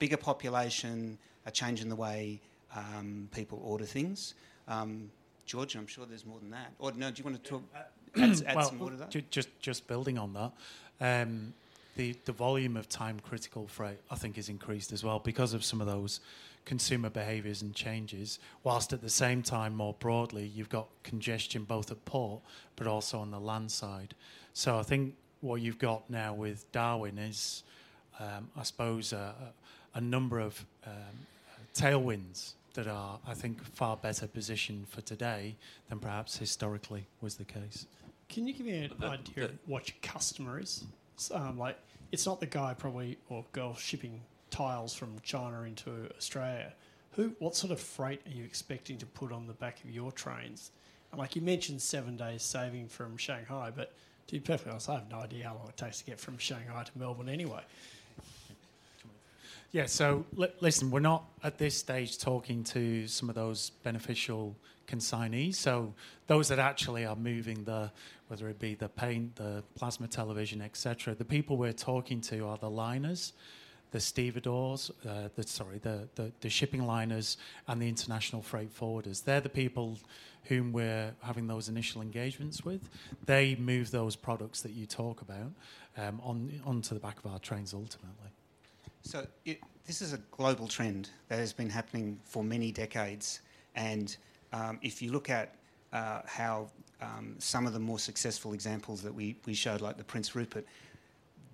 Bigger population, a change in the way people order things. George, I'm sure there's more than that. No, do you wanna talk? Uh, uh add some more to that? Just building on that, the volume of time-critical freight, I think, has increased as well because of some of those consumer behaviors and changes, whilst at the same time, more broadly, you've got congestion both at port but also on the land side. I think what you've got now with Darwin is, I suppose, a number of tailwinds that are, I think, far better positioned for today than perhaps historically was the case. Can you give me an idea? Uh, the- of what your customer is? Like, it's not the guy probably, or girl, shipping tiles from China into Australia. What sort of freight are you expecting to put on the back of your trains? Like you mentioned, 7 days saving from Shanghai, to be perfectly honest, I have no idea how long it takes to get from Shanghai to Melbourne anyway.... Yeah, listen, we're not at this stage talking to some of those beneficial consignees, so those that actually are moving the, whether it be the paint, the plasma television, et cetera. The people we're talking to are the liners, the stevedores, the, sorry, the shipping liners and the international freight forwarders. They're the people whom we're having those initial engagements with. They move those products that you talk about onto the back of our trains, ultimately. This is a global trend that has been happening for many decades, and if you look at how some of the more successful examples that we showed, like the Prince Rupert,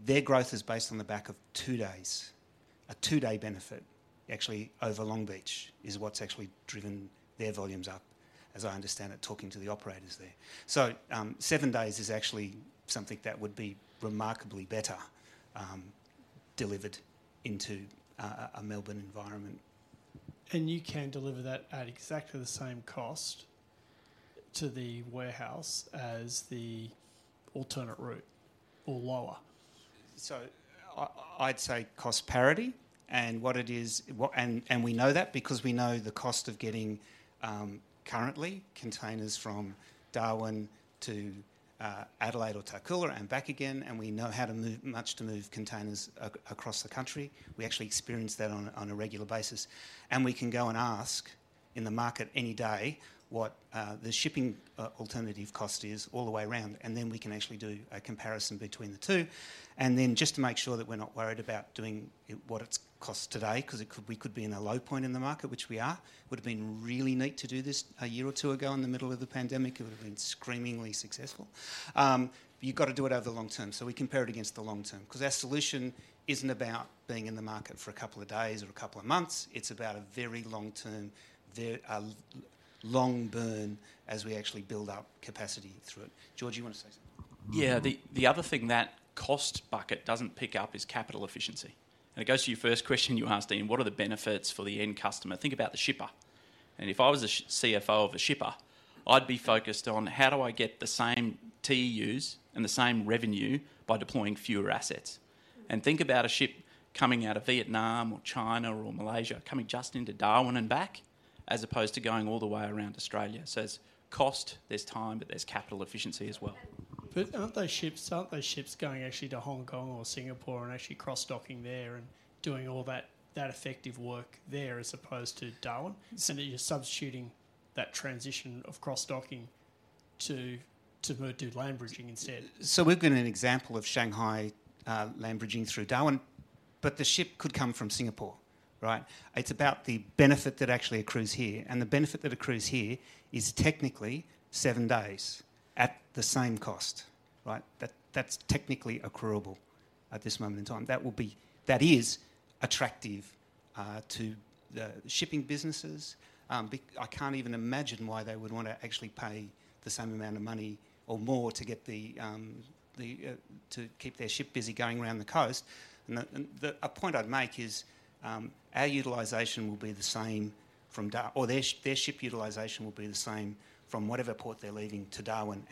their growth is based on the back of 2 days. A 2-day benefit, actually, over Long Beach, is what's actually driven their volumes up, as I understand it, talking to the operators there. 7 days is actually something that would be remarkably better delivered into a Melbourne environment. You can deliver that at exactly the same cost to the warehouse as the alternate route, or lower? I'd say cost parity, and what it is. We know that because we know the cost of getting currently, containers from Darwin to Adelaide or Tarcoola and back again, and we know how much to move containers across the country. We actually experience that on a regular basis, and we can go and ask in the market any day what the shipping alternative cost is all the way around, and then we can actually do a comparison between the two. Just to make sure that we're not worried about doing it, what it costs today, 'cause we could be in a low point in the market, which we are. Would've been really neat to do this a year or two ago in the middle of the pandemic, it would've been screamingly successful. You've got to do it over the long term, so we compare it against the long term. Our solution isn't about being in the market for a couple of days or a couple of months. It's about a very long-term, long burn as we actually build up capacity through it. George, you want to say something? Yeah, the other thing that cost bucket doesn't pick up is capital efficiency. It goes to your first question you asked, Ian, what are the benefits for the end customer? Think about the shipper. If I was a CFO of a shipper, I'd be focused on: how do I get the same TEUs and the same revenue by deploying fewer assets? Think about a ship coming out of Vietnam or China or Malaysia, coming just into Darwin and back, as opposed to going all the way around Australia. There's cost, there's time, but there's capital efficiency as well. Aren't those ships going actually to Hong Kong or Singapore and actually cross-docking there and doing all that effective work there, as opposed to Darwin? You're substituting that transition of cross-docking to do land bridging instead. We've given an example of Shanghai, land bridging through Darwin, but the ship could come from Singapore, right? It's about the benefit that actually accrues here, and the benefit that accrues here is technically seven days at the same cost, right? That's technically accruable at this moment in time. That is attractive to the shipping businesses. I can't even imagine why they would want to actually pay the same amount of money or more to get the to keep their ship busy going around the coast. A point I'd make is, our utilization will be the same from whatever port they're leaving to Darwin.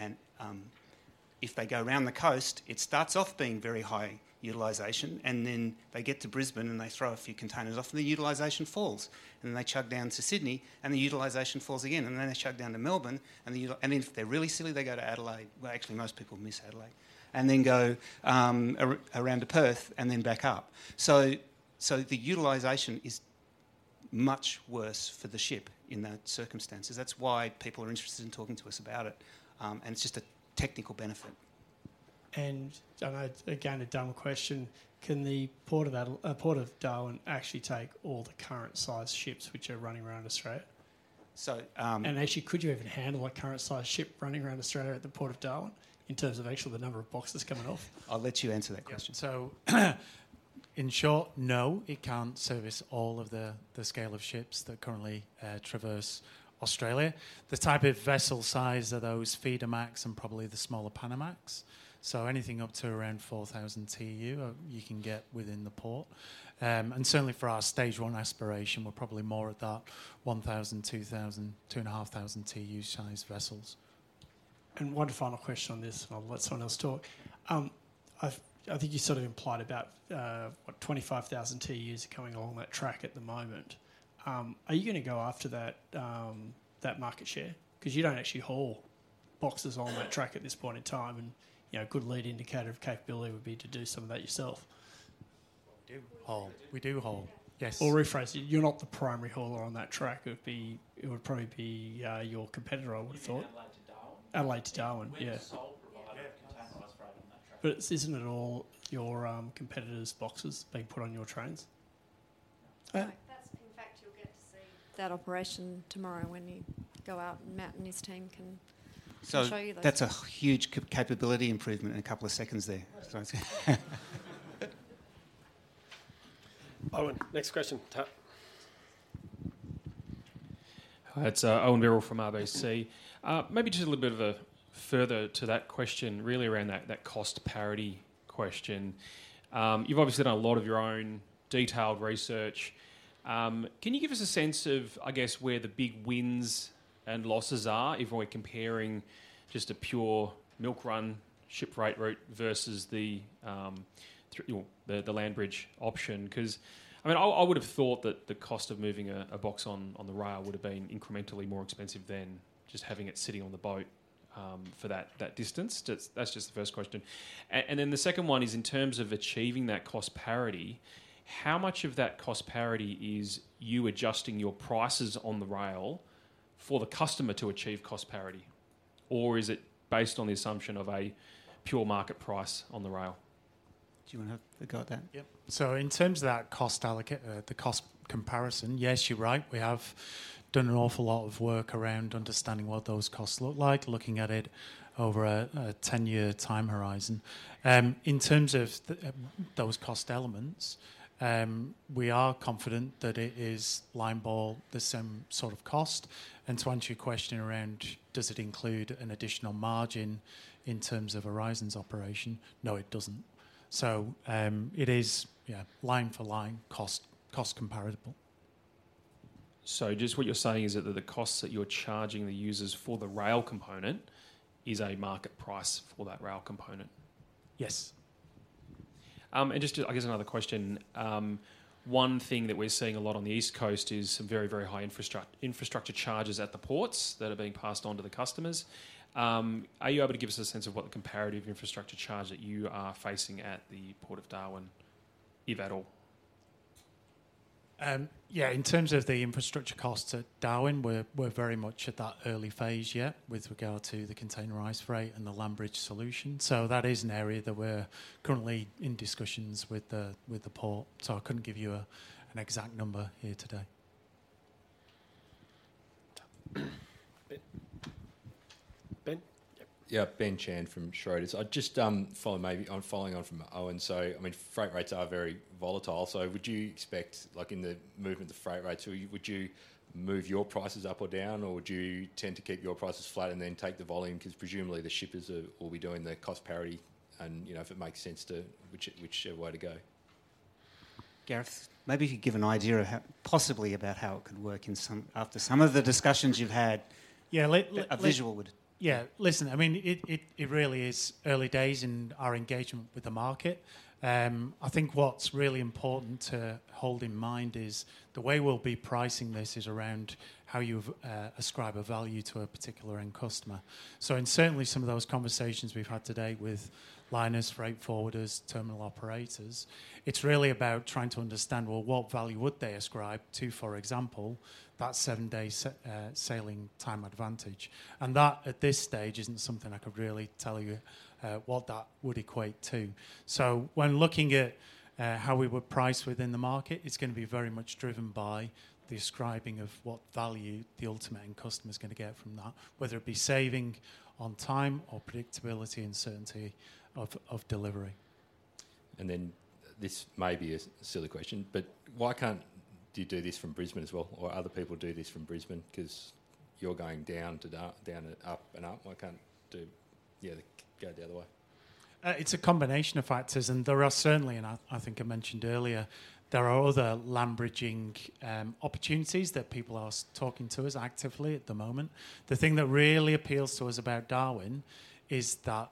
If they go around the coast, it starts off being very high utilization, and then they get to Brisbane, and they throw a few containers off, and the utilization falls. Then they chug down to Sydney, and the utilization falls again, and then they chug down to Melbourne, and if they're really silly, they go to Adelaide, well, actually, most people miss Adelaide, and then go around to Perth and then back up. The utilization is much worse for the ship in those circumstances. That's why people are interested in talking to us about it, and it's just a technical benefit. I know, again, a dumb question: Can the Port of Darwin actually take all the current size ships which are running around Australia? So, um- Actually, could you even handle a current size ship running around Australia at the Port of Darwin, in terms of actually the number of boxes coming off? I'll let you answer that question. Yeah, in short, no, it can't service all of the scale of ships that currently traverse Australia. The type of vessel size are those feeder max and probably the smaller Panamax. Anything up to around 4,000 TEU, you can get within the port. Certainly for our stage one aspiration, we're probably more at that 1,000, 2,000, 2,500 TEU size vessels. One final question on this, and I'll let someone else talk. I think you sort of implied about, what, 25,000 TEUs are coming along that track at the moment. Are you gonna go after that market share? 'Cause you don't actually haul boxes on that track at this point in time, and, you know, a good lead indicator of capability would be to do some of that yourself. We do haul. We do haul, yes. I'll rephrase it: You're not the primary hauler on that track. It would probably be your competitor, I would've thought. You mean Adelaide to Darwin? Adelaide to Darwin, yeah. We're the sole provider of containerized freight on that track. Isn't it all your competitor's boxes being put on your trains? That's, in fact, you'll get to see that operation tomorrow when you go out, Matt and his team can show you that. That's a huge capability improvement in a couple of seconds there. Sorry. Owen, next question. Ta. Hi, it's Owen Merrill from ABC. Maybe just a little bit further to that question, really around that cost parity question. You've obviously done a lot of your own detailed research. Can you give us a sense of, I guess, where the big wins and losses are if we're comparing just a pure milk run ship rate route versus the well, the land bridge option? 'Cause I mean, I would've thought that the cost of moving a box on the rail would've been incrementally more expensive than just having it sitting on the boat for that distance. That's just the first question. Then the second one is, in terms of achieving that cost parity, how much of that cost parity is you adjusting your prices on the rail for the customer to achieve cost parity? Or is it based on the assumption of a pure market price on the rail? Do you wanna have a go at that? In terms of that cost comparison, yes, you're right. We have done an awful lot of work around understanding what those costs look like, looking at it over a 10-year time horizon. In terms of the those cost elements, we are confident that it is line ball the same sort of cost. To answer your question around, does it include an additional margin in terms of Aurizon's operation? No, it doesn't. It is, yeah, line for line, cost comparable. Just what you're saying is that the costs that you're charging the users for the rail component is a market price for that rail component? Yes. Just, I guess another question. One thing that we're seeing a lot on the East Coast is some very, very high infrastructure charges at the ports that are being passed on to the customers. Are you able to give us a sense of what the comparative infrastructure charge that you are facing at the Port of Darwin, if at all? In terms of the infrastructure costs at Darwin, we're very much at that early phase yet with regard to the containerized freight and the land bridge solution. That is an area that we're currently in discussions with the port, so I couldn't give you an exact number here today. Ben? Ben. Yep. Yeah, Ben Chan from Schroders. I'd just follow maybe I'm following on from Owen. I mean, freight rates are very volatile, would you expect, like, in the movement of the freight rates, would you move your prices up or down, or do you tend to keep your prices flat and then take the volume? Cause presumably the shippers will be doing the cost parity and, you know, if it makes sense to, which way to go. Gareth, maybe you could give an idea of how, possibly about how it could work in some, after some of the discussions you've had. Yeah. A visual would... Yeah, listen, I mean, it really is early days in our engagement with the market. I think what's really important to hold in mind is the way we'll be pricing this is around how you've ascribe a value to a particular end customer. In certainly some of those conversations we've had to date with liners, freight forwarders, terminal operators, it's really about trying to understand, well, what value would they ascribe to, for example, that 7-day sailing time advantage? That, at this stage, isn't something I could really tell you what that would equate to. When looking at how we would price within the market, it's gonna be very much driven by the ascribing of what value the ultimate end customer is gonna get from that, whether it be saving on time or predictability and certainty of delivery. This may be a silly question, but why can't you do this from Brisbane as well, or other people do this from Brisbane? 'Cause you're going down to down and up and up. Why can't do, yeah, go the other way? It's a combination of factors. There are certainly, and I think I mentioned earlier, there are other land bridging opportunities that people are talking to us actively at the moment. The thing that really appeals to us about Darwin is that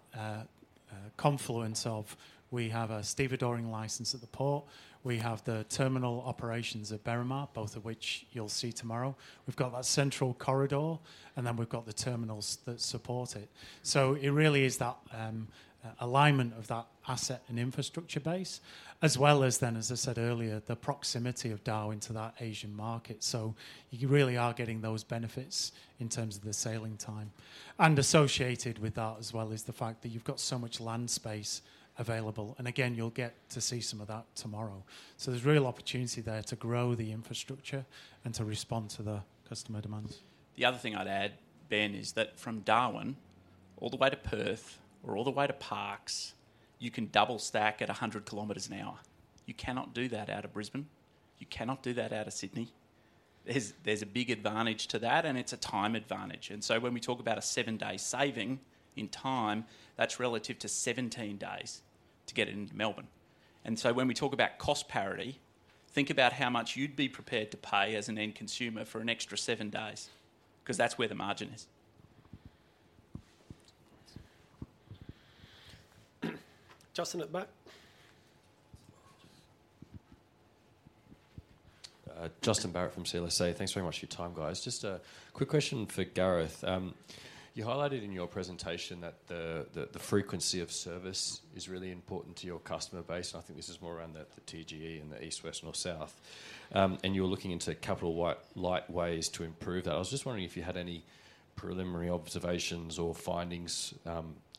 confluence of we have a stevedoring licence at the port, we have the terminal operations at Berrimah, both of which you'll see tomorrow. We've got that central corridor. Then we've got the terminals that support it. It really is that alignment of that asset and infrastructure base, as well as then, as I said earlier, the proximity of Darwin to that Asian market, so you really are getting those benefits in terms of the sailing time. Associated with that as well is the fact that you've got so much land space available, and again, you'll get to see some of that tomorrow. There's real opportunity there to grow the infrastructure and to respond to the customer demands. The other thing I'd add, Ben, is that from Darwin all the way to Perth or all the way to Parkes, you can double stack at 100 kilometers an hour. You cannot do that out of Brisbane. You cannot do that out of Sydney. There's a big advantage to that, and it's a time advantage. When we talk about a seven-day saving in time, that's relative to 17 days to get into Melbourne. When we talk about cost parity, think about how much you'd be prepared to pay as an end consumer for an extra seven days, 'cause that's where the margin is. Justin at the back. Justin Barratt from CLSA. Thanks very much for your time, guys. Just a quick question for Gareth. You highlighted in your presentation that the frequency of service is really important to your customer base, and I think this is more around the TGE and the east, west, north, south. You're looking into capital light ways to improve that. I was just wondering if you had any preliminary observations or findings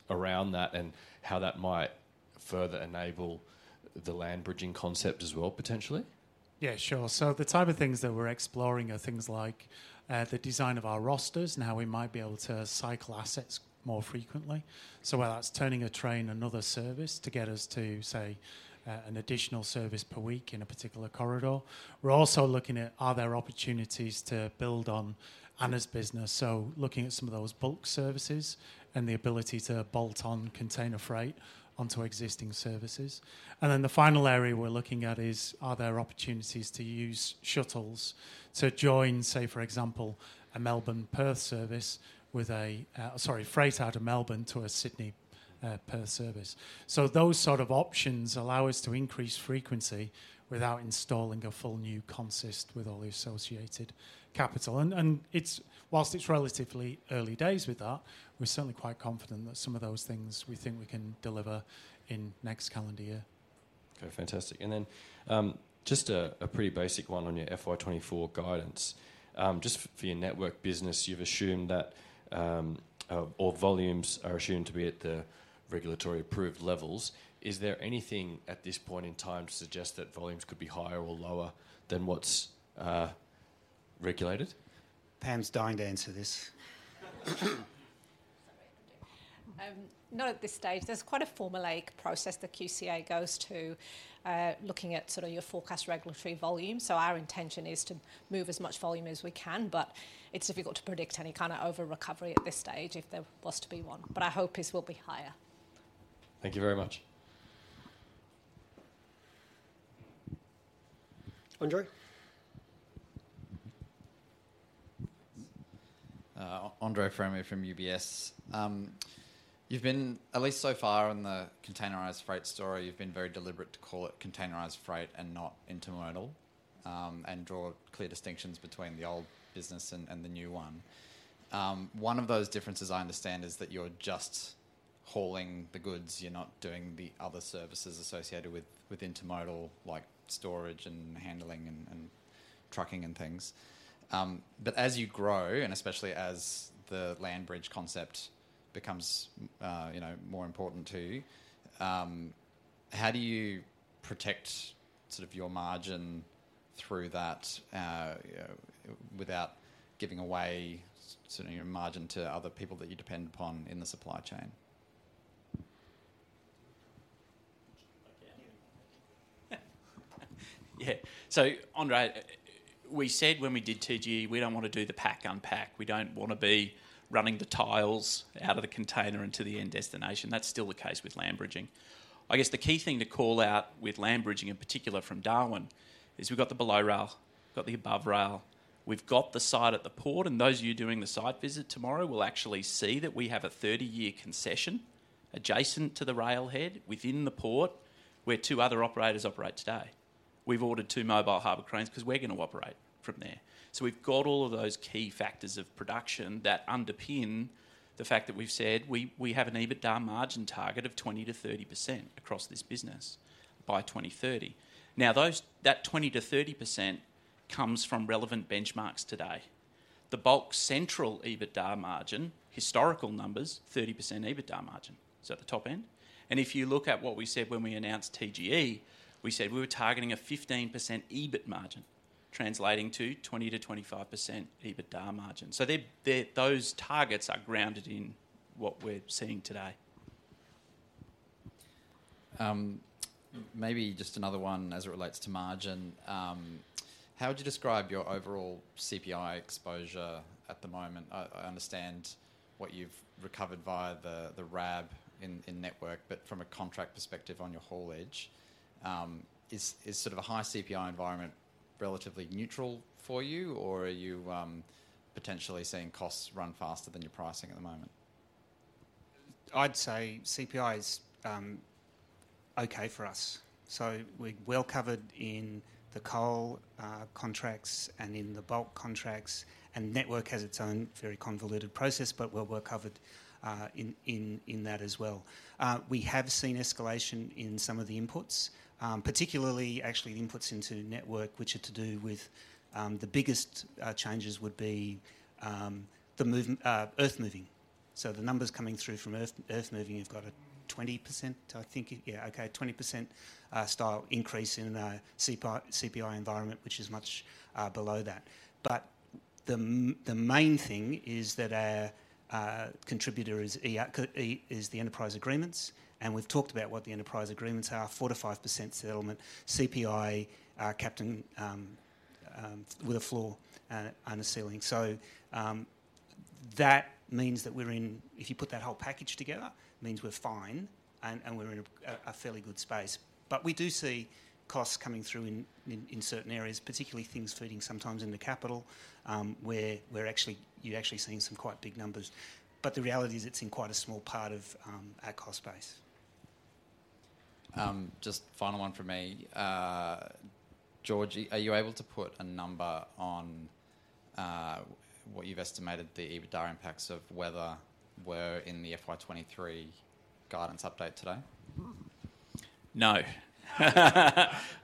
around that, and how that might further enable the land bridging concept as well, potentially? Yeah, sure. The type of things that we're exploring are things like the design of our rosters and how we might be able to cycle assets more frequently. Whether that's turning a train another service to get us to, say, an additional service per week in a particular corridor. We're also looking at, are there opportunities to build on Anna's business? Looking at some of those bulk services and the ability to bolt on container freight onto existing services. The final area we're looking at is, are there opportunities to use shuttles to join, say, for example, a Melbourne-Perth service with a freight out of Melbourne to a Sydney, Perth service. Those sort of options allow us to increase frequency without installing a full new consist with all the associated capital. Whilst it's relatively early days with that, we're certainly quite confident that some of those things we think we can deliver in next calendar year. Okay, fantastic. Just a pretty basic one on your FY 2024 guidance. Just for your network business, you've assumed that all volumes are assumed to be at the regulatory approved levels. Is there anything at this point in time to suggest that volumes could be higher or lower than what's regulated? Pam's dying to answer this. Sorry. Not at this stage. There's quite a formulaic process that QCA goes to, looking at sort of your forecast regulatory volume. Our intention is to move as much volume as we can, but it's difficult to predict any kind of over recovery at this stage, if there was to be one. Our hope is we'll be higher. Thank you very much. Andre? Andre Fromyhr from UBS. You've been, at least so far in the containerized freight story, you've been very deliberate to call it containerized freight and not intermodal, and draw clear distinctions between the old business and the new one. One of those differences, I understand, is that you're just hauling the goods, you're not doing the other services associated with intermodal, like storage, and handling, and trucking, and things. As you grow, and especially as the land bridge concept becomes, you know, more important to you, how do you protect sort of your margin through that, without giving away sort of your margin to other people that you depend upon in the supply chain? Andre, we said when we did TGE, we don't want to do the pack, unpack. We don't want to be running the tiles out of the container into the end destination. That's still the case with land bridging. I guess the key thing to call out with land bridging, in particular from Darwin, is we've got the below rail, we've got the above rail, we've got the site at the port, and those of you doing the site visit tomorrow will actually see that we have a 30-year concession adjacent to the rail head within the port, where 2 other operators operate today. We've ordered 2 mobile harbor cranes because we're going to operate from there. We've got all of those key factors of production that underpin the fact that we've said we have an EBITDA margin target of 20%-30% across this business by 2030. That 20%-30% comes from relevant benchmarks today. The Bulk Central EBITDA margin, historical numbers, 30% EBITDA margin, so at the top end. If you look at what we said when we announced TGE, we said we were targeting a 15% EBIT margin, translating to 20%-25% EBITDA margin. Those targets are grounded in what we're seeing today. maybe just another one as it relates to margin. How would you describe your overall CPI exposure at the moment? I understand what you've recovered via the RAB in network, but from a contract perspective on your haulage, is sort of a high CPI environment relatively neutral for you, or are you potentially seeing costs run faster than your pricing at the moment? I'd say CPI is okay for us. We're well covered in the coal contracts and in the bulk contracts, and network has its own very convoluted process, but well, we're covered in that as well. We have seen escalation in some of the inputs, particularly actually the inputs into network, which are to do with. The biggest changes would be earthmoving. The numbers coming through from earthmoving, you've got a 20% style increase in the CPI environment, which is much below that. The main thing is that our contributor is the enterprise agreements, and we've talked about what the enterprise agreements are, 4%-5% settlement, CPI, capped and with a floor and a ceiling. That means that we're in... If you put that whole package together, it means we're fine, and we're in a fairly good space. We do see costs coming through in certain areas, particularly things feeding sometimes in the capital, where you're actually seeing some quite big numbers. The reality is, it's in quite a small part of our cost base. Just final one from me. George, are you able to put a number on what you've estimated the EBITDA impacts of weather were in the FY23 guidance update today? No.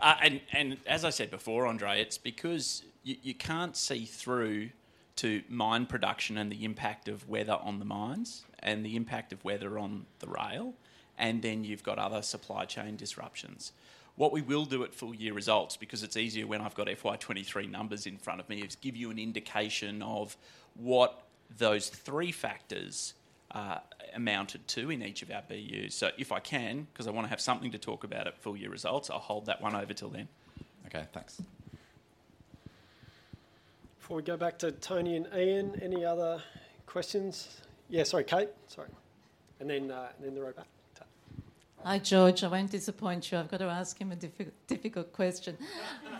As I said before, Andre, it's because you can't see through to mine production and the impact of weather on the mines, and the impact of weather on the rail, and then you've got other supply chain disruptions. What we will do at full year results, because it's easier when I've got FY 23 numbers in front of me, is give you an indication of what those three factors amounted to in each of our BUs. If I can, 'cause I wanna have something to talk about at full year results, I'll hold that one over till then. Okay, thanks. Before we go back to Tony and Ian, any other questions? Yeah, sorry, Kate. Sorry, then the row back. Ta. Hi, George. I won't disappoint you. I've got to ask him a difficult question.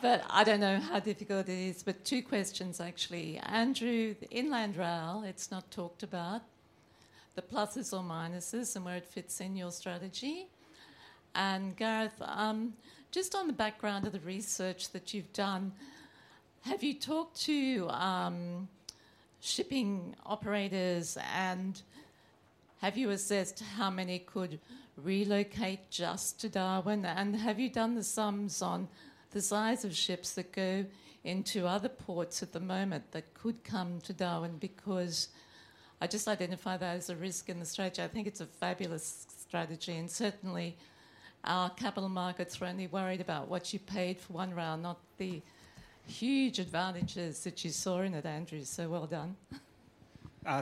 I don't know how difficult it is, but two questions actually. Andrew, the inland rail, it's not talked about, the pluses or minuses and where it fits in your strategy. Gareth, just on the background of the research that you've done, have you talked to shipping operators, and have you assessed how many could relocate just to Darwin? Have you done the sums on the size of ships that go into other ports at the moment that could come to Darwin? I just identify that as a risk in the strategy. I think it's a fabulous strategy, certainly our capital markets were only worried about what you paid for One Rail Australia, not the huge advantages that you saw in it, Andrew. Well done.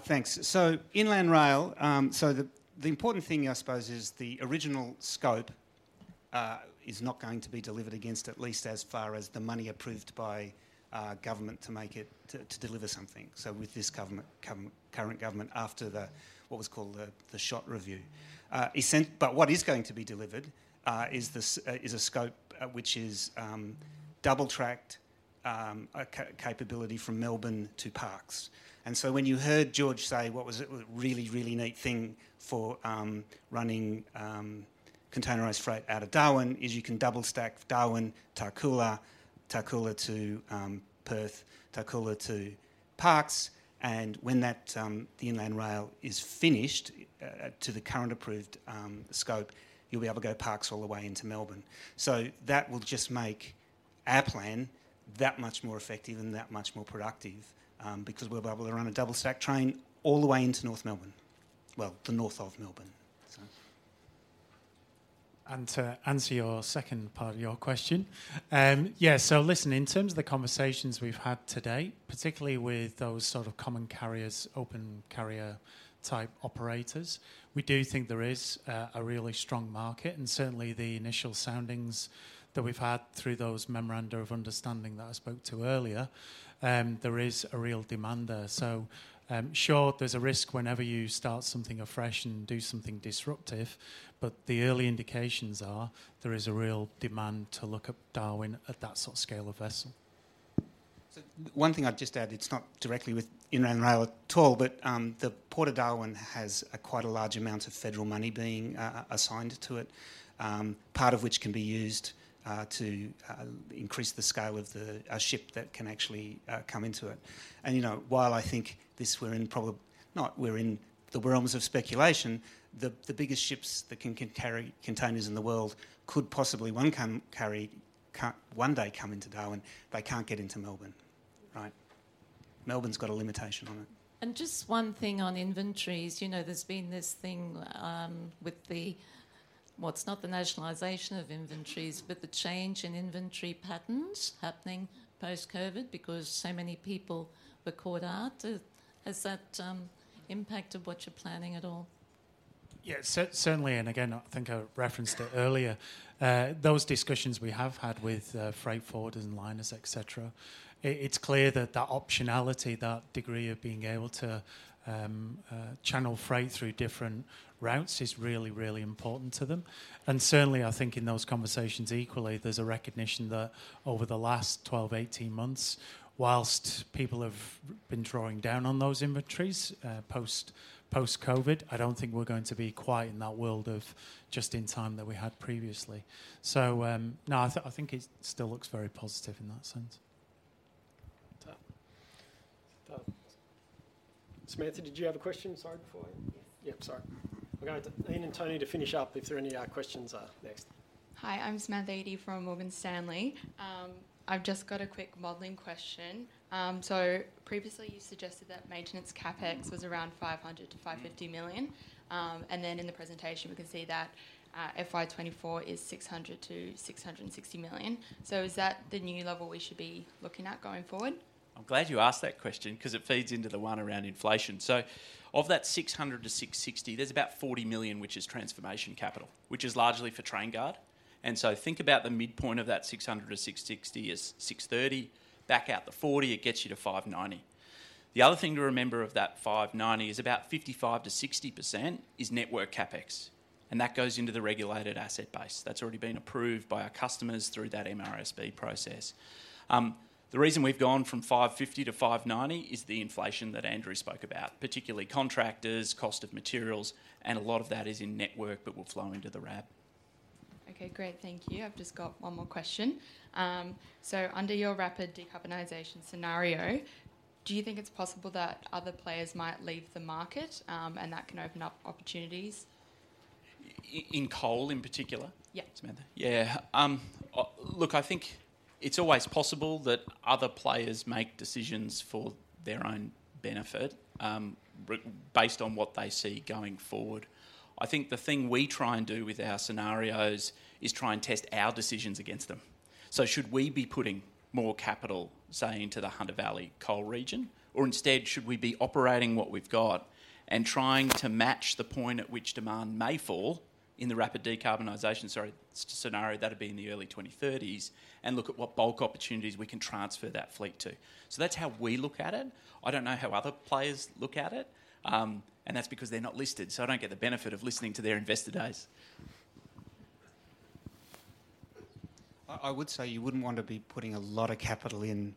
Thanks. Inland Rail, the important thing, I suppose, is the original scope is not going to be delivered against at least as far as the money approved by government to make it, to deliver something. With this government, current government, after what was called the Shot Review, what is going to be delivered is a scope which is double-tracked, a capability from Melbourne to Parkes. When you heard George say what was a really, really neat thing for running containerized freight out of Darwin, is you can double stack Darwin, Tarcoola to Perth, Tarcoola to Parkes, and when that the inland rail is finished to the current approved scope, you'll be able to go Parkes all the way into Melbourne. That will just make our plan that much more effective and that much more productive, because we'll be able to run a double-stack train all the way into North Melbourne. Well, the north of Melbourne. To answer your second part of your question, listen, in terms of the conversations we've had to date, particularly with those sort of common carriers, open carrier-type operators, we do think there is a really strong market, and certainly the initial soundings that we've had through those memoranda of understanding that I spoke to earlier, there is a real demand there. Sure, there's a risk whenever you start something afresh and do something disruptive, but the early indications are there is a real demand to look at Darwin at that sort of scale of vessel. One thing I'd just add, it's not directly with Inland Rail at all, but the Port of Darwin has a quite a large amount of federal money being assigned to it, part of which can be used to increase the scale of the a ship that can actually come into it. You know, while I think this, we're in the realms of speculation, the biggest ships that can carry containers in the world could possibly one day come into Darwin, but they can't get into Melbourne. Right? Melbourne's got a limitation on it. Just one thing on inventories, you know, there's been this thing, with the well, it's not the nationalization of inventories, but the change in inventory patterns happening post-COVID, because so many people were caught out. Has that impacted what you're planning at all? Certainly, and again, I think I referenced it earlier, those discussions we have had with freight forwarders and liners, et cetera, it's clear that that optionality, that degree of being able to channel freight through different routes is really, really important to them. Certainly, I think in those conversations equally, there's a recognition that over the last 12, 18 months, whilst people have been drawing down on those inventories, post-COVID, I don't think we're going to be quite in that world of just in time that we had previously. No, I think it still looks very positive in that sense. Ta. Samantha, did you have a question, sorry, before? Yeah, sorry. We're going to Ian and Tony to finish up if there are any questions next. Hi, I'm Samantha Edie from Morgan Stanley. I've just got a quick modeling question. Previously you suggested that maintenance CapEx was around $‎ 500 million-$‎ 550 million, and then in the presentation we can see that FY 2024 is $‎ 600 million-$‎ 660 million. Is that the new level we should be looking at going forward? I'm glad you asked that question 'cause it feeds into the one around inflation. Of that $‎ 600 million-$‎ 660 million, there's about $‎ 40 million, which is transformation capital, which is largely for TrainGuard. Think about the midpoint of that $‎ 600 million-$‎ 660 million is $‎ 630 million. Back out the $‎ 40 million, it gets you to $‎ 590 million. The other thing to remember of that $‎ 590 million is about 55%-60% is network CapEx, and that goes into the regulated asset base. Already been approved by our customers through that MRSP process. The reason we've gone from $‎ 550 million-$‎ 590 million is the inflation that Andrew spoke about, particularly contractors, cost of materials, and a lot of that is in network, but will flow into the RAB. Okay, great. Thank you. I've just got one more question. Under your rapid decarbonization scenario, do you think it's possible that other players might leave the market, and that can open up opportunities?... in coal in particular? Yeah. Samantha. Yeah, look, I think it's always possible that other players make decisions for their own benefit, based on what they see going forward. I think the thing we try and do with our scenarios is try and test our decisions against them. Should we be putting more capital, say, into the Hunter Valley coal region? Or instead, should we be operating what we've got and trying to match the point at which demand may fall in the rapid decarbonization, scenario that'd be in the early 2030s, and look at what bulk opportunities we can transfer that fleet to. That's how we look at it. I don't know how other players look at it, and that's because they're not listed, so I don't get the benefit of listening to their investor days. I would say you wouldn't want to be putting a lot of capital in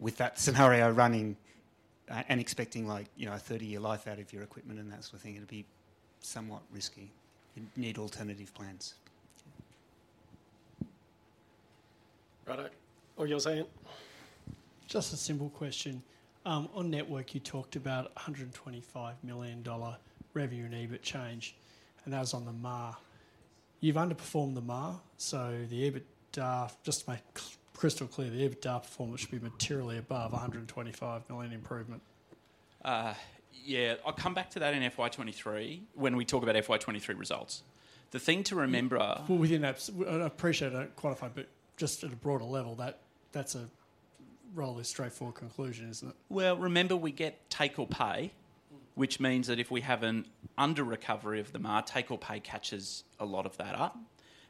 with that scenario running and expecting like, you know, a 30-year life out of your equipment and that sort of thing. It'd be somewhat risky. You'd need alternative plans. Righto. Oh, you were saying? Just a simple question. On network, you talked about $‎ 125 million revenue and EBIT change. That was on the MAR. You've underperformed the MAR. The EBITDA, just to make crystal clear, the EBITDA performance should be materially above $‎ 125 million improvement. Yeah, I'll come back to that in FY23, when we talk about FY23 results. The thing to remember. Well, within that, I appreciate I don't qualify, but just at a broader level, that's a rather straightforward conclusion, isn't it? Well, remember, we get take or pay, which means that if we have an under recovery of the MAR, take or pay catches a lot of that up.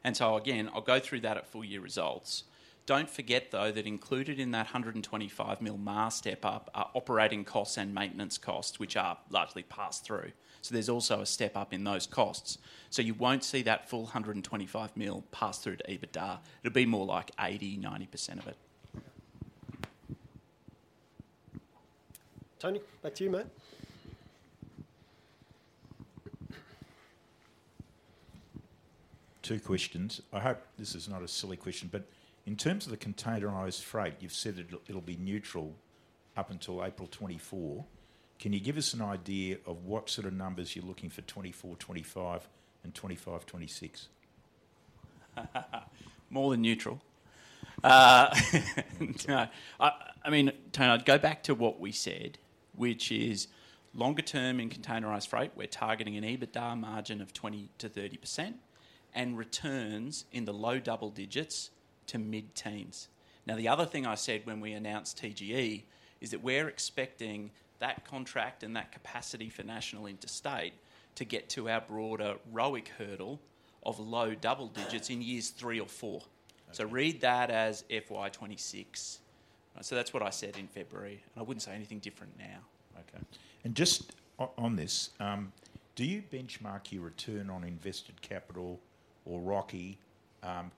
Again, I'll go through that at full year results. Don't forget, though, that included in that $‎ 125 million MAR step up are operating costs and maintenance costs, which are largely passed through. There's also a step up in those costs. You won't see that full $‎ 125 million passed through to EBITDA. It'll be more like 80%, 90% of it. Tony, back to you, mate. 2 questions. I hope this is not a silly question. In terms of the containerized freight, you've said it'll be neutral up until April 2024. Can you give us an idea of what sort of numbers you're looking for 2024-2025 and 2025-2026? More than neutral. No, I mean, Tony, I'd go back to what we said, which is longer term in containerized freight, we're targeting an EBITDA margin of 20%-30% and returns in the low double digits to mid-teens. The other thing I said when we announced TGE is that we're expecting that contract and that capacity for national interstate to get to our broader ROIC hurdle of low double digits in years three or four. Okay. Read that as FY 26. That's what I said in February, and I wouldn't say anything different now. Okay. Just on this, do you benchmark your return on invested capital or ROIC,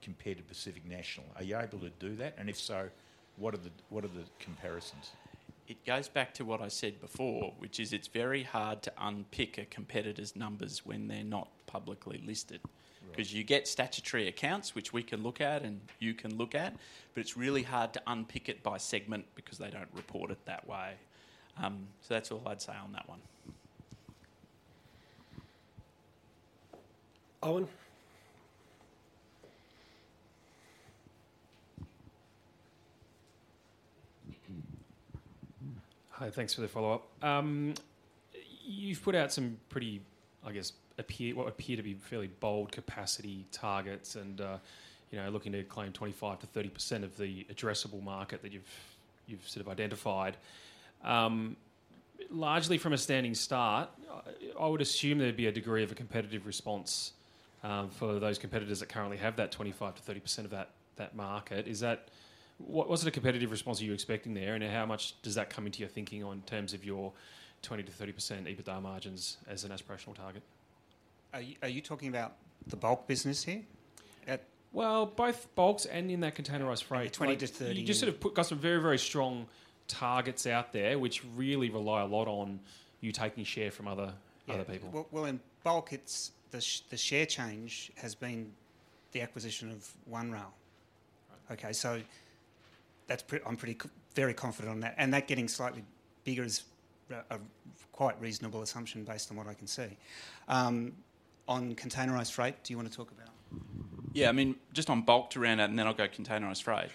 compared to Pacific National? Are you able to do that, and if so, what are the comparisons? It goes back to what I said before. Sure which is it's very hard to unpick a competitor's numbers when they're not publicly listed. Right. 'Cause you get statutory accounts, which we can look at and you can look at, but it's really hard to unpick it by segment because they don't report it that way. That's all I'd say on that one. Owen? Hi, thanks for the follow-up. You've put out some pretty, I guess, what appear to be fairly bold capacity targets and, you know, looking to claim 25%-30% of the addressable market that you've sort of identified, largely from a standing start. I would assume there'd be a degree of a competitive response, for those competitors that currently have that 25%-30% of that market. What's the competitive response are you expecting there, and how much does that come into your thinking on terms of your 20%-30% EBITDA margins as an aspirational target? Are you talking about the bulk business here? Well, both Bulk and in that Containerized Freight. Yeah, 20 to 30- You just sort of got some very strong targets out there, which really rely a lot on you taking share from other people. Yeah. Well, in bulk, it's the share change has been the acquisition of One Rail. Right. That's pretty very confident on that, and that getting slightly bigger is a quite reasonable assumption based on what I can see. On containerized freight, Yeah, I mean, just on Bulk to round out, I'll go containerized freight.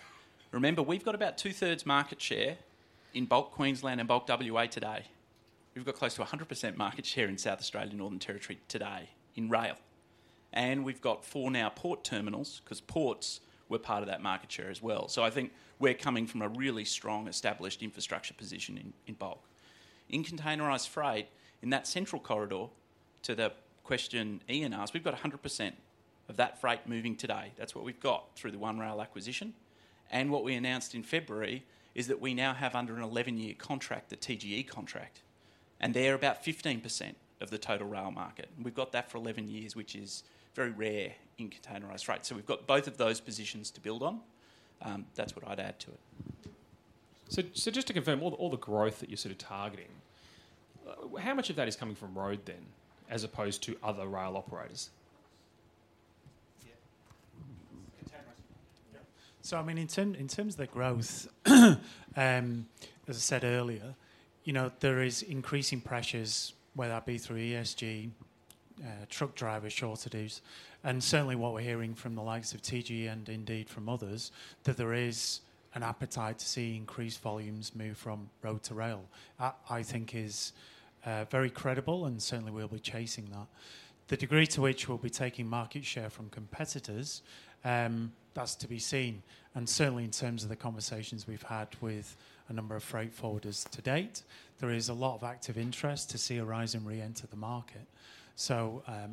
Remember, we've got about 2/3 market share in Bulk Queensland and Bulk West today. We've got close to 100% market share in South Australia, Northern Territory today in rail, we've got 4 now port terminals, 'cause ports were part of that market share as well. I think we're coming from a really strong, established infrastructure position in Bulk. In containerized freight, in that central corridor, to the question Ian asked, we've got 100% of that freight moving today. That's what we've got through the One Rail acquisition, and what we announced in February is that we now have under an 11-year contract, the TGE contract, and they're about 15% of the total rail market. We've got that for 11 years, which is very rare in containerized freight. We've got both of those positions to build on. That's what I'd add to it. Just to confirm, all the growth that you're sort of targeting, how much of that is coming from road then, as opposed to other rail operators? Yeah. In terms of the growth, as I said earlier, you know, there is increasing pressures, whether that be through ESG, truck driver shortages, and certainly what we're hearing from the likes of TGE and indeed from others, that there is an appetite to see increased volumes move from road to rail. That, I think, is very credible, and certainly we'll be chasing that. The degree to which we'll be taking market share from competitors, that's to be seen, and certainly in terms of the conversations we've had with a number of freight forwarders to date, there is a lot of active interest to see Aurizon re-enter the market.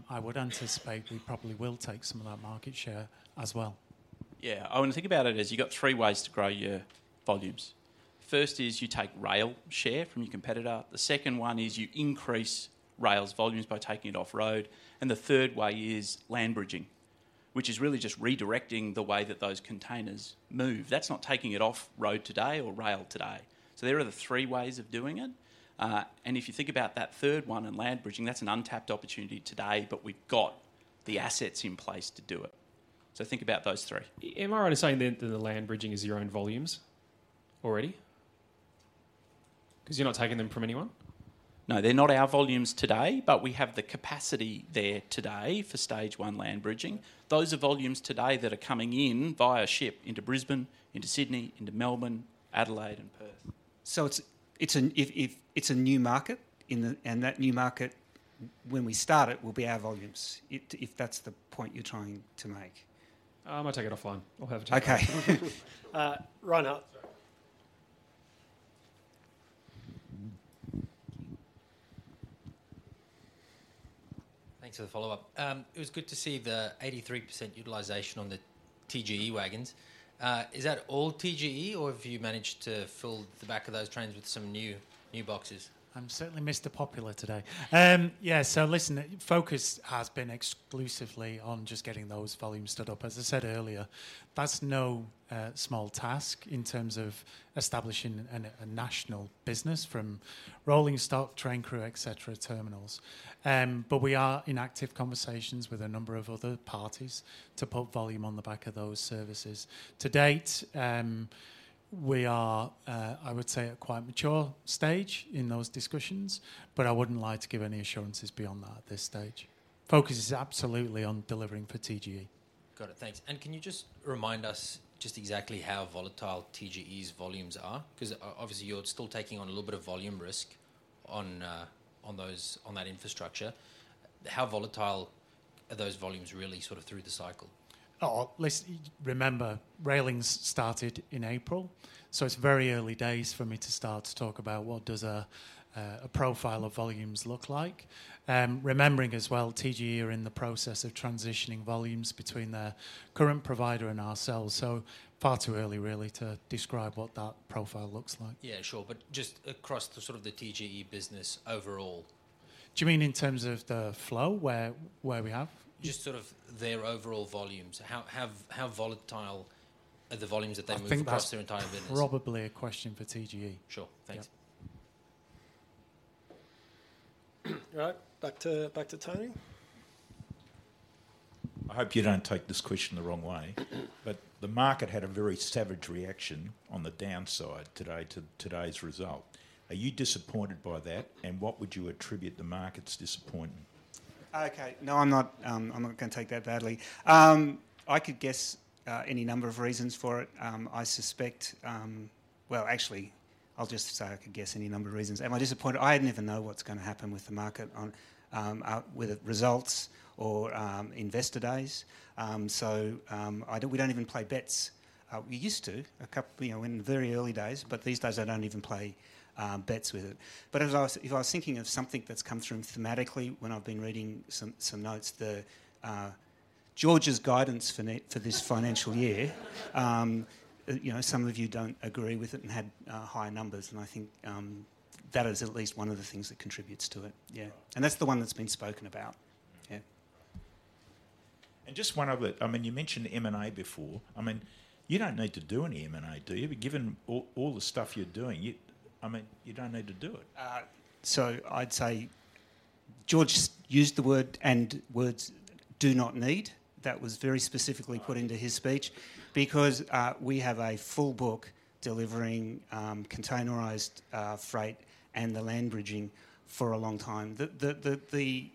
I would anticipate we probably will take some of that market share as well. Yeah. I want to think about it as you've got 3 ways to grow your volumes. First is you take rail share from your competitor, the second one is you increase rail's volumes by taking it off road, and the third way is land bridging, which is really just redirecting the way that those containers move. That's not taking it off road today or rail today. There are the 3 ways of doing it. If you think about that third one in land bridging, that's an untapped opportunity today, but we've got the assets in place to do it. Think about those 3. Am I right in saying that the land bridging is your own volumes already? 'Cause you're not taking them from anyone? No, they're not our volumes today, but we have the capacity there today for stage one land bridging. Those are volumes today that are coming in via ship into Brisbane, into Sydney, into Melbourne, Adelaide, and Perth. If it's a new market, that new market, when we start it, will be our volumes. If that's the point you're trying to make. I might take it offline. We'll have a chat. Okay. Ryan Up. Thanks for the follow-up. It was good to see the 83% utilization on the TGE wagons. Is that all TGE, or have you managed to fill the back of those trains with some new boxes? I'm certainly Mr. Popular today. Yeah, listen, the focus has been exclusively on just getting those volumes stood up. As I said earlier, that's no small task in terms of establishing a national business from rolling stock, train crew, et cetera, terminals. We are in active conversations with a number of other parties to put volume on the back of those services. To date, we are, I would say, at quite mature stage in those discussions, I wouldn't like to give any assurances beyond that at this stage. Focus is absolutely on delivering for TGE. Got it. Thanks. Can you remind us exactly how volatile TGE's volumes are? 'Cause obviously, you're still taking on a little bit of volume risk on those, on that infrastructure. How volatile are those volumes really sort of through the cycle? Remember, railings started in April. It's very early days for me to start to talk about what does a profile of volumes look like. Remembering as well, TGE are in the process of transitioning volumes between their current provider and ourselves. Far too early, really, to describe what that profile looks like. Yeah, sure, just across the sort of the TGE business overall. Do you mean in terms of the flow, where we have? Just sort of their overall volumes. How volatile are the volumes that they move? I think that's... across their entire business? probably a question for TGE. Sure, thanks. Yeah. All right, back to Tony. I hope you don't take this question the wrong way. The market had a very savage reaction on the downside today to today's result. Are you disappointed by that, and what would you attribute the market's disappointment? Okay. No, I'm not, I'm not gonna take that badly. I could guess any number of reasons for it. Well, actually, I'll just say I could guess any number of reasons. Am I disappointed? I never know what's gonna happen with the market on, whether results or investor days. I don't, we don't even play bets. We used to, you know, in the very early days. These days, I don't even play bets with it. If I was thinking of something that's come through thematically when I've been reading some notes, the George's guidance for this financial year, you know, some of you don't agree with it and had higher numbers, and I think that is at least one of the things that contributes to it. Yeah. Right. That's the one that's been spoken about. Yeah. Just one other, I mean, you mentioned M&A before. I mean, you don't need to do any M&A, do you? Given all the stuff you're doing, you, I mean, you don't need to do it. I'd say George used the word and words, "Do not need," that was very specifically put into his speech, because we have a full book delivering containerized freight and the land bridging for a long time. The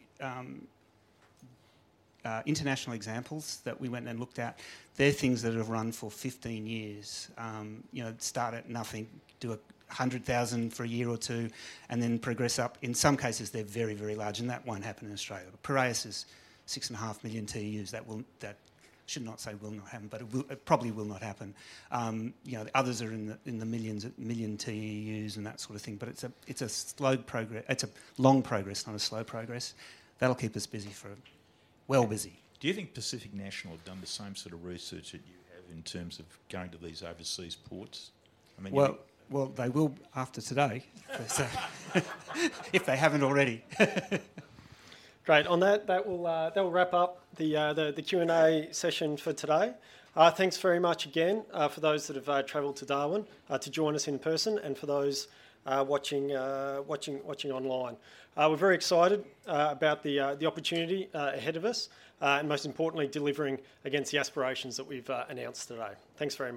international examples that we went and looked at, they're things that have run for 15 years. You know, start at nothing, do 100,000 for a year or two, and then progress up. In some cases, they're very, very large, and that won't happen in Australia. Piraeus is 6.5 million TEUs. That should not say will not happen, but it probably will not happen. You know, the others are in the, in the millions, million TEUs and that sort of thing, but it's a long progress, not a slow progress. That'll keep us busy for. Well busy. Do you think Pacific National have done the same sort of research that you have in terms of going to these overseas ports? I mean. Well, well, they will after today. If they haven't already. Great. On that will wrap up the Q&A session for today. Thanks very much again for those that have traveled to Darwin to join us in person, and for those watching online. We're very excited about the opportunity ahead of us, and most importantly, delivering against the aspirations that we've announced today. Thanks very much.